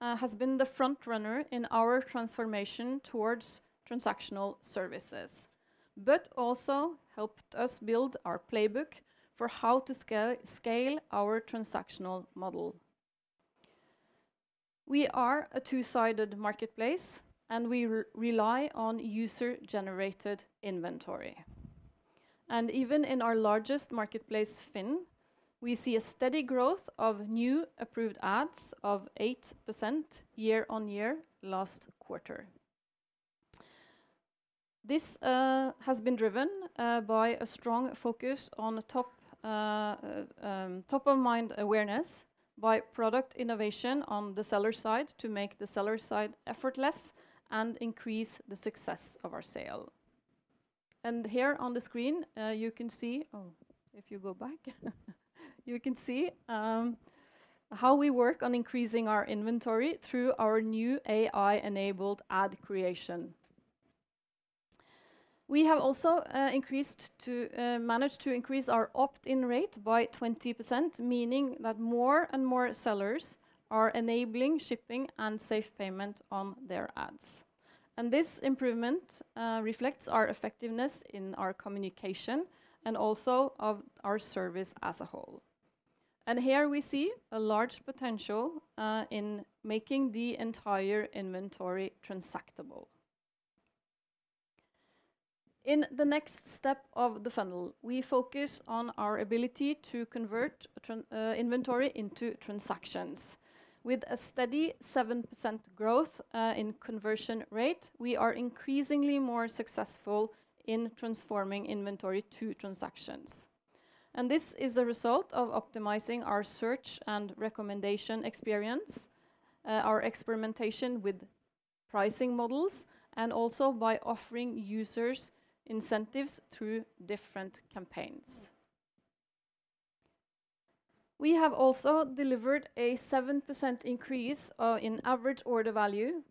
has been the front runner in our transformation towards transactional services, but also helped us build our playbook for how to scale our transactional model. We are a two-sided marketplace, and we rely on user-generated inventory. Even in our largest marketplace, FINN, we see a steady growth of new approved ads of 8% year on year last quarter. This has been driven by a strong focus on top-of-mind awareness by product innovation on the seller side to make the seller side effortless and increase the success of our sale. Here on the screen, you can see. Oh, if you go back, you can see how we work on increasing our inventory through our new AI-enabled ad creation. We have also managed to increase our opt-in rate by 20%, meaning that more and more sellers are enabling shipping and safe payment on their ads. This improvement reflects our effectiveness in our communication and also of our service as a whole. Here we see a large potential in making the entire inventory transactable. In the next step of the funnel, we focus on our ability to convert inventory into transactions. With a steady 7% growth in conversion rate, we are increasingly more successful in transforming inventory to transactions. And this is a result of optimizing our search and recommendation experience, our experimentation with pricing models, and also by offering users incentives through different campaigns. We have also delivered a 7% increase in average order value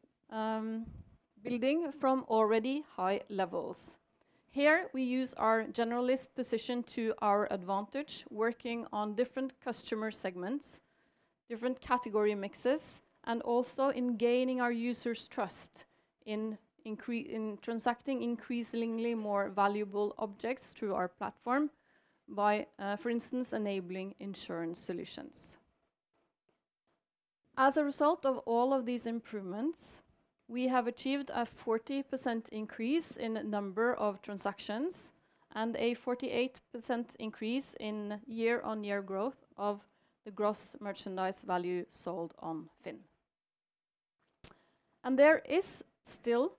building from already high levels. Here we use our generalist position to our advantage, working on different customer segments, different category mixes, and also in gaining our users' trust in transacting increasingly more valuable objects through our platform by, for instance, enabling insurance solutions. As a result of all of these improvements, we have achieved a 40% increase in number of transactions and a 48% increase in year-on-year growth of the gross merchandise value sold on FINN. There is still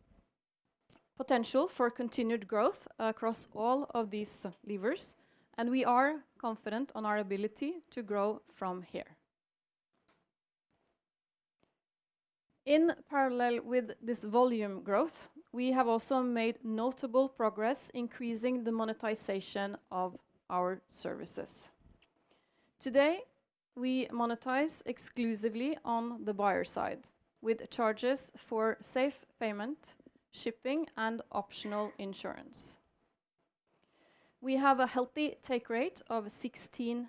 potential for continued growth across all of these levers, and we are confident on our ability to grow from here. In parallel with this volume growth, we have also made notable progress increasing the monetization of our services. Today, we monetize exclusively on the buyer side with charges for safe payment, shipping, and optional insurance. We have a healthy take rate of 16%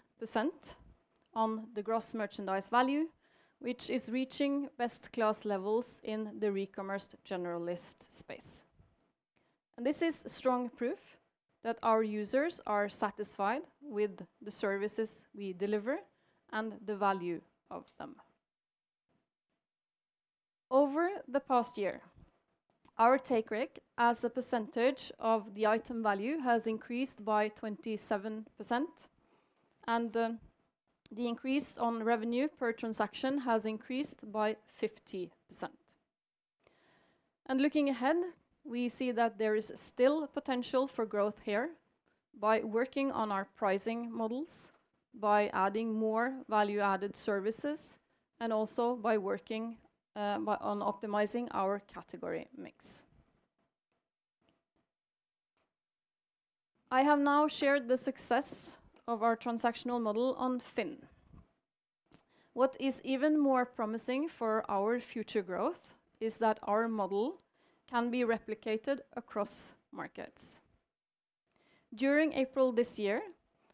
on the gross merchandise value, which is reaching best-in-class levels in the Re-commerce generalist space. This is strong proof that our users are satisfied with the services we deliver and the value of them. Over the past year, our take rate as a percentage of the item value has increased by 27%, and the increase on revenue per transaction has increased by 50%. Looking ahead, we see that there is still potential for growth here by working on our pricing models, by adding more value-added services, and also by working on optimizing our category mix. I have now shared the success of our transactional model on FINN. What is even more promising for our future growth is that our model can be replicated across markets. During April this year,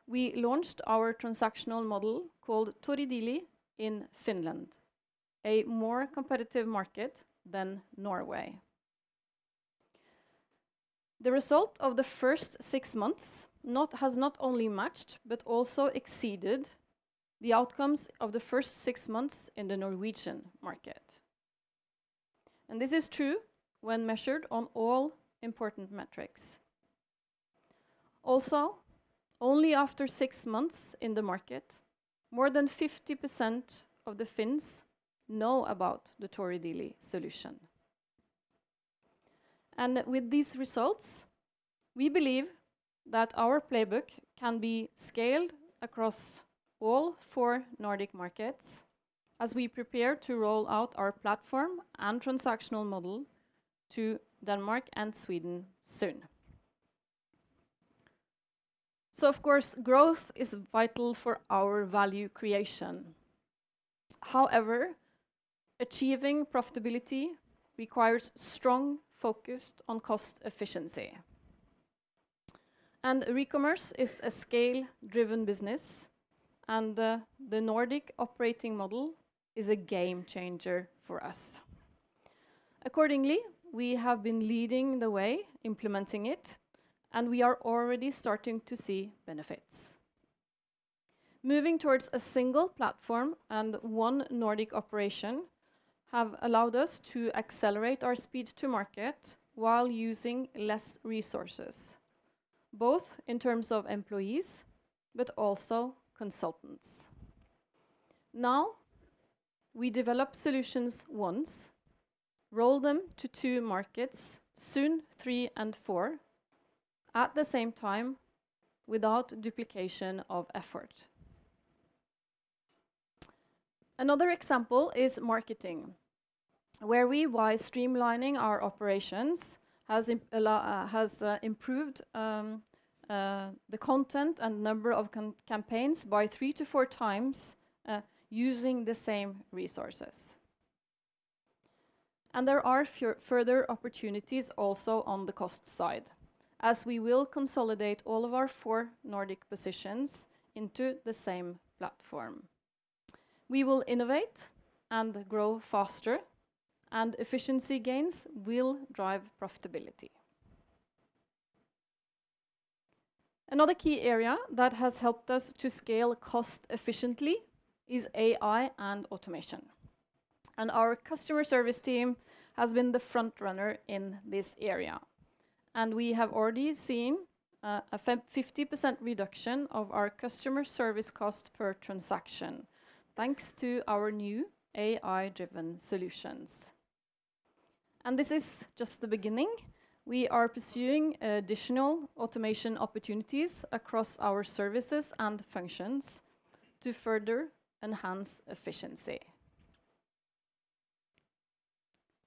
we launched our transactional model called ToriDiili in Finland, a more competitive market than Norway. The result of the first six months has not only matched but also exceeded the outcomes of the first six months in the Norwegian market. This is true when measured on all important metrics. Also, only after six months in the market, more than 50% of the Finns know about the ToriDiili solution. With these results, we believe that our playbook can be scaled across all four Nordic markets as we prepare to roll out our platform and transactional model to Denmark and Sweden soon. Of course, growth is vital for our value creation. However, achieving profitability requires strong focus on cost efficiency. Re-commerce is a scale-driven business, and the Nordic operating model is a game changer for us. Accordingly, we have been leading the way implementing it, and we are already starting to see benefits. Moving towards a single platform and one Nordic operation have allowed us to accelerate our speed to market while using less resources, both in terms of employees but also consultants. Now, we develop solutions once, roll them to two markets, soon three and four at the same time without duplication of effort. Another example is marketing, where we were streamlining our operations, has improved the content and number of campaigns by three to four times using the same resources, and there are further opportunities also on the cost side, as we will consolidate all of our four Nordic positions into the same platform. We will innovate and grow faster, and efficiency gains will drive profitability. Another key area that has helped us to scale cost efficiently is AI and automation, and our customer service team has been the front runner in this area, and we have already seen a 50% reduction of our customer service cost per transaction thanks to our new AI-driven solutions, and this is just the beginning. We are pursuing additional automation opportunities across our services and functions to further enhance efficiency,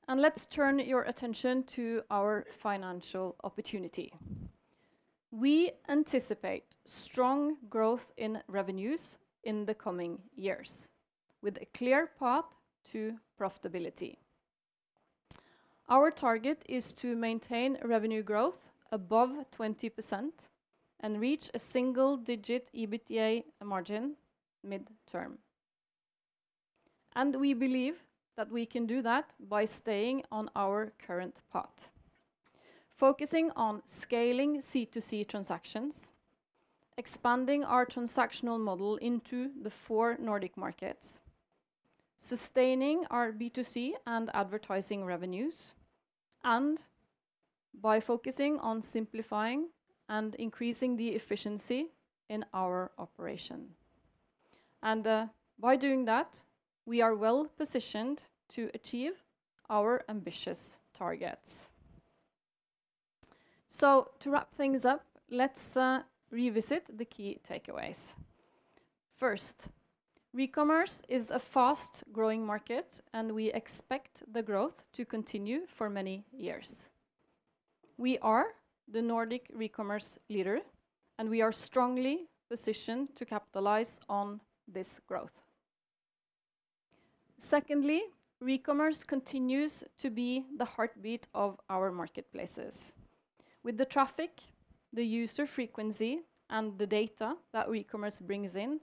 and let's turn your attention to our financial opportunity. We anticipate strong growth in revenues in the coming years with a clear path to profitability. Our target is to maintain revenue growth above 20% and reach a single-digit EBITDA margin midterm. And we believe that we can do that by staying on our current path, focusing on scaling C2C transactions, expanding our transactional model into the four Nordic markets, sustaining our B2C and advertising revenues, and by focusing on simplifying and increasing the efficiency in our operation. And by doing that, we are well positioned to achieve our ambitious targets. So, to wrap things up, let's revisit the key takeaways. First, Re-commerce is a fast-growing market, and we expect the growth to continue for many years. We are the Nordic Re-commerce leader, and we are strongly positioned to capitalize on this growth. Secondly, Re-commerce continues to be the heartbeat of our Marketplaces. With the traffic, the user frequency, and the data that Re-commerce brings in,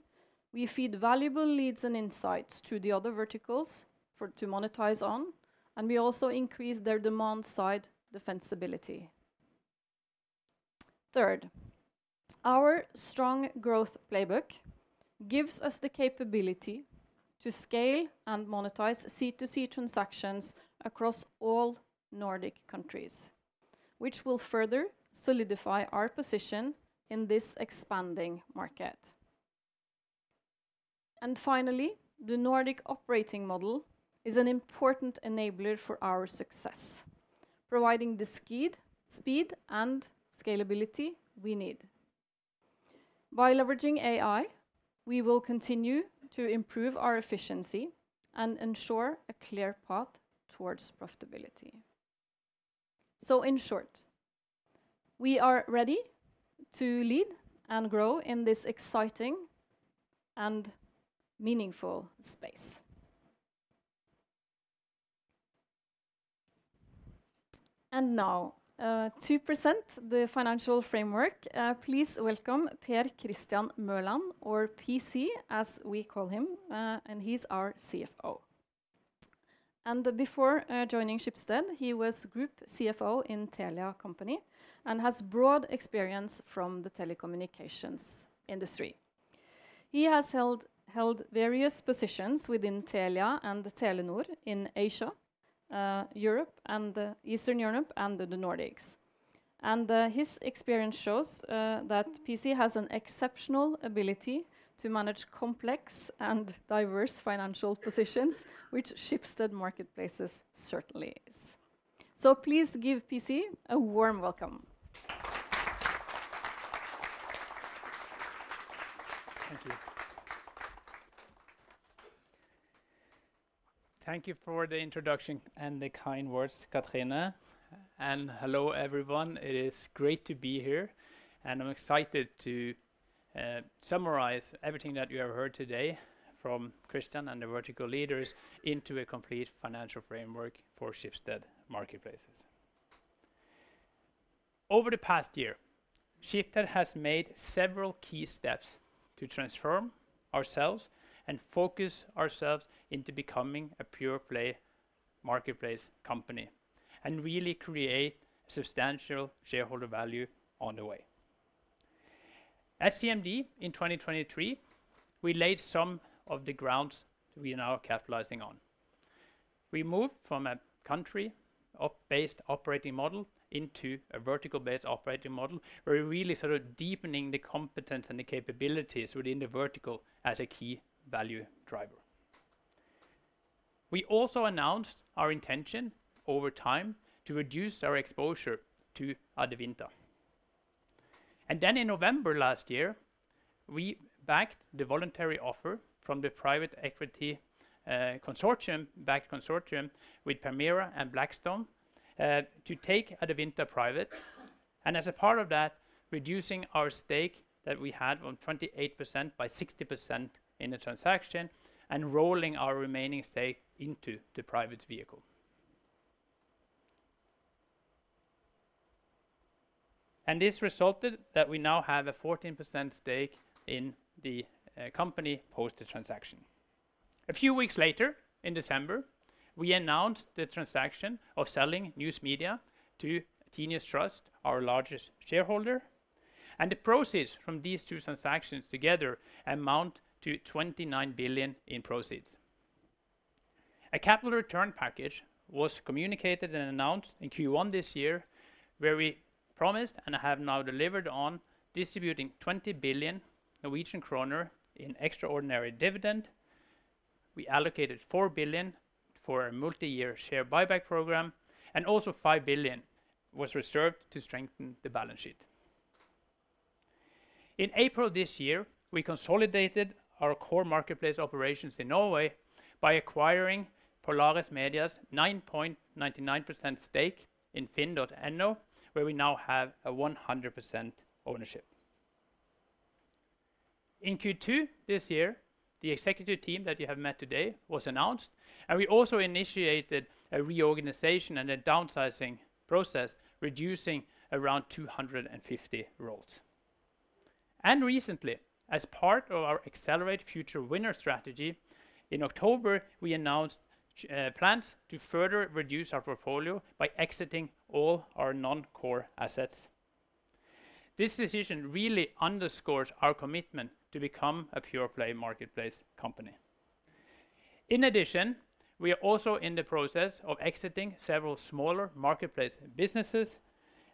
we feed valuable leads and insights to the other verticals to monetize on, and we also increase their demand-side defensibility. Third, our strong growth playbook gives us the capability to scale and monetize C2C transactions across all Nordic countries, which will further solidify our position in this expanding market. And finally, the Nordic operating model is an important enabler for our success, providing the speed and scalability we need. By leveraging AI, we will continue to improve our efficiency and ensure a clear path towards profitability. So, in short, we are ready to lead and grow in this exciting and meaningful space. And now, to present the financial framework, please welcome Per Christian Mørland, or PC as we call him, and he's our CFO. Before joining Schibsted, he was Group CFO in Telia Company and has broad experience from the telecommunications industry. He has held various positions within Telia and Telenor in Asia, Europe, and Eastern Europe, and the Nordics. His experience shows that PC has an exceptional ability to manage complex and diverse financial positions, which Schibsted Marketplaces certainly is. Please give PC a warm welcome. Thank you. Thank you for the introduction and the kind words, Cathrine. Hello, everyone. It is great to be here, and I'm excited to summarize everything that you have heard today from Christian and the vertical leaders into a complete financial framework for Schibsted Marketplaces. Over the past year, Schibsted has made several key steps to transform ourselves and focus ourselves into becoming a pure-play marketplace company and really create substantial shareholder value on the way. At CMD in 2023, we laid some of the grounds we are now capitalizing on. We moved from a country-based operating model into a vertical-based operating model, where we're really sort of deepening the competence and the capabilities within the vertical as a key value driver. We also announced our intention over time to reduce our exposure to Adevinta. And then in November last year, we backed the voluntary offer from the private equity consortium with Permira and Blackstone to take Adevinta private. And as a part of that, reducing our stake that we had of 28% by 60% in the transaction and rolling our remaining stake into the private vehicle. And this resulted that we now have a 14% stake in the company post-transaction. A few weeks later, in December, we announced the transaction of News Media to Tinius Trust, our largest shareholder. The proceeds from these two transactions together amount to 29 billion in proceeds. A capital return package was communicated and announced in Q1 this year, where we promised and have now delivered on distributing 20 billion Norwegian kroner in extraordinary dividend. We allocated four billion for a multi-year share buyback program, and also five billion was reserved to strengthen the balance sheet. In April this year, we consolidated our core marketplace operations in Norway by acquiring Polaris Media's 9.99% stake in FINN.no, where we now have a 100% ownership. In Q2 this year, the executive team that you have met today was announced, and we also initiated a reorganization and a downsizing process, reducing around 250 roles. Recently, as part of our Accelerate Future Winners strategy, in October, we announced plans to further reduce our portfolio by exiting all our non-core assets. This decision really underscores our commitment to become a pure-play marketplace company. In addition, we are also in the process of exiting several smaller marketplace businesses,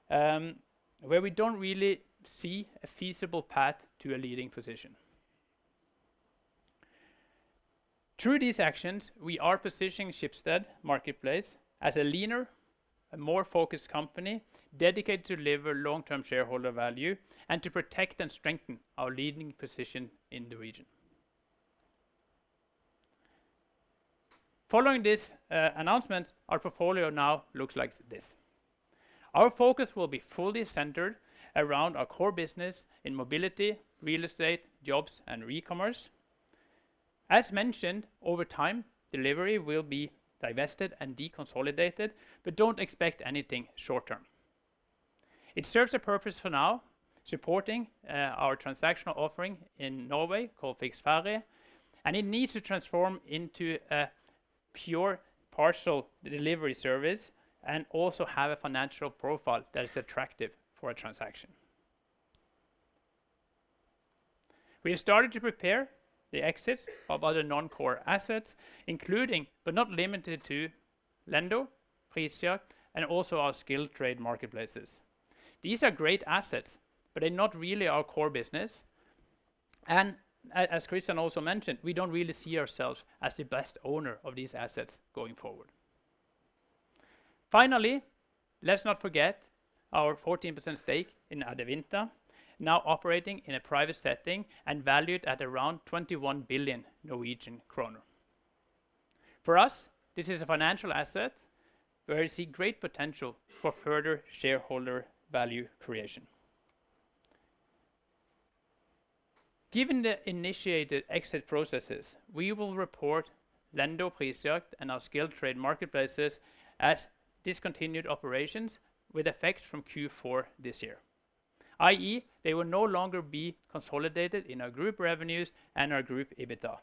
where we don't really see a feasible path to a leading position. Through these actions, we are positioning Schibsted Marketplaces as a leaner, more focused company dedicated to deliver long-term shareholder value and to protect and strengthen our leading position in the region. Following this announcement, our portfolio now looks like this. Our focus will be fully centered around our core business in mobility, real estate, jobs, and Re-commerce. As mentioned, over time, Delivery will be divested and deconsolidated, but don't expect anything short-term. It serves a purpose for now, supporting our transactional offering in Norway called Fiks Ferdig, and it needs to transform into a pure partial Delivery service and also have a financial profile that is attractive for a transaction. We have started to prepare the exits of other non-core assets, including but not limited to Lendo, Prisjakt, and also our skilled trade marketplaces. These are great assets, but they're not really our core business, and as Christian also mentioned, we don't really see ourselves as the best owner of these assets going forward. Finally, let's not forget our 14% stake in Adevinta, now operating in a private setting and valued at around 21 billion Norwegian kroner. For us, this is a financial asset where we see great potential for further shareholder value creation. Given the initiated exit processes, we will report Lendo, Prisjakt, and our skilled trade marketplaces as discontinued operations with effect from Q4 this year, i.e., they will no longer be consolidated in our group revenues and our group EBITDA.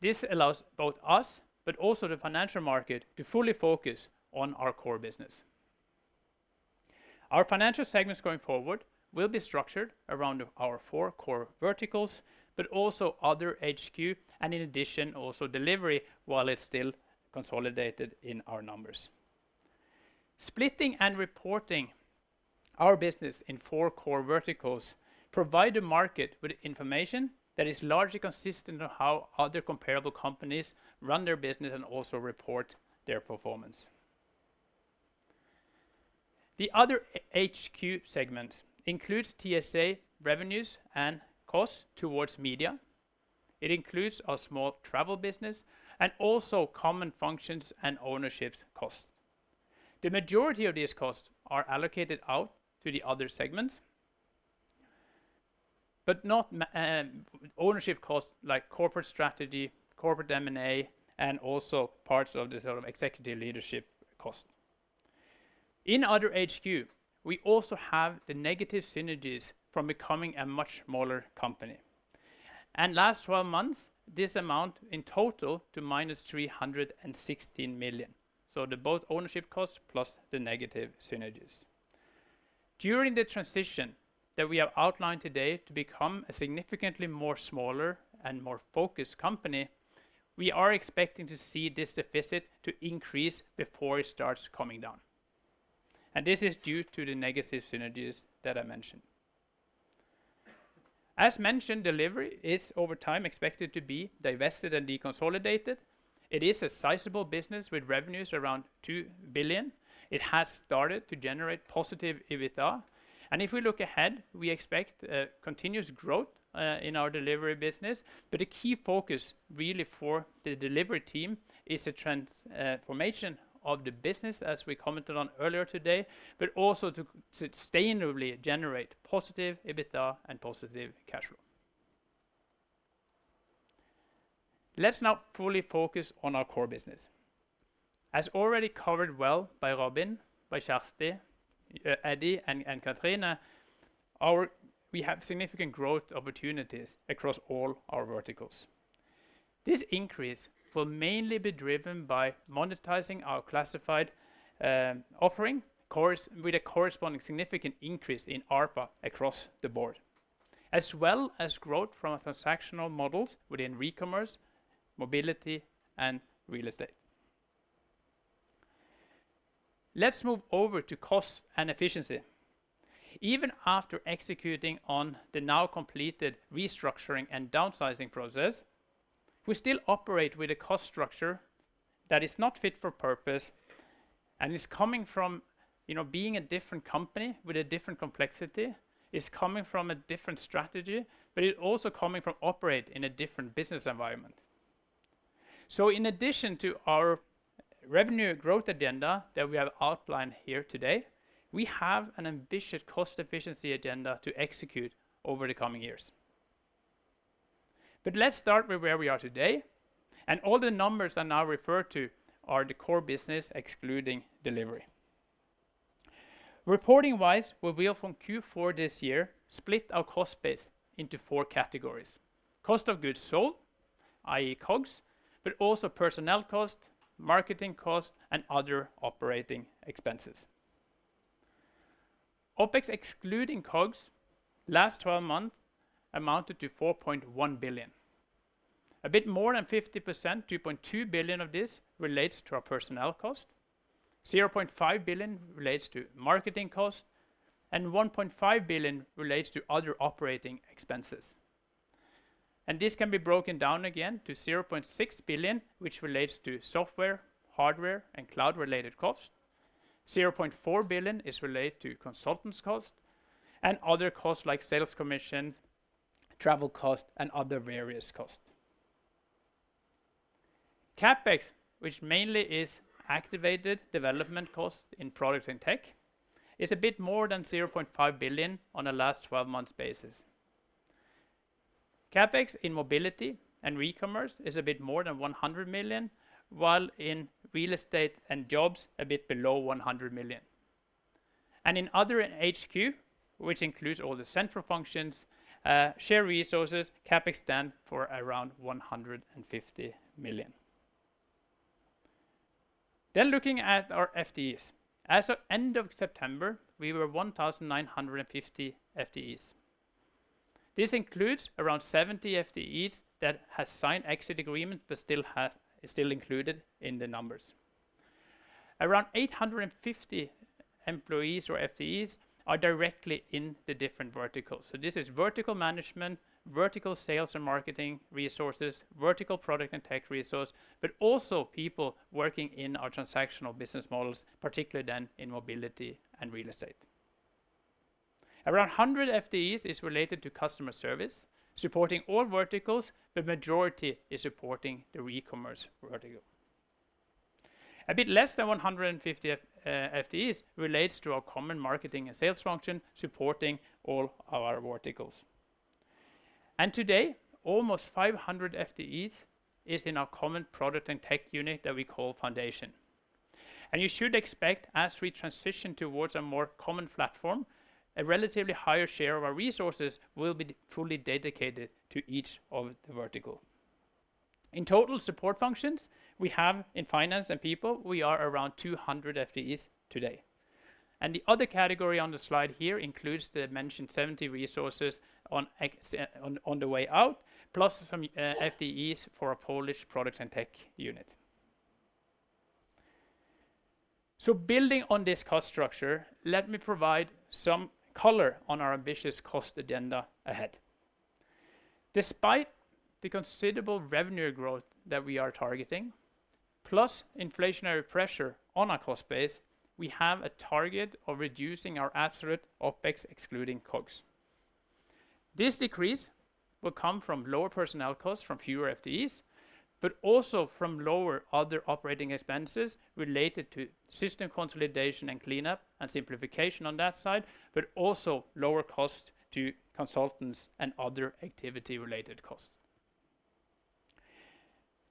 This allows both us but also the financial market to fully focus on our core business. Our financial segments going forward will be structured around our four core verticals, but also Other HQ, and in addition, also Delivery while it's still consolidated in our numbers. Splitting and reporting our business in four core verticals provides the market with information that is largely consistent with how other comparable companies run their business and also report their performance. The Other HQ segment includes TSA revenues and costs toward Media. It includes a small travel business and also common functions and ownership costs. The majority of these costs are allocated out to the other segments, but not ownership costs like corporate strategy, corporate M&A, and also parts of the sort of executive leadership cost. In Other HQ, we also have the negative synergies from becoming a much smaller company, and last 12 months, this amount in total to -316 million. The both ownership costs plus the negative synergies. During the transition that we have outlined today to become a significantly more smaller and more focused company, we are expecting to see this deficit increase before it starts coming down. This is due to the negative synergies that I mentioned. As mentioned, Delivery is over time expected to be divested and deconsolidated. It is a sizable business with revenues around 2 billion. It has started to generate positive EBITDA. If we look ahead, we expect continuous growth in our Delivery business. The key focus really for the Delivery team is the transformation of the business, as we commented on earlier today, but also to sustainably generate positive EBITDA and positive cash flow. Let's now fully focus on our core business. As already covered well by Robin, by Kjersti, Eddie, and Cathrine, we have significant growth opportunities across all our verticals. This increase will mainly be driven by monetizing our classified offering, with a corresponding significant increase in ARPA across the board, as well as growth from our transactional models within Re-commerce, mobility, and real estate. Let's move over to cost and efficiency. Even after executing on the now completed restructuring and downsizing process, we still operate with a cost structure that is not fit for purpose and is coming from, you know, being a different company with a different complexity, is coming from a different strategy, but it's also coming from operating in a different business environment. So in addition to our revenue growth agenda that we have outlined here today, we have an ambitious cost efficiency agenda to execute over the coming years. But let's start with where we are today. And all the numbers I now refer to are the core business, excluding Delivery. Reporting-wise, we will, from Q4 this year, split our cost base into four categories: cost of goods sold, i.e., COGS, but also personnel cost, marketing cost, and other operating expenses. OpEx, excluding COGS, last 12 months amounted to 4.1 billion. A bit more than 50%, 2.2 billion of this relates to our personnel cost. 0.5 billion relates to marketing cost, and 1.5 billion relates to other operating expenses. And this can be broken down again to 0.6 billion, which relates to software, hardware, and cloud-related costs. 0.4 billion is related to consultants cost and other costs like sales commissions, travel costs, and other various costs. CapEx, which mainly is activated development cost in products and tech, is a bit more than 0.5 billion on a last 12-month basis. CapEx in mobility and Re-commerce is a bit more than 100 million, while in real estate and jobs, a bit below 100 million. In other HQ, which includes all the central functions, share resources, CapEx stands for around 150 million. Looking at our FTEs, as of end of September, we were 1,950 FTEs. This includes around 70 FTEs that have signed exit agreements but still are included in the numbers. Around 850 employees or FTEs are directly in the different verticals, so this is vertical management, vertical sales and marketing resources, vertical product and tech resources, but also people working in our transactional business models, particularly then in mobility and real estate. Around 100 FTEs are related to customer service, supporting all verticals, but the majority is supporting the Re-commerce vertical. A bit less than 150 FTEs relate to our common marketing and sales function, supporting all of our verticals. And today, almost 500 FTEs are in our common product and tech unit that we call Foundation. And you should expect, as we transition towards a more common platform, a relatively higher share of our resources will be fully dedicated to each of the verticals. In total support functions, we have in finance and people, we are around 200 FTEs today. And the other category on the slide here includes the mentioned 70 resources on the way out, plus some FTEs for our Polish product and tech unit. So building on this cost structure, let me provide some color on our ambitious cost agenda ahead. Despite the considerable revenue growth that we are targeting, plus inflationary pressure on our cost base, we have a target of reducing our absolute OPEX, excluding COGS. This decrease will come from lower personnel costs from fewer FTEs, but also from lower other operating expenses related to system consolidation and cleanup and simplification on that side, but also lower costs to consultants and other activity-related costs.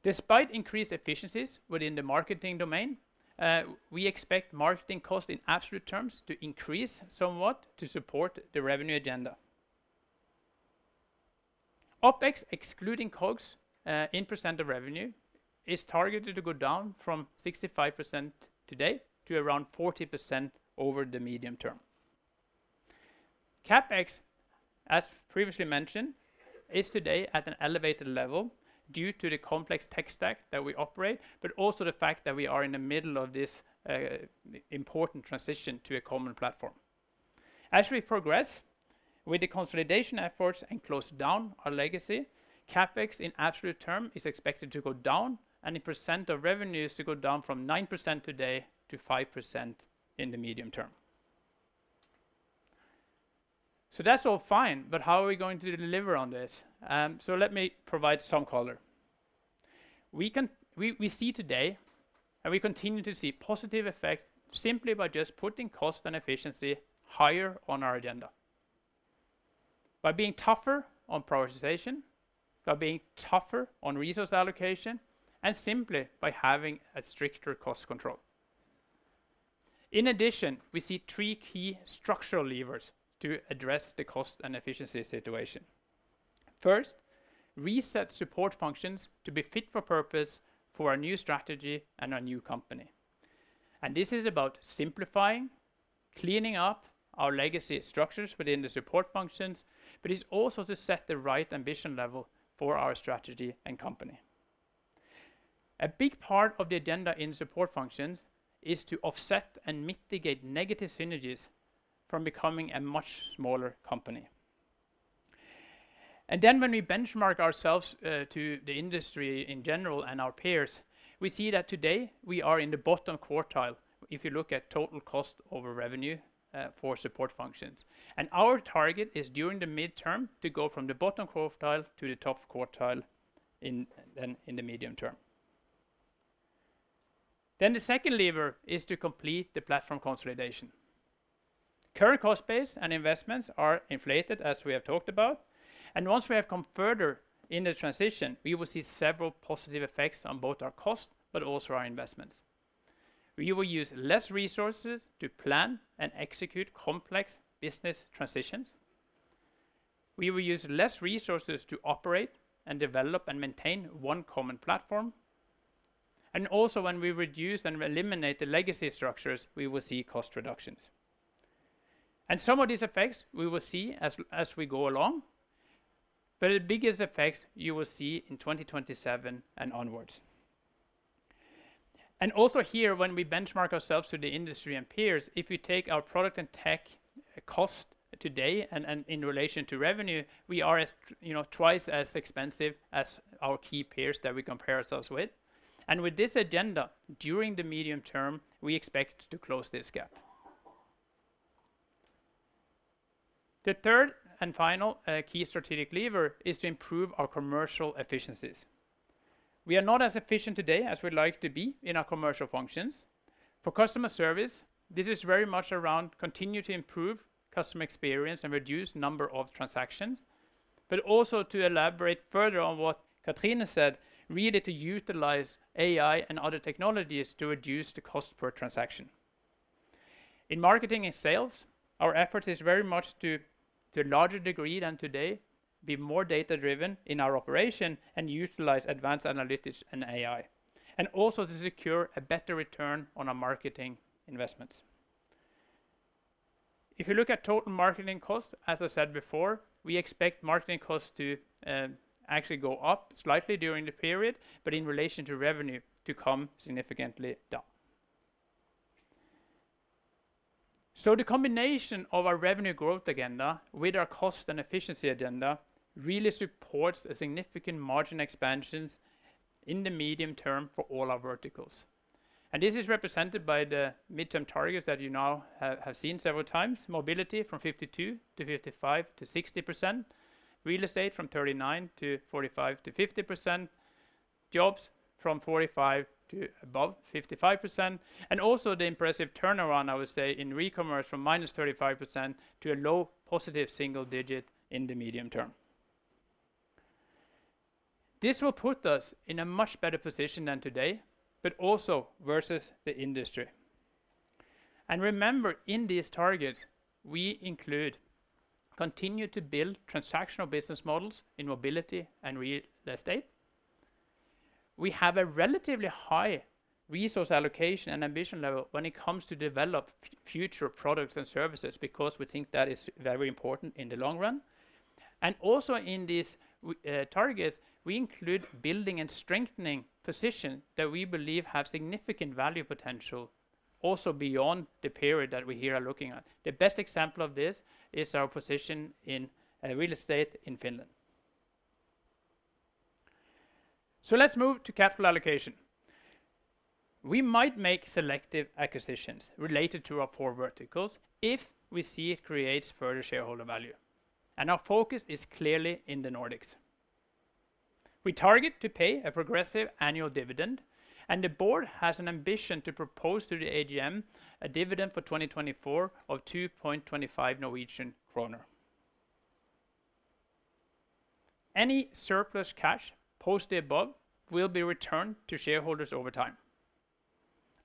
Despite increased efficiencies within the marketing domain, we expect marketing costs in absolute terms to increase somewhat to support the revenue agenda. OPEX, excluding COGS in % of revenue, is targeted to go down from 65% today to around 40% over the medium term. CAPEX, as previously mentioned, is today at an elevated level due to the complex tech stack that we operate, but also the fact that we are in the middle of this important transition to a common platform. As we progress with the consolidation efforts and close down our legacy, CapEx in absolute terms is expected to go down, and the percent of revenues to go down from 9% today to 5% in the medium term. So that's all fine, but how are we going to deliver on this? So let me provide some color. We see today, and we continue to see positive effects simply by just putting cost and efficiency higher on our agenda, by being tougher on prioritization, by being tougher on resource allocation, and simply by having a stricter cost control. In addition, we see three key structural levers to address the cost and efficiency situation. First, reset support functions to be fit for purpose for our new strategy and our new company. This is about simplifying, cleaning up our legacy structures within the support functions, but it's also to set the right ambition level for our strategy and company. A big part of the agenda in support functions is to offset and mitigate negative synergies from becoming a much smaller company. And then when we benchmark ourselves to the industry in general and our peers, we see that today we are in the bottom quartile if you look at total cost over revenue for support functions. And our target is during the midterm to go from the bottom quartile to the top quartile in the medium term. Then the second lever is to complete the platform consolidation. Current cost base and investments are inflated, as we have talked about. Once we have come further in the transition, we will see several positive effects on both our cost, but also our investments. We will use less resources to plan and execute complex business transitions. We will use less resources to operate and develop and maintain one common platform. Also, when we reduce and eliminate the legacy structures, we will see cost reductions. Some of these effects we will see as we go along, but the biggest effects you will see in 2027 and onwards. Also here, when we benchmark ourselves to the industry and peers, if we take our product and tech cost today and in relation to revenue, we are twice as expensive as our key peers that we compare ourselves with. With this agenda, during the medium term, we expect to close this gap. The third and final key strategic lever is to improve our commercial efficiencies. We are not as efficient today as we'd like to be in our commercial functions. For customer service, this is very much around continuing to improve customer experience and reduce the number of transactions, but also to elaborate further on what Cathrine said, really to utilize AI and other technologies to reduce the cost per transaction. In marketing and sales, our effort is very much to a larger degree than today, be more data-driven in our operation and utilize advanced analytics and AI, and also to secure a better return on our marketing investments. If you look at total marketing costs, as I said before, we expect marketing costs to actually go up slightly during the period, but in relation to revenue, to come significantly down. The combination of our revenue growth agenda with our cost and efficiency agenda really supports significant margin expansions in the medium term for all our verticals. And this is represented by the midterm targets that you now have seen several times: mobility from 52% to 55% to 60%, real estate from 39% to 45% to 50%, jobs from 45% to above 55%, and also the impressive turnaround, I would say, in Re-commerce from -35% to a low positive single digit in the medium term. This will put us in a much better position than today, but also versus the industry. And remember, in these targets, we include continuing to build transactional business models in mobility and real estate. We have a relatively high resource allocation and ambition level when it comes to developing future products and services because we think that is very important in the long run. And also in these targets, we include building and strengthening positions that we believe have significant value potential also beyond the period that we here are looking at. The best example of this is our position in real estate in Finland. So let's move to capital allocation. We might make selective acquisitions related to our four verticals if we see it creates further shareholder value. And our focus is clearly in the Nordics. We target to pay a progressive annual dividend, and the board has an ambition to propose to the AGM a dividend for 2024 of 2.25 Norwegian kroner. Any surplus cash posted above will be returned to shareholders over time,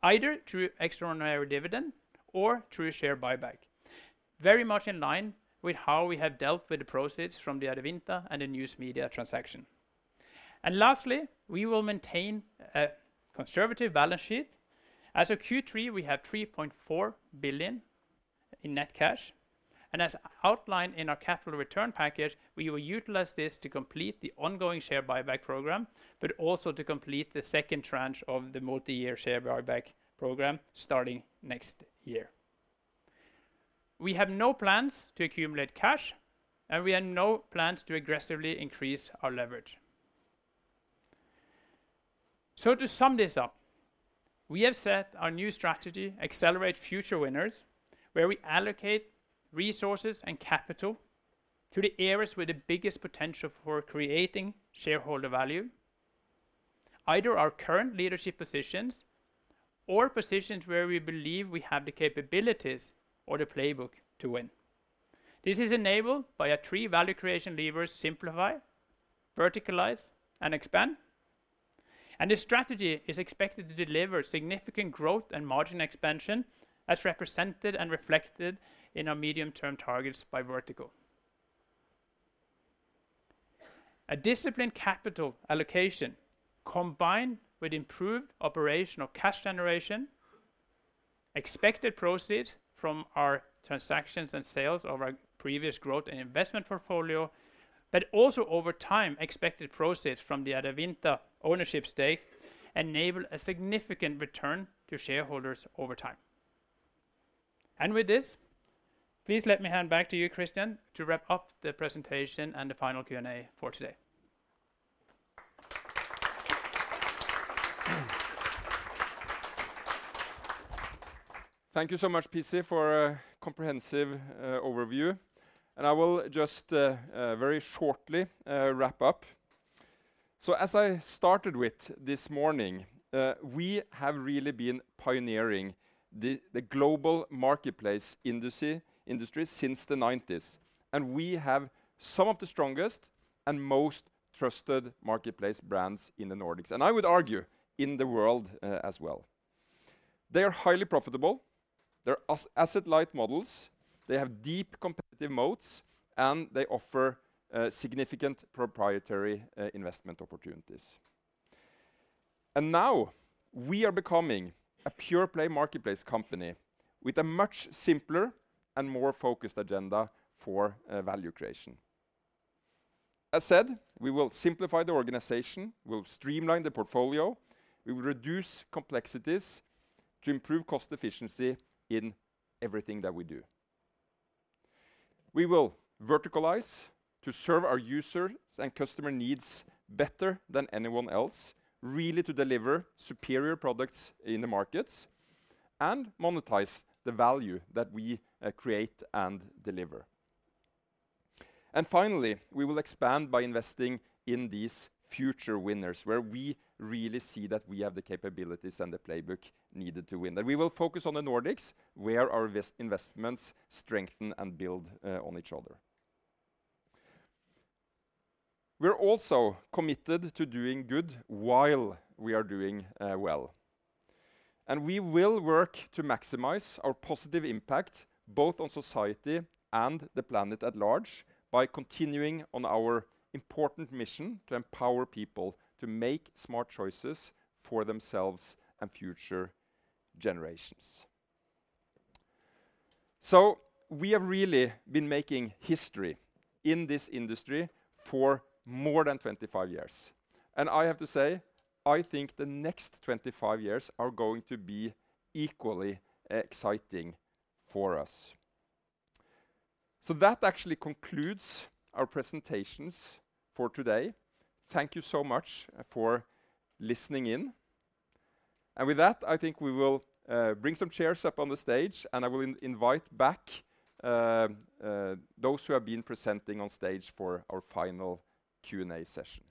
either through extraordinary dividend or through share buyback, very much in line with how we have dealt with the process from the Adevinta and the News Media transaction. And lastly, we will maintain a conservative balance sheet. As of Q3, we have 3.4 billion in net cash, and as outlined in our capital return package, we will utilize this to complete the ongoing share buyback program, but also to complete the second tranche of the multi-year share buyback program starting next year. We have no plans to accumulate cash, and we have no plans to aggressively increase our leverage, so to sum this up, we have set our new strategy, Accelerate Future Winners, where we allocate resources and capital to the areas with the biggest potential for creating shareholder value, either our current leadership positions or positions where we believe we have the capabilities or the playbook to win. This is enabled by our three value creation levers: Simplify, Verticalize, and Expand, and this strategy is expected to deliver significant growth and margin expansion, as represented and reflected in our medium-term targets by vertical. A disciplined capital allocation combined with improved operational cash generation, expected proceeds from our transactions and sales of our previous growth and investment portfolio, but also over time, expected proceeds from the Adevinta ownership stake enable a significant return to shareholders over time. And with this, please let me hand back to you, Christian, to wrap up the presentation and the final Q&A for today. Thank you so much, PC, for a comprehensive overview. And I will just very shortly wrap up. So as I started with this morning, we have really been pioneering the global marketplace industry since the '90s. And we have some of the strongest and most trusted marketplace brands in the Nordics, and I would argue in the world as well. They are highly profitable. They're asset-light models. They have deep competitive moats, and they offer significant proprietary investment opportunities. And now we are becoming a pure-play marketplace company with a much simpler and more focused agenda for value creation. As said, we will simplify the organization, we'll streamline the portfolio, we will reduce complexities to improve cost efficiency in everything that we do. We will verticalize to serve our users and customer needs better than anyone else, really to deliver superior products in the markets and monetize the value that we create and deliver. And finally, we will expand by investing in these future winners where we really see that we have the capabilities and the playbook needed to win. And we will focus on the Nordics, where our investments strengthen and build on each other. We're also committed to doing good while we are doing well. We will work to maximize our positive impact both on society and the planet at large by continuing on our important mission to empower people to make smart choices for themselves and future generations. So we have really been making history in this industry for more than 25 years. And I have to say, I think the next 25 years are going to be equally exciting for us. So that actually concludes our presentations for today. Thank you so much for listening in. And with that, I think we will bring some chairs up on the stage, and I will invite back those who have been presenting on stage for our final Q&A session.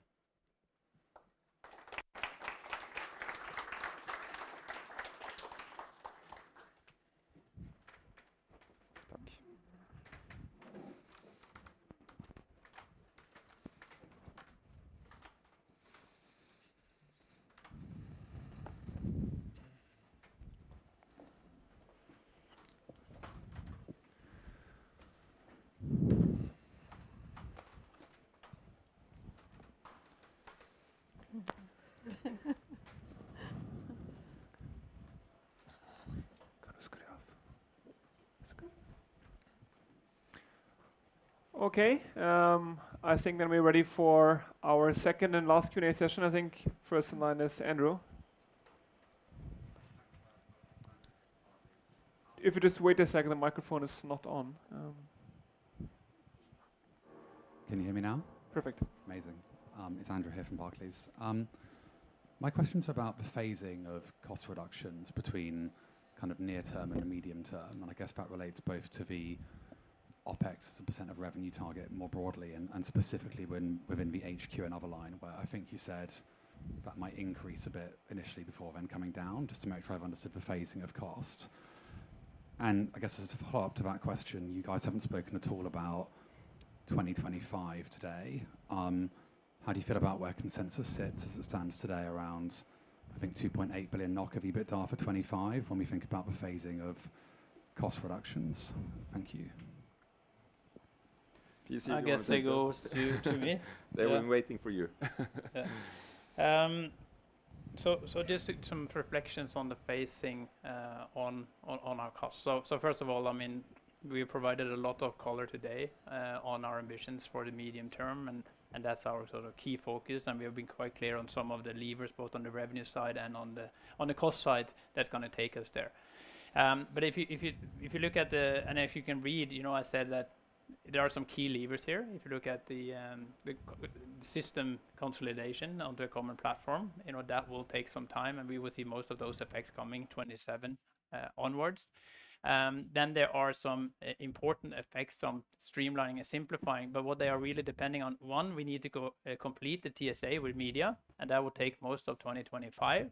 Okay, I think then we're ready for our second and last Q&A session. I think first in line is Andrew. If you just wait a second, the microphone is not on. Can you hear me now? Perfect. Amazing. It's Andrew here from Barclays. My questions are about the phasing of cost reductions between kind of near-term and the medium-term. And I guess that relates both to the OPEX as a % of revenue target more broadly and specifically within the HQ and other line where I think you said that might increase a bit initially before then coming down just to make sure I've understood the phasing of cost. And I guess as a follow-up to that question, you guys haven't spoken at all about 2025 today. How do you feel about where consensus sits as it stands today around, I think, 2.8 billion NOK of EBITDA for 2025 when we think about the phasing of cost reductions? Thank you. I guess they go to me. They were waiting for you. So just some reflections on the phasing on our costs. So first of all, I mean, we have provided a lot of color today on our ambitions for the medium term, and that's our sort of key focus. And we have been quite clear on some of the levers, both on the revenue side and on the cost side that's going to take us there. But if you look at the, and if you can read, you know, I said that there are some key levers here. If you look at the system consolidation on the common platform, you know, that will take some time, and we will see most of those effects coming 2027 onwards. Then there are some important effects on streamlining and simplifying, but what they are really depending on, one, we need to complete the TSA with Media, and that will take most of 2025.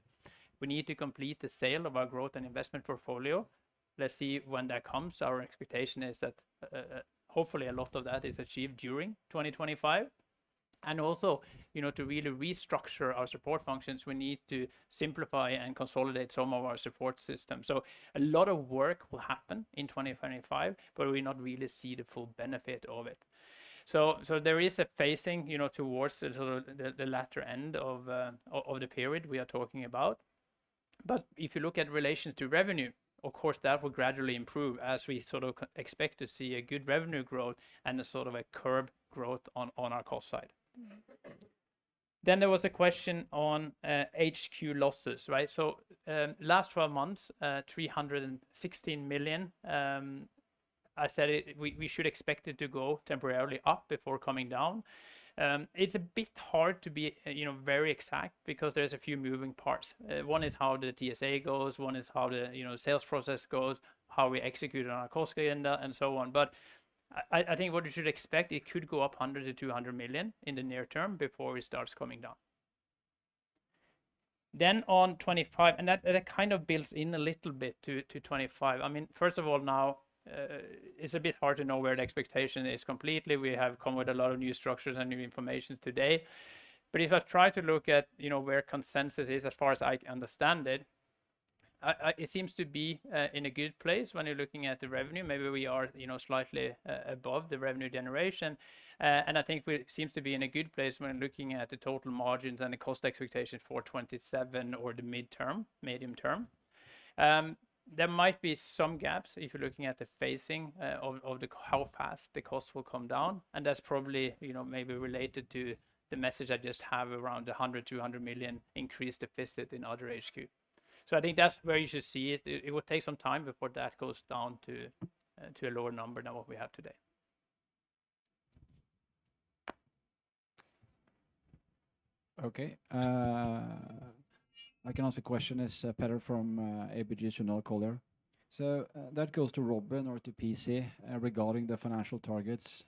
We need to complete the sale of our growth and investment portfolio. Let's see when that comes. Our expectation is that hopefully a lot of that is achieved during 2025. And also, you know, to really restructure our support functions, we need to simplify and consolidate some of our support systems. So a lot of work will happen in 2025, but we're not really seeing the full benefit of it. So there is a phasing, you know, towards the latter end of the period we are talking about. But if you look at relations to revenue, of course, that will gradually improve as we sort of expect to see a good revenue growth and a sort of a curb growth on our cost side. Then there was a question on HQ losses, right? So last 12 months, 316 million. I said we should expect it to go temporarily up before coming down. It's a bit hard to be very exact because there's a few moving parts. One is how the TSA goes, one is how the sales process goes, how we execute on our cost agenda and so on. But I think what you should expect, it could go up 100 million-200 million in the near term before it starts coming down. Then on 2025, and that kind of builds in a little bit to 2025. I mean, first of all, now it's a bit hard to know where the expectation is completely. We have come with a lot of new structures and new information today. But if I try to look at where consensus is, as far as I understand it, it seems to be in a good place when you're looking at the revenue. Maybe we are slightly above the revenue generation, and I think we seem to be in a good place when looking at the total margins and the cost expectation for 2027 or the midterm, medium term. There might be some gaps if you're looking at the phasing of how fast the costs will come down, and that's probably maybe related to the message I just have around the 100 million-200 million increased deficit in other HQ. So I think that's where you should see it. It will take some time before that goes down to a lower number than what we have today. Okay. I can ask a question: It's Petter from ABG Sundal Collier? So that goes to Robin or to PC regarding the financial targets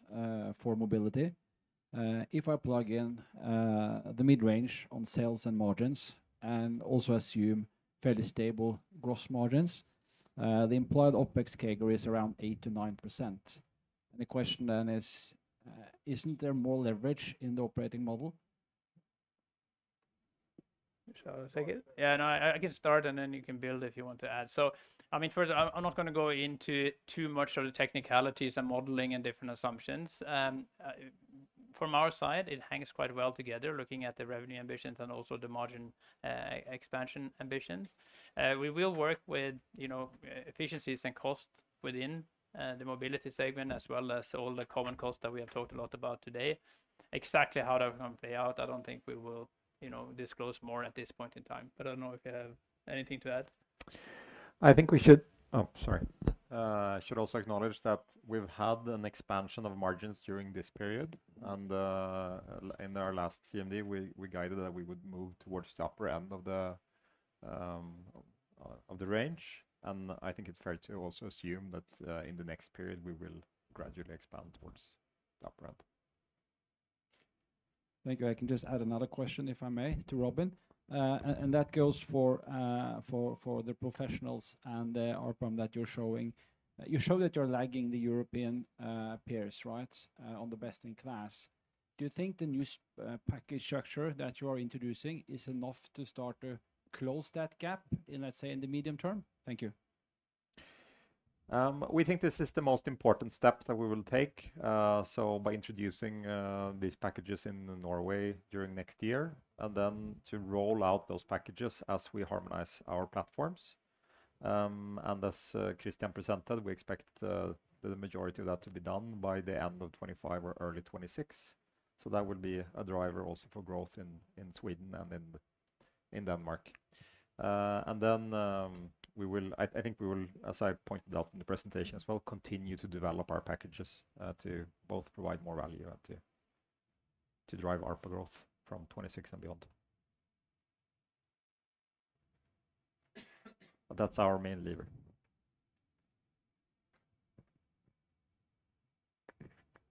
for mobility. If I plug in the mid-range on sales and margins and also assume fairly stable gross margins, the implied OPEXCAGR is around 8%-9%. The question then is, isn't there more leverage in the operating model? Should I take it? Yeah, no, I can start and then you can build if you want to add. So I mean, first, I'm not going to go into too much of the technicalities and modeling and different assumptions. From our side, it hangs quite well together looking at the revenue ambitions and also the margin expansion ambitions. We will work with efficiencies and costs within the Mobility segment as well as all the common costs that we have talked a lot about today. Exactly how that will play out, I don't think we will disclose more at this point in time. But I don't know if you have anything to add. I think we should, oh, sorry, should also acknowledge that we've had an expansion of margins during this period. And in our last CMD, we guided that we would move towards the upper end of the range. And I think it's fair to also assume that in the next period, we will gradually expand towards the upper end. Thank you. I can just add another question, if I may, to Robin. And that goes for the professionals and the outcome that you're showing. You show that you're lagging the European peers, right, on the best in class. Do you think the new package structure that you are introducing is enough to start to close that gap in, let's say, in the medium term? Thank you. We think this is the most important step that we will take. By introducing these packages in Norway during next year and then to roll out those packages as we harmonize our platforms. As Christian presented, we expect the majority of that to be done by the end of 2025 or early 2026. That will be a driver also for growth in Sweden and in Denmark. Then we will, I think we will, as I pointed out in the presentation as well, continue to develop our packages to both provide more value and to drive our growth from 2026 and beyond. That's our main lever.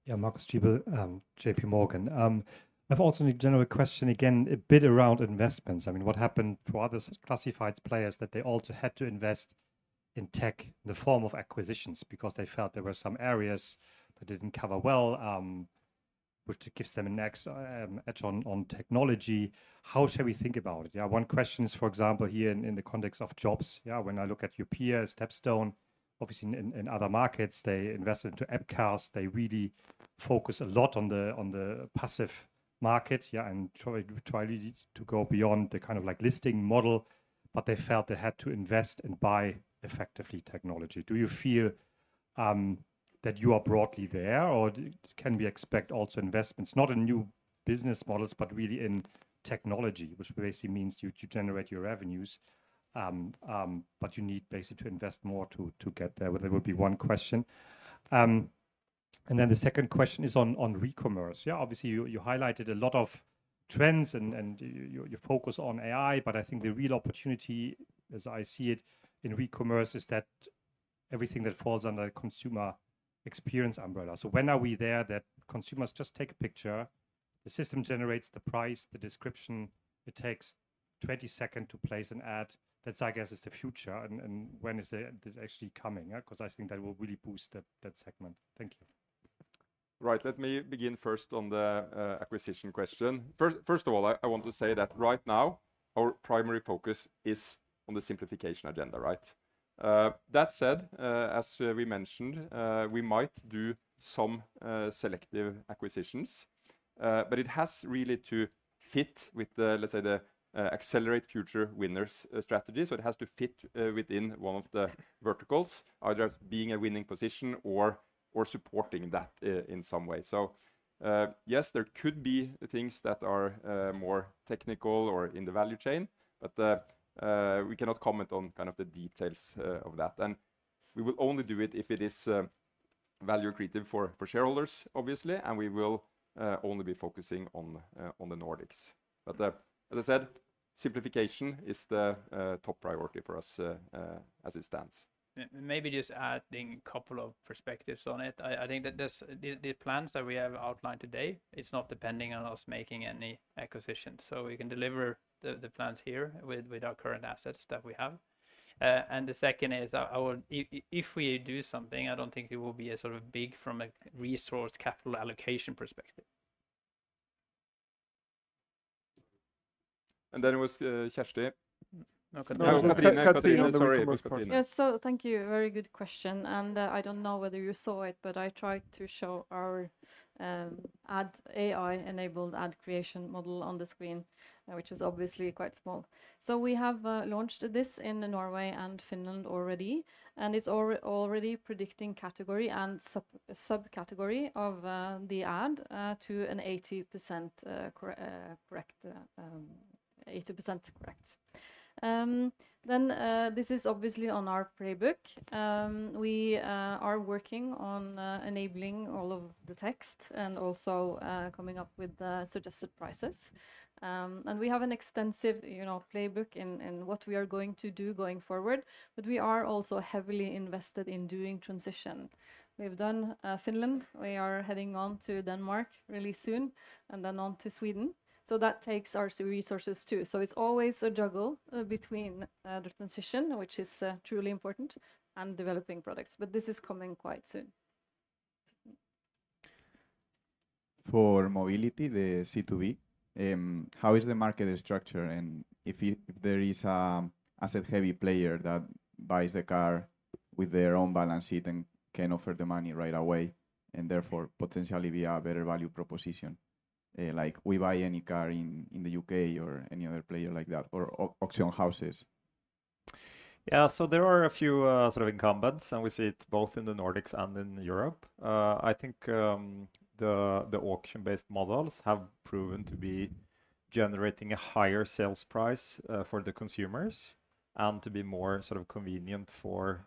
Yeah, Marcus, J.P. Morgan. I also need to have a question again a bit around investments. I mean, what happened for other classified players that they also had to invest in tech in the form of acquisitions because they felt there were some areas that didn't cover well, which gives them an edge on technology? How shall we think about it? Yeah, one question is, for example, here in the context of jobs, yeah, when I look at Indeed, StepStone, obviously in other markets, they invested into Appcast. They really focus a lot on the passive market, yeah, and try to go beyond the kind of like listing model, but they felt they had to invest and buy effectively technology. Do you feel that you are broadly there or can we expect also investments, not in new business models, but really in technology, which basically means you generate your revenues, but you need basically to invest more to get there? There will be one question. And then the second question is on Re-commerce. Yeah, obviously you highlighted a lot of trends and your focus on AI, but I think the real opportunity, as I see it in Re-commerce, is that everything that falls under the consumer experience umbrella. So when are we there that consumers just take a picture, the system generates the price, the description, it takes 20 seconds to place an ad. That's, I guess, is the future. And when is it actually coming? Because I think that will really boost that segment. Thank you. Right, let me begin first on the acquisition question. First of all, I want to say that right now, our primary focus is on the simplification agenda, right? That said, as we mentioned, we might do some selective acquisitions, but it has really to fit with the, let's say, the Accelerate Future Winners strategy. It has to fit within one of the verticals, either being a winning position or supporting that in some way. So yes, there could be things that are more technical or in the value chain, but we cannot comment on kind of the details of that. And we will only do it if it is value creative for shareholders, obviously, and we will only be focusing on the Nordics. But as I said, simplification is the top priority for us as it stands. Maybe just adding a couple of perspectives on it. I think that the plans that we have outlined today, it's not depending on us making any acquisitions. So we can deliver the plans here with our current assets that we have. And the second is, if we do something, I don't think it will be a sort of big from a resource capital allocation perspective. And then it was Kjersti. Sorry, it was Cathrine. Yes, so thank you. Very good question. And I don't know whether you saw it, but I tried to show our AI-enabled ad creation model on the screen, which is obviously quite small. So we have launched this in Norway and Finland already, and it's already predicting category and subcategory of the ad to an 80% correct. Then this is obviously on our playbook. We are working on enabling all of the text and also coming up with the suggested prices. And we have an extensive playbook in what we are going to do going forward, but we are also heavily invested in doing transition. We've done Finland. We are heading on to Denmark really soon and then on to Sweden. So that takes our resources too. It's always a juggle between the transition, which is truly important, and developing products. But this is coming quite soon. For mobility, the C2B, how is the market structure? And if there is an asset-heavy player that buys the car with their own balance sheet and can offer the money right away and therefore potentially be a better value proposition, like We Buy Any Car in the U.K. or any other player like that or auction houses? Yeah, so there are a few sort of incumbents, and we see it both in the Nordics and in Europe. I think the auction-based models have proven to be generating a higher sales price for the consumers and to be more sort of convenient for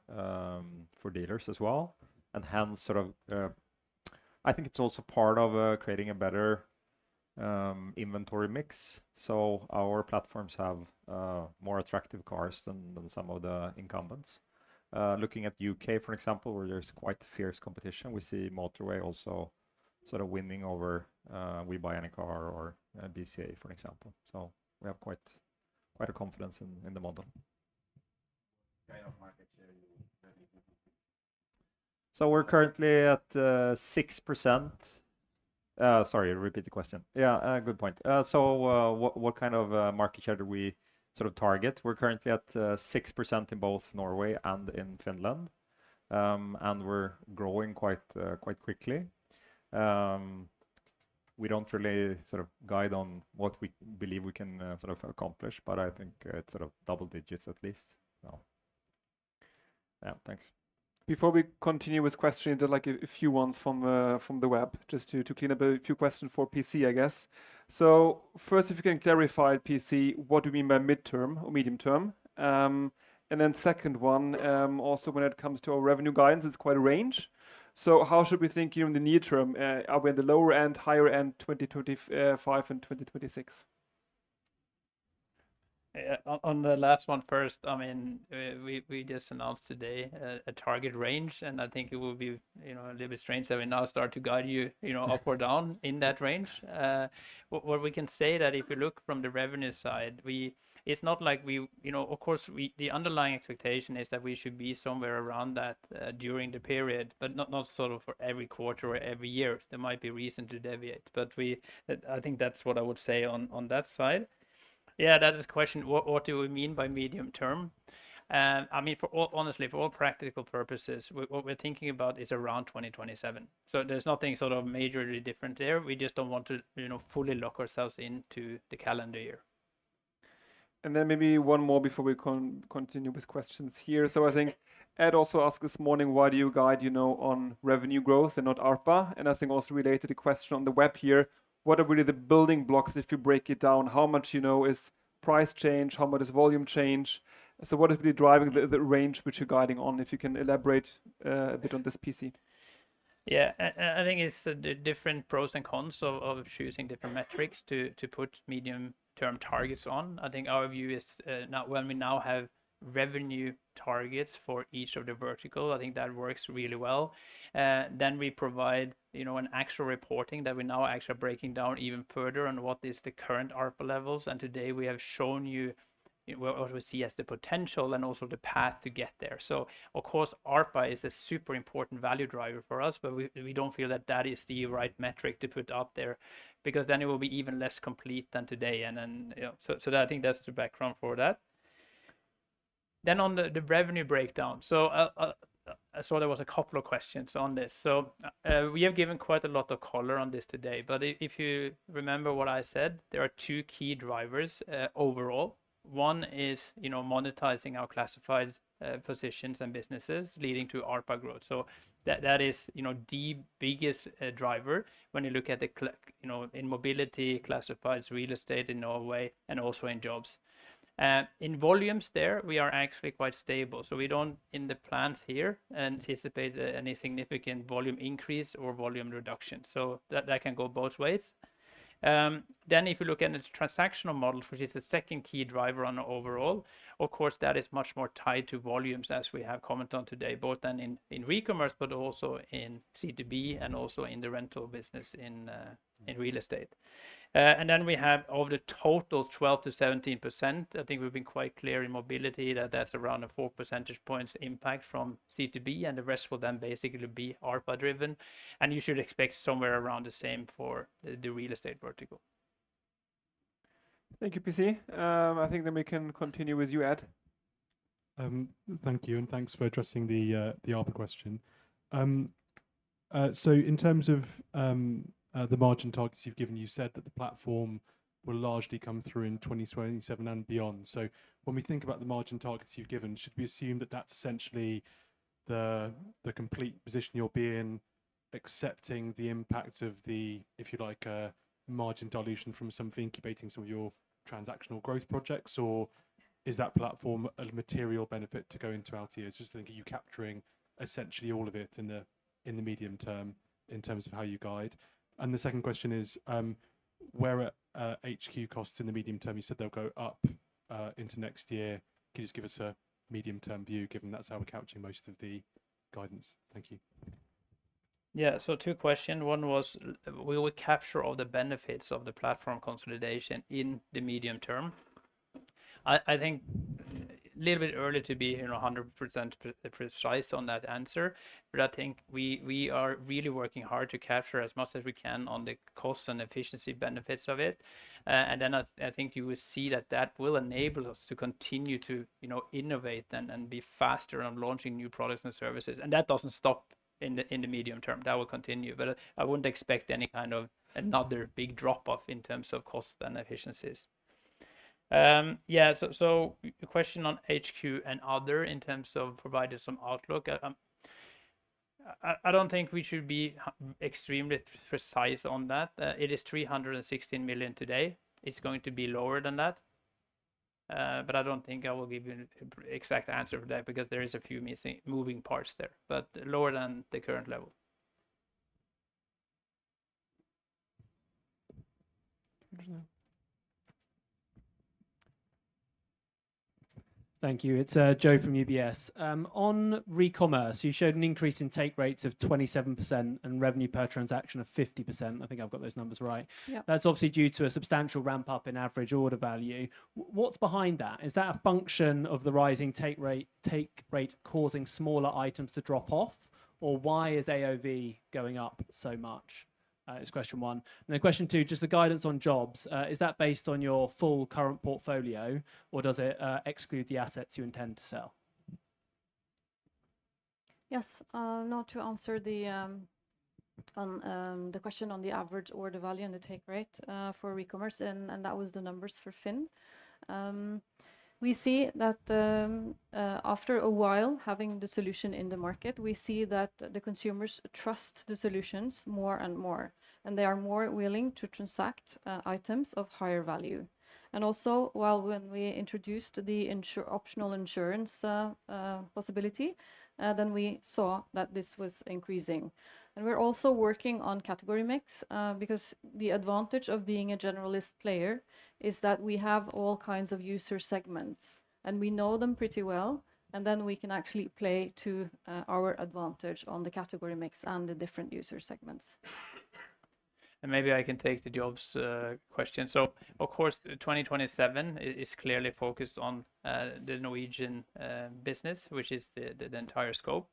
dealers as well. And hence, sort of I think it's also part of creating a better inventory mix. So our platforms have more attractive cars than some of the incumbents. Looking at the U.K., for example, where there's quite fierce competition, we see Motorway also sort of winning over We Buy Any Car or BCA, for example. So we have quite a confidence in the model. So we're currently at 6%. Sorry, repeat the question. Yeah, good point. So what kind of market share do we sort of target? We're currently at 6% in both Norway and in Finland, and we're growing quite quickly. We don't really sort of guide on what we believe we can sort of accomplish, but I think it's sort of double digits at least. Yeah, thanks. Before we continue with questions, there's like a few ones from the web just to clean up a few questions for PC, I guess. So first, if you can clarify PC, what do we mean by mid-term or medium term? And then second one, also when it comes to our revenue guidance, it's quite a range. So how should we think in the near term? Are we in the lower end, higher end, 2025 and 2026? On the last one first, I mean, we just announced today a target range, and I think it will be a little bit strange that we now start to guide you up or down in that range. What we can say is that if you look from the revenue side, it's not like we, of course, the underlying expectation is that we should be somewhere around that during the period, but not sort of for every quarter or every year. There might be reason to deviate, but I think that's what I would say on that side. Yeah, that is a question. What do we mean by medium term? I mean, honestly, for all practical purposes, what we're thinking about is around 2027. So there's nothing sort of majorly different there. We just don't want to fully lock ourselves into the calendar year. And then maybe one more before we continue with questions here. So I think Ed also asked this morning, why do you guide on revenue growth and not ARPA? And I think also related to the question on the web here, what are really the building blocks if you break it down? How much is price change? How much is volume change? So what is really driving the range which you're guiding on? If you can elaborate a bit on this PC. Yeah, I think it's the different pros and cons of choosing different metrics to put medium-term targets on. I think our view is now when we now have revenue targets for each of the verticals. I think that works really well. Then we provide an actual reporting that we now actually are breaking down even further on what is the current ARPA levels. And today we have shown you what we see as the potential and also the path to get there. So of course, ARPA is a super important value driver for us, but we don't feel that that is the right metric to put out there because then it will be even less complete than today. And then so I think that's the background for that. Then on the revenue breakdown, so I saw there was a couple of questions on this. So we have given quite a lot of color on this today, but if you remember what I said, there are two key drivers overall. One is monetizing our classified positions and businesses leading to ARPA growth. So that is the biggest driver when you look at them in mobility, classifieds, real estate in Norway, and also in jobs. In volumes there, we are actually quite stable. So we don't in the plans here anticipate any significant volume increase or volume reduction. So that can go both ways. Then if you look at the transactional models, which is the second key driver overall, of course, that is much more tied to volumes as we have commented on today, both in Re-commerce, but also in C2B and also in the rental business in real estate. And then we have overall the total 12%-17%. I think we've been quite clear in mobility that that's around a four percentage points impact from C2B, and the rest will then basically be ARPA driven. You should expect somewhere around the same for the real estate vertical. Thank you, PC. I think then we can continue with you, Ed. Thank you, and thanks for addressing the ARPA question. In terms of the margin targets you've given, you said that the platform will largely come through in 2027 and beyond. When we think about the margin targets you've given, should we assume that that's essentially the complete position you'll be in, accepting the impact of the, if you like, margin dilution from incubating some of your transactional growth projects, or is that platform a material benefit to go into out years? It's just thinking you're capturing essentially all of it in the medium term in terms of how you guide. And the second question is, where are HQ costs in the medium term? You said they'll go up into next year. Can you just give us a medium-term view given that's how we're capturing most of the guidance? Thank you. Yeah, so two questions. One was, will we capture all the benefits of the platform consolidation in the medium term? I think a little bit early to be 100% precise on that answer, but I think we are really working hard to capture as much as we can on the cost and efficiency benefits of it. And then I think you will see that that will enable us to continue to innovate and be faster on launching new products and services. And that doesn't stop in the medium term. That will continue, but I wouldn't expect any kind of another big drop-off in terms of cost and efficiencies. Yeah, so question on HQ and other in terms of providing some outlook. I don't think we should be extremely precise on that. It is 316 million today. It's going to be lower than that. But I don't think I will give you an exact answer for that because there are a few moving parts there, but lower than the current level. Thank you. It's Joe from UBS. On Re-commerce, you showed an increase in take rates of 27% and revenue per transaction of 50%. I think I've got those numbers right. That's obviously due to a substantial ramp-up in average order value. What's behind that? Is that a function of the rising take rate causing smaller items to drop off, or why is AOV going up so much? It's question one. And then question two, just the guidance on jobs. Is that based on your full current portfolio, or does it exclude the assets you intend to sell? Yes. Now to answer the question on the average order value and the take rate for Re-commerce, and that was the numbers for FINN. We see that after a while having the solution in the market, we see that the consumers trust the solutions more and more, and they are more willing to transact items of higher value. And also, when we introduced the optional insurance possibility, then we saw that this was increasing. We're also working on category mix because the advantage of being a generalist player is that we have all kinds of user segments, and we know them pretty well, and then we can actually play to our advantage on the category mix and the different user segments. Maybe I can take the jobs question. Of course, 2027 is clearly focused on the Norwegian business, which is the entire scope.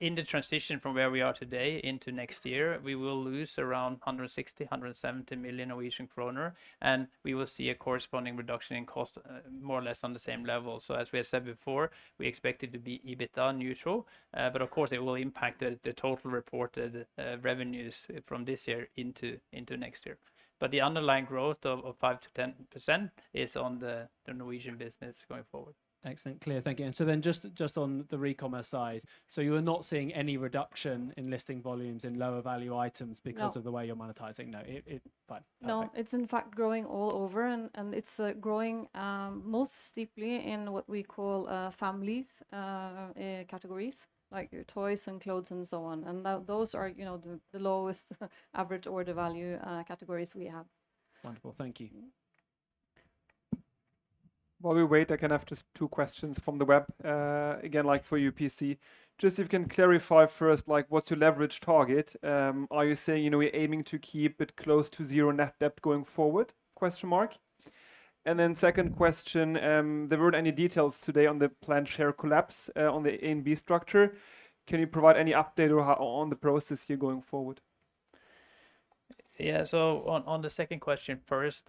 In the transition from where we are today into next year, we will lose around 160-170 million Norwegian kroner, and we will see a corresponding reduction in cost more or less on the same level. As we have said before, we expect it to be EBITDA neutral, but of course, it will impact the total reported revenues from this year into next year. But the underlying growth of 5%-10% is on the Norwegian business going forward. Excellent. Clear. Thank you. And so then just on the Re-commerce side, so you are not seeing any reduction in listing volumes in lower value items because of the way you're monetizing? No. No, it's in fact growing all over, and it's growing most steeply in what we call families categories, like toys and clothes and so on. And those are the lowest average order value categories we have. Wonderful. Thank you. While we wait, I can have just two questions from the web again, like for you, PC. Just if you can clarify first, like what's your leverage target? Are you saying we're aiming to keep it close to zero net debt going forward? And then second question, there weren't any details today on the planned share collapse on the A and B structure? Can you provide any update on the process here going forward? Yeah, so on the second question first,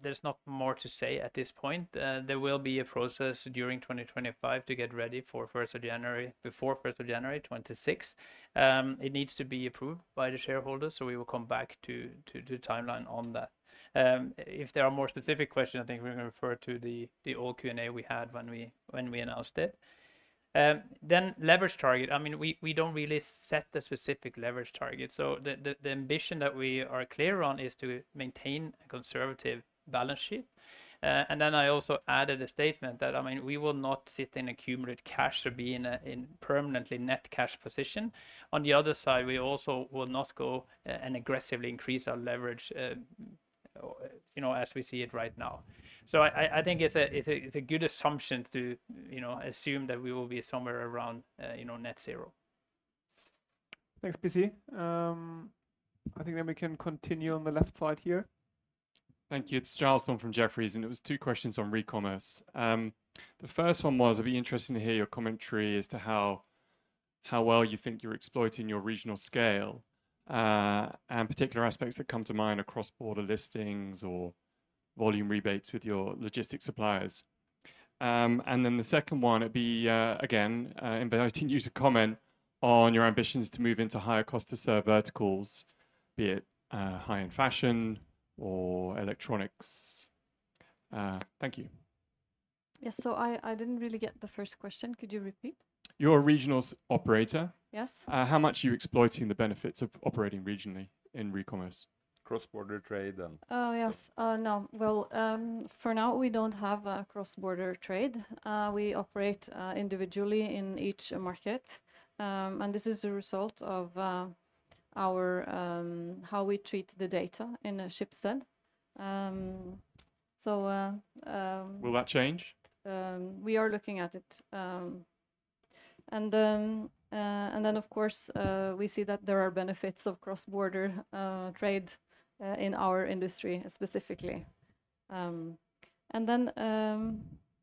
there's not more to say at this point. There will be a process during 2025 to get ready for 1st of January, before 1st of January 2026. It needs to be approved by the shareholders, so we will come back to the timeline on that. If there are more specific questions, I think we can refer to the old Q&A we had when we announced it. Then leverage target. I mean, we don't really set the specific leverage target. So the ambition that we are clear on is to maintain a conservative balance sheet. Then I also added a statement that, I mean, we will not sit in accumulated cash or be in a permanently net cash position. On the other side, we also will not go and aggressively increase our leverage as we see it right now. So I think it's a good assumption to assume that we will be somewhere around net zero. Thanks, PC. I think then we can continue on the left side here. Thank you. It's Giles Thorne from Jefferies, and it was two questions on Re-commerce. The first one was, it'd be interesting to hear your commentary as to how well you think you're exploiting your regional scale and particular aspects that come to mind, cross-border listings or volume rebates with your logistics suppliers. And then the second one, it'd be again inviting you to comment on your ambitions to move into higher cost-to-serve verticals, be it high-end fashion or electronics. Thank you. Yes, so I didn't really get the first question. Could you repeat? Your regional scale. Yes. How much are you exploiting the benefits of operating regionally in Re-commerce? Cross-border trade and. Oh, yes. No. Well, for now, we don't have a cross-border trade. We operate individually in each market, and this is a result of how we treat the data in Schibsted. So. Will that change? We are looking at it. Of course, we see that there are benefits of cross-border trade in our industry specifically.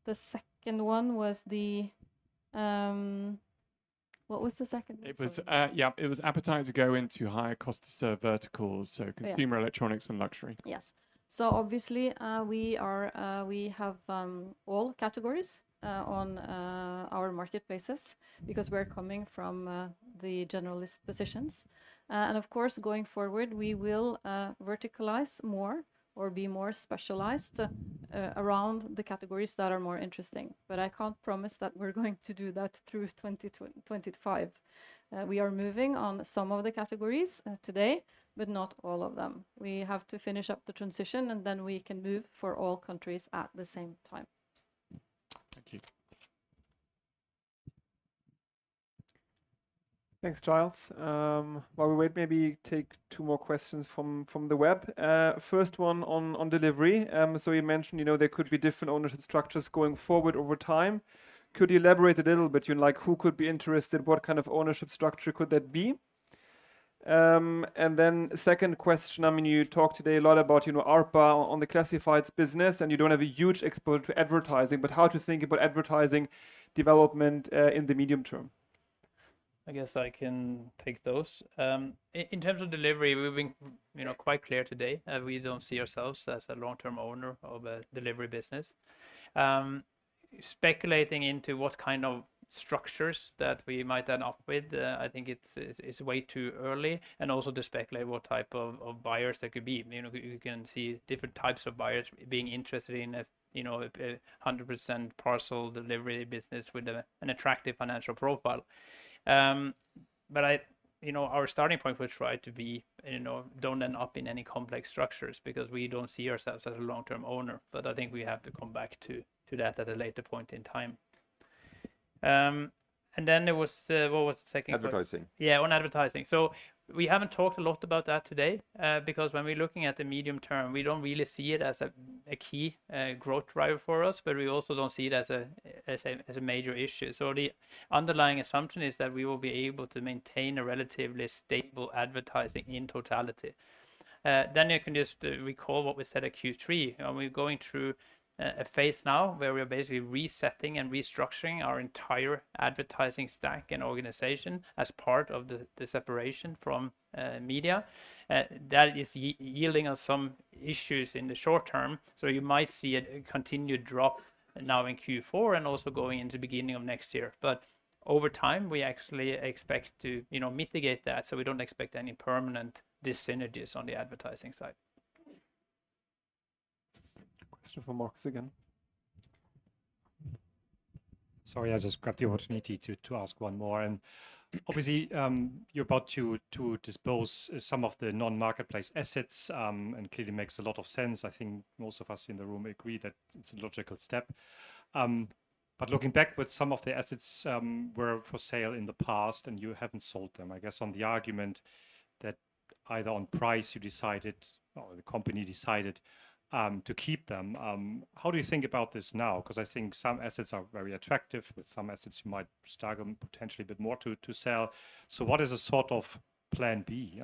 The second one was the, what was the second? It was, yeah, it was appetite to go into higher cost-to-serve verticals, so consumer electronics and luxury. Yes. Obviously, we have all categories on our Marketplaces because we're coming from the generalist positions. Of course, going forward, we will verticalize more or be more specialized around the categories that are more interesting. But I can't promise that we're going to do that through 2025. We are moving on some of the categories today, but not all of them. We have to finish up the transition, and then we can move for all countries at the same time. Thank you. Thanks, Giles. While we wait, maybe take two more questions from the web. First one on Delivery. So you mentioned there could be different ownership structures going forward over time. Could you elaborate a little bit? Who could be interested? What kind of ownership structure could that be? And then second question, I mean, you talked today a lot about ARPA on the classifieds business, and you don't have a huge exposure to advertising, but how to think about advertising development in the medium term? I guess I can take those. In terms of Delivery, we've been quite clear today. We don't see ourselves as a long-term owner of a Delivery business. Speculating into what kind of structures that we might end up with, I think it's way too early, and also to speculate what type of buyers there could be. You can see different types of buyers being interested in a 100% parcel Delivery business with an attractive financial profile, but our starting point would try to be don't end up in any complex structures because we don't see ourselves as a long-term owner, but I think we have to come back to that at a later point in time, and then there was, what was the second? Advertising. Yeah, on advertising. So we haven't talked a lot about that today because when we're looking at the medium term, we don't really see it as a key growth driver for us, but we also don't see it as a major issue. So the underlying assumption is that we will be able to maintain a relatively stable advertising in totality. Then you can just recall what we said at Q3. We're going through a phase now where we are basically resetting and restructuring our entire advertising stack and organization as part of the separation from Media. That is yielding on some issues in the short term. So you might see a continued drop now in Q4 and also going into the beginning of next year. But over time, we actually expect to mitigate that. So we don't expect any permanent dissynergies on the advertising side. Question from Marcus again. Sorry, I just got the opportunity to ask one more. And obviously, you're about to dispose of some of the non-marketplace assets, and clearly makes a lot of sense. I think most of us in the room agree that it's a logical step. But looking back, some of the assets were for sale in the past, and you haven't sold them, I guess, on the argument that either on price you decided, or the company decided to keep them. How do you think about this now? Because I think some assets are very attractive, but some assets you might struggle potentially a bit more to sell. So what is a sort of plan B?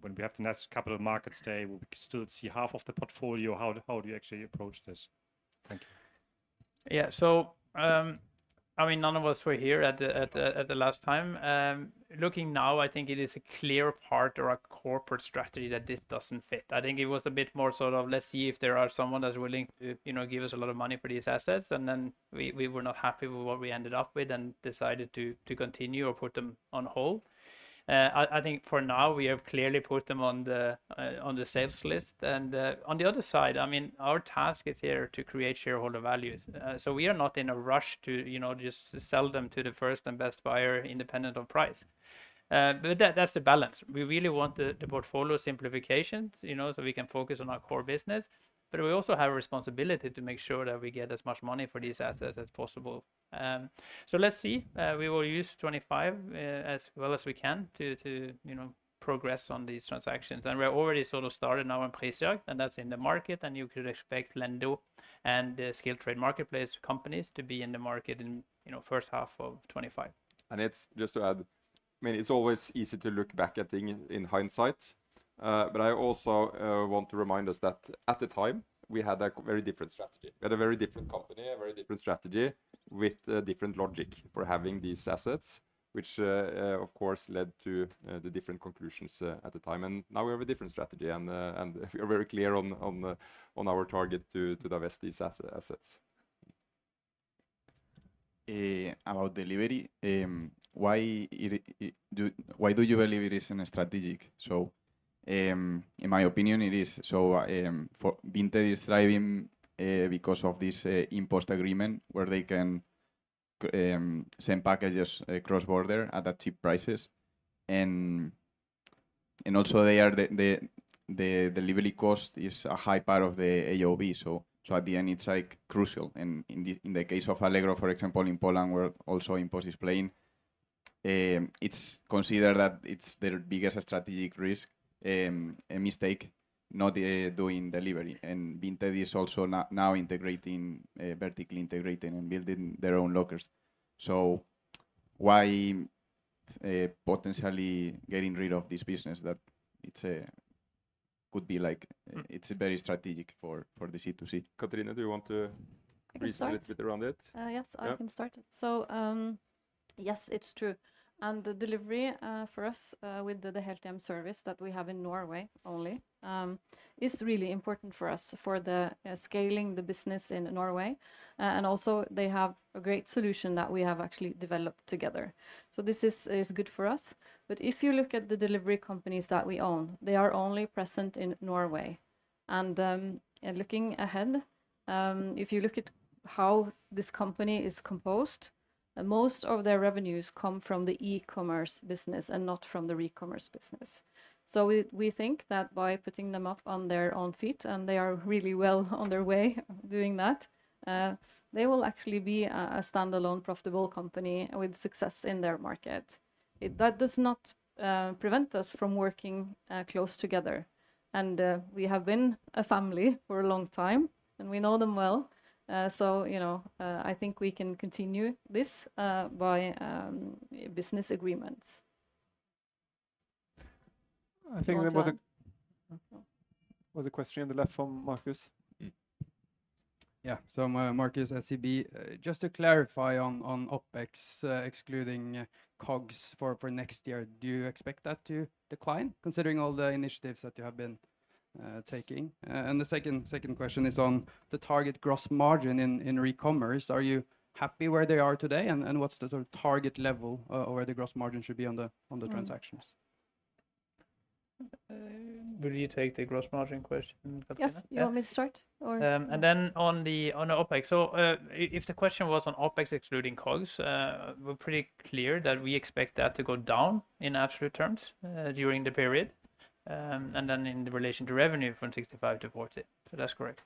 When we have the next Capital Markets Day, will we still see half of the portfolio? How do you actually approach this? Thank you. Yeah, so I mean, none of us were here at the last time. Looking now, I think it is a clear part of our corporate strategy that this doesn't fit. I think it was a bit more sort of, let's see if there is someone that's willing to give us a lot of money for these assets, and then we were not happy with what we ended up with and decided to continue or put them on hold. I think for now, we have clearly put them on the sales list. And on the other side, I mean, our task is here to create shareholder values. So we are not in a rush to just sell them to the first and best buyer independent of price. But that's the balance. We really want the portfolio simplification so we can focus on our core business. But we also have a responsibility to make sure that we get as much money for these assets as possible. So let's see. We will use 2025 as well as we can to progress on these transactions. And we're already sort of started now on Prisjakt, and that's in the market. And you could expect Lendo and the service marketplace companies to be in the market in the first half of 2025. And just to add, I mean, it's always easy to look back at things in hindsight. But I also want to remind us that at the time, we had a very different strategy. We had a very different company, a very different strategy with a different logic for having these assets, which of course led to the different conclusions at the time. And now we have a different strategy, and we are very clear on our target to divest these assets. About Delivery, why do you believe it is strategic? So in my opinion, it is. So Vinted is thriving because of this InPost agreement where they can send packages across border at cheap prices. And also the Delivery cost is a high part of the AOV. So at the end, it's crucial. And in the case of Allegro, for example, in Poland, where also InPost is playing, it's considered that it's their biggest strategic risk, a mistake, not doing Delivery. And Vinted is also now integrating, vertically integrating and building their own lockers. So why potentially getting rid of this business that it could be like it's very strategic for the C2C? Cathrine, do you want to briefly sit around it? Yes, I can start. So yes, it's true. And the Delivery for us with the Helthjem service that we have in Norway only is really important for us for scaling the business in Norway. And also they have a great solution that we have actually developed together. So this is good for us. But if you look at the Delivery companies that we own, they are only present in Norway. And looking ahead, if you look at how this company is composed, most of their revenues come from the e-commerce business and not from the Re-commerce business. So we think that by putting them up on their own feet, and they are really well on their way doing that, they will actually be a standalone profitable company with success in their market. That does not prevent us from working close together. And we have been a family for a long time, and we know them well. So I think we can continue this by business agreements. I think there was a question on the left from Marcus. Yeah, so Marcus at SEB, just to clarify on OPEX, excluding COGS for next year, do you expect that to decline considering all the initiatives that you have been taking? And the second question is on the target gross margin in Re-commerce. Are you happy where they are today, and what's the sort of target level or where the gross margin should be on the transactions? Will you take the gross margin question? Yes, you want me to start or? And then on the OPEX, so if the question was on OPEX excluding COGS, we're pretty clear that we expect that to go down in absolute terms during the period. And then in relation to revenue from 65% to 40%. So that's correct.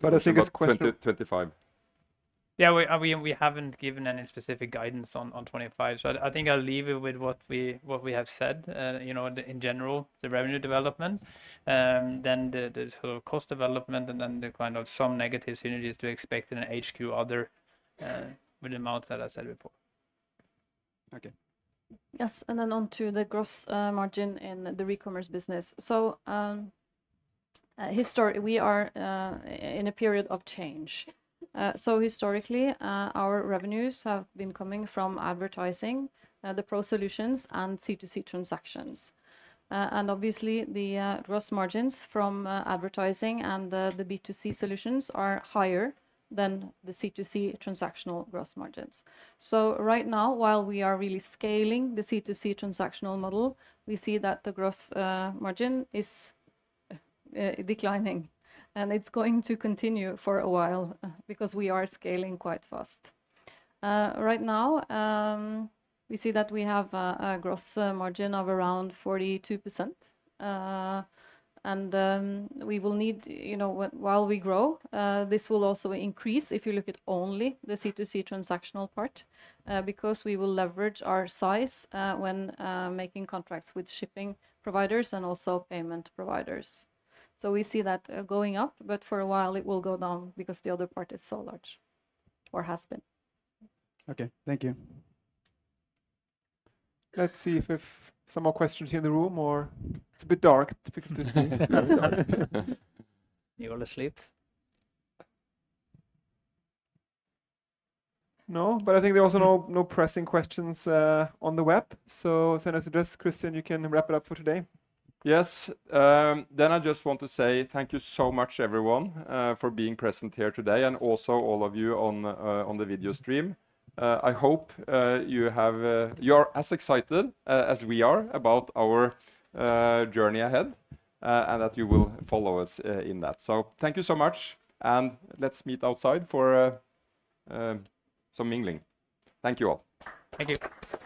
But I think it's 25%. Yeah, we haven't given any specific guidance on 25. So I think I'll leave it with what we have said in general, the revenue development, then the cost development, and then the kind of some negative synergies to expect in an HQ overhead with the amount that I said before. Okay. Yes, and then on to the gross margin in the Re-commerce business. So we are in a period of change. Historically, our revenues have been coming from advertising, the pro solutions, and C2C transactions. Obviously, the gross margins from advertising and the B2C solutions are higher than the C2C transactional gross margins. Right now, while we are really scaling the C2C transactional model, we see that the gross margin is declining. It's going to continue for a while because we are scaling quite fast. Right now, we see that we have a gross margin of around 42%, and we will need, while we grow, this will also increase if you look at only the C2C transactional part because we will leverage our size when making contracts with shipping providers and also payment providers. We see that going up, but for a while, it will go down because the other part is so large or has been. Okay, thank you. Let's see if there's some more questions here in the room, or it's a bit dark, difficult to see. You want to sleep? No, but I think there are also no pressing questions on the web. Then I suggest, Christian, you can wrap it up for today. Yes, then I just want to say thank you so much, everyone, for being present here today and also all of you on the video stream. I hope you are as excited as we are about our journey ahead and that you will follow us in that. So thank you so much. And let's meet outside for some mingling. Thank you all. Thank you.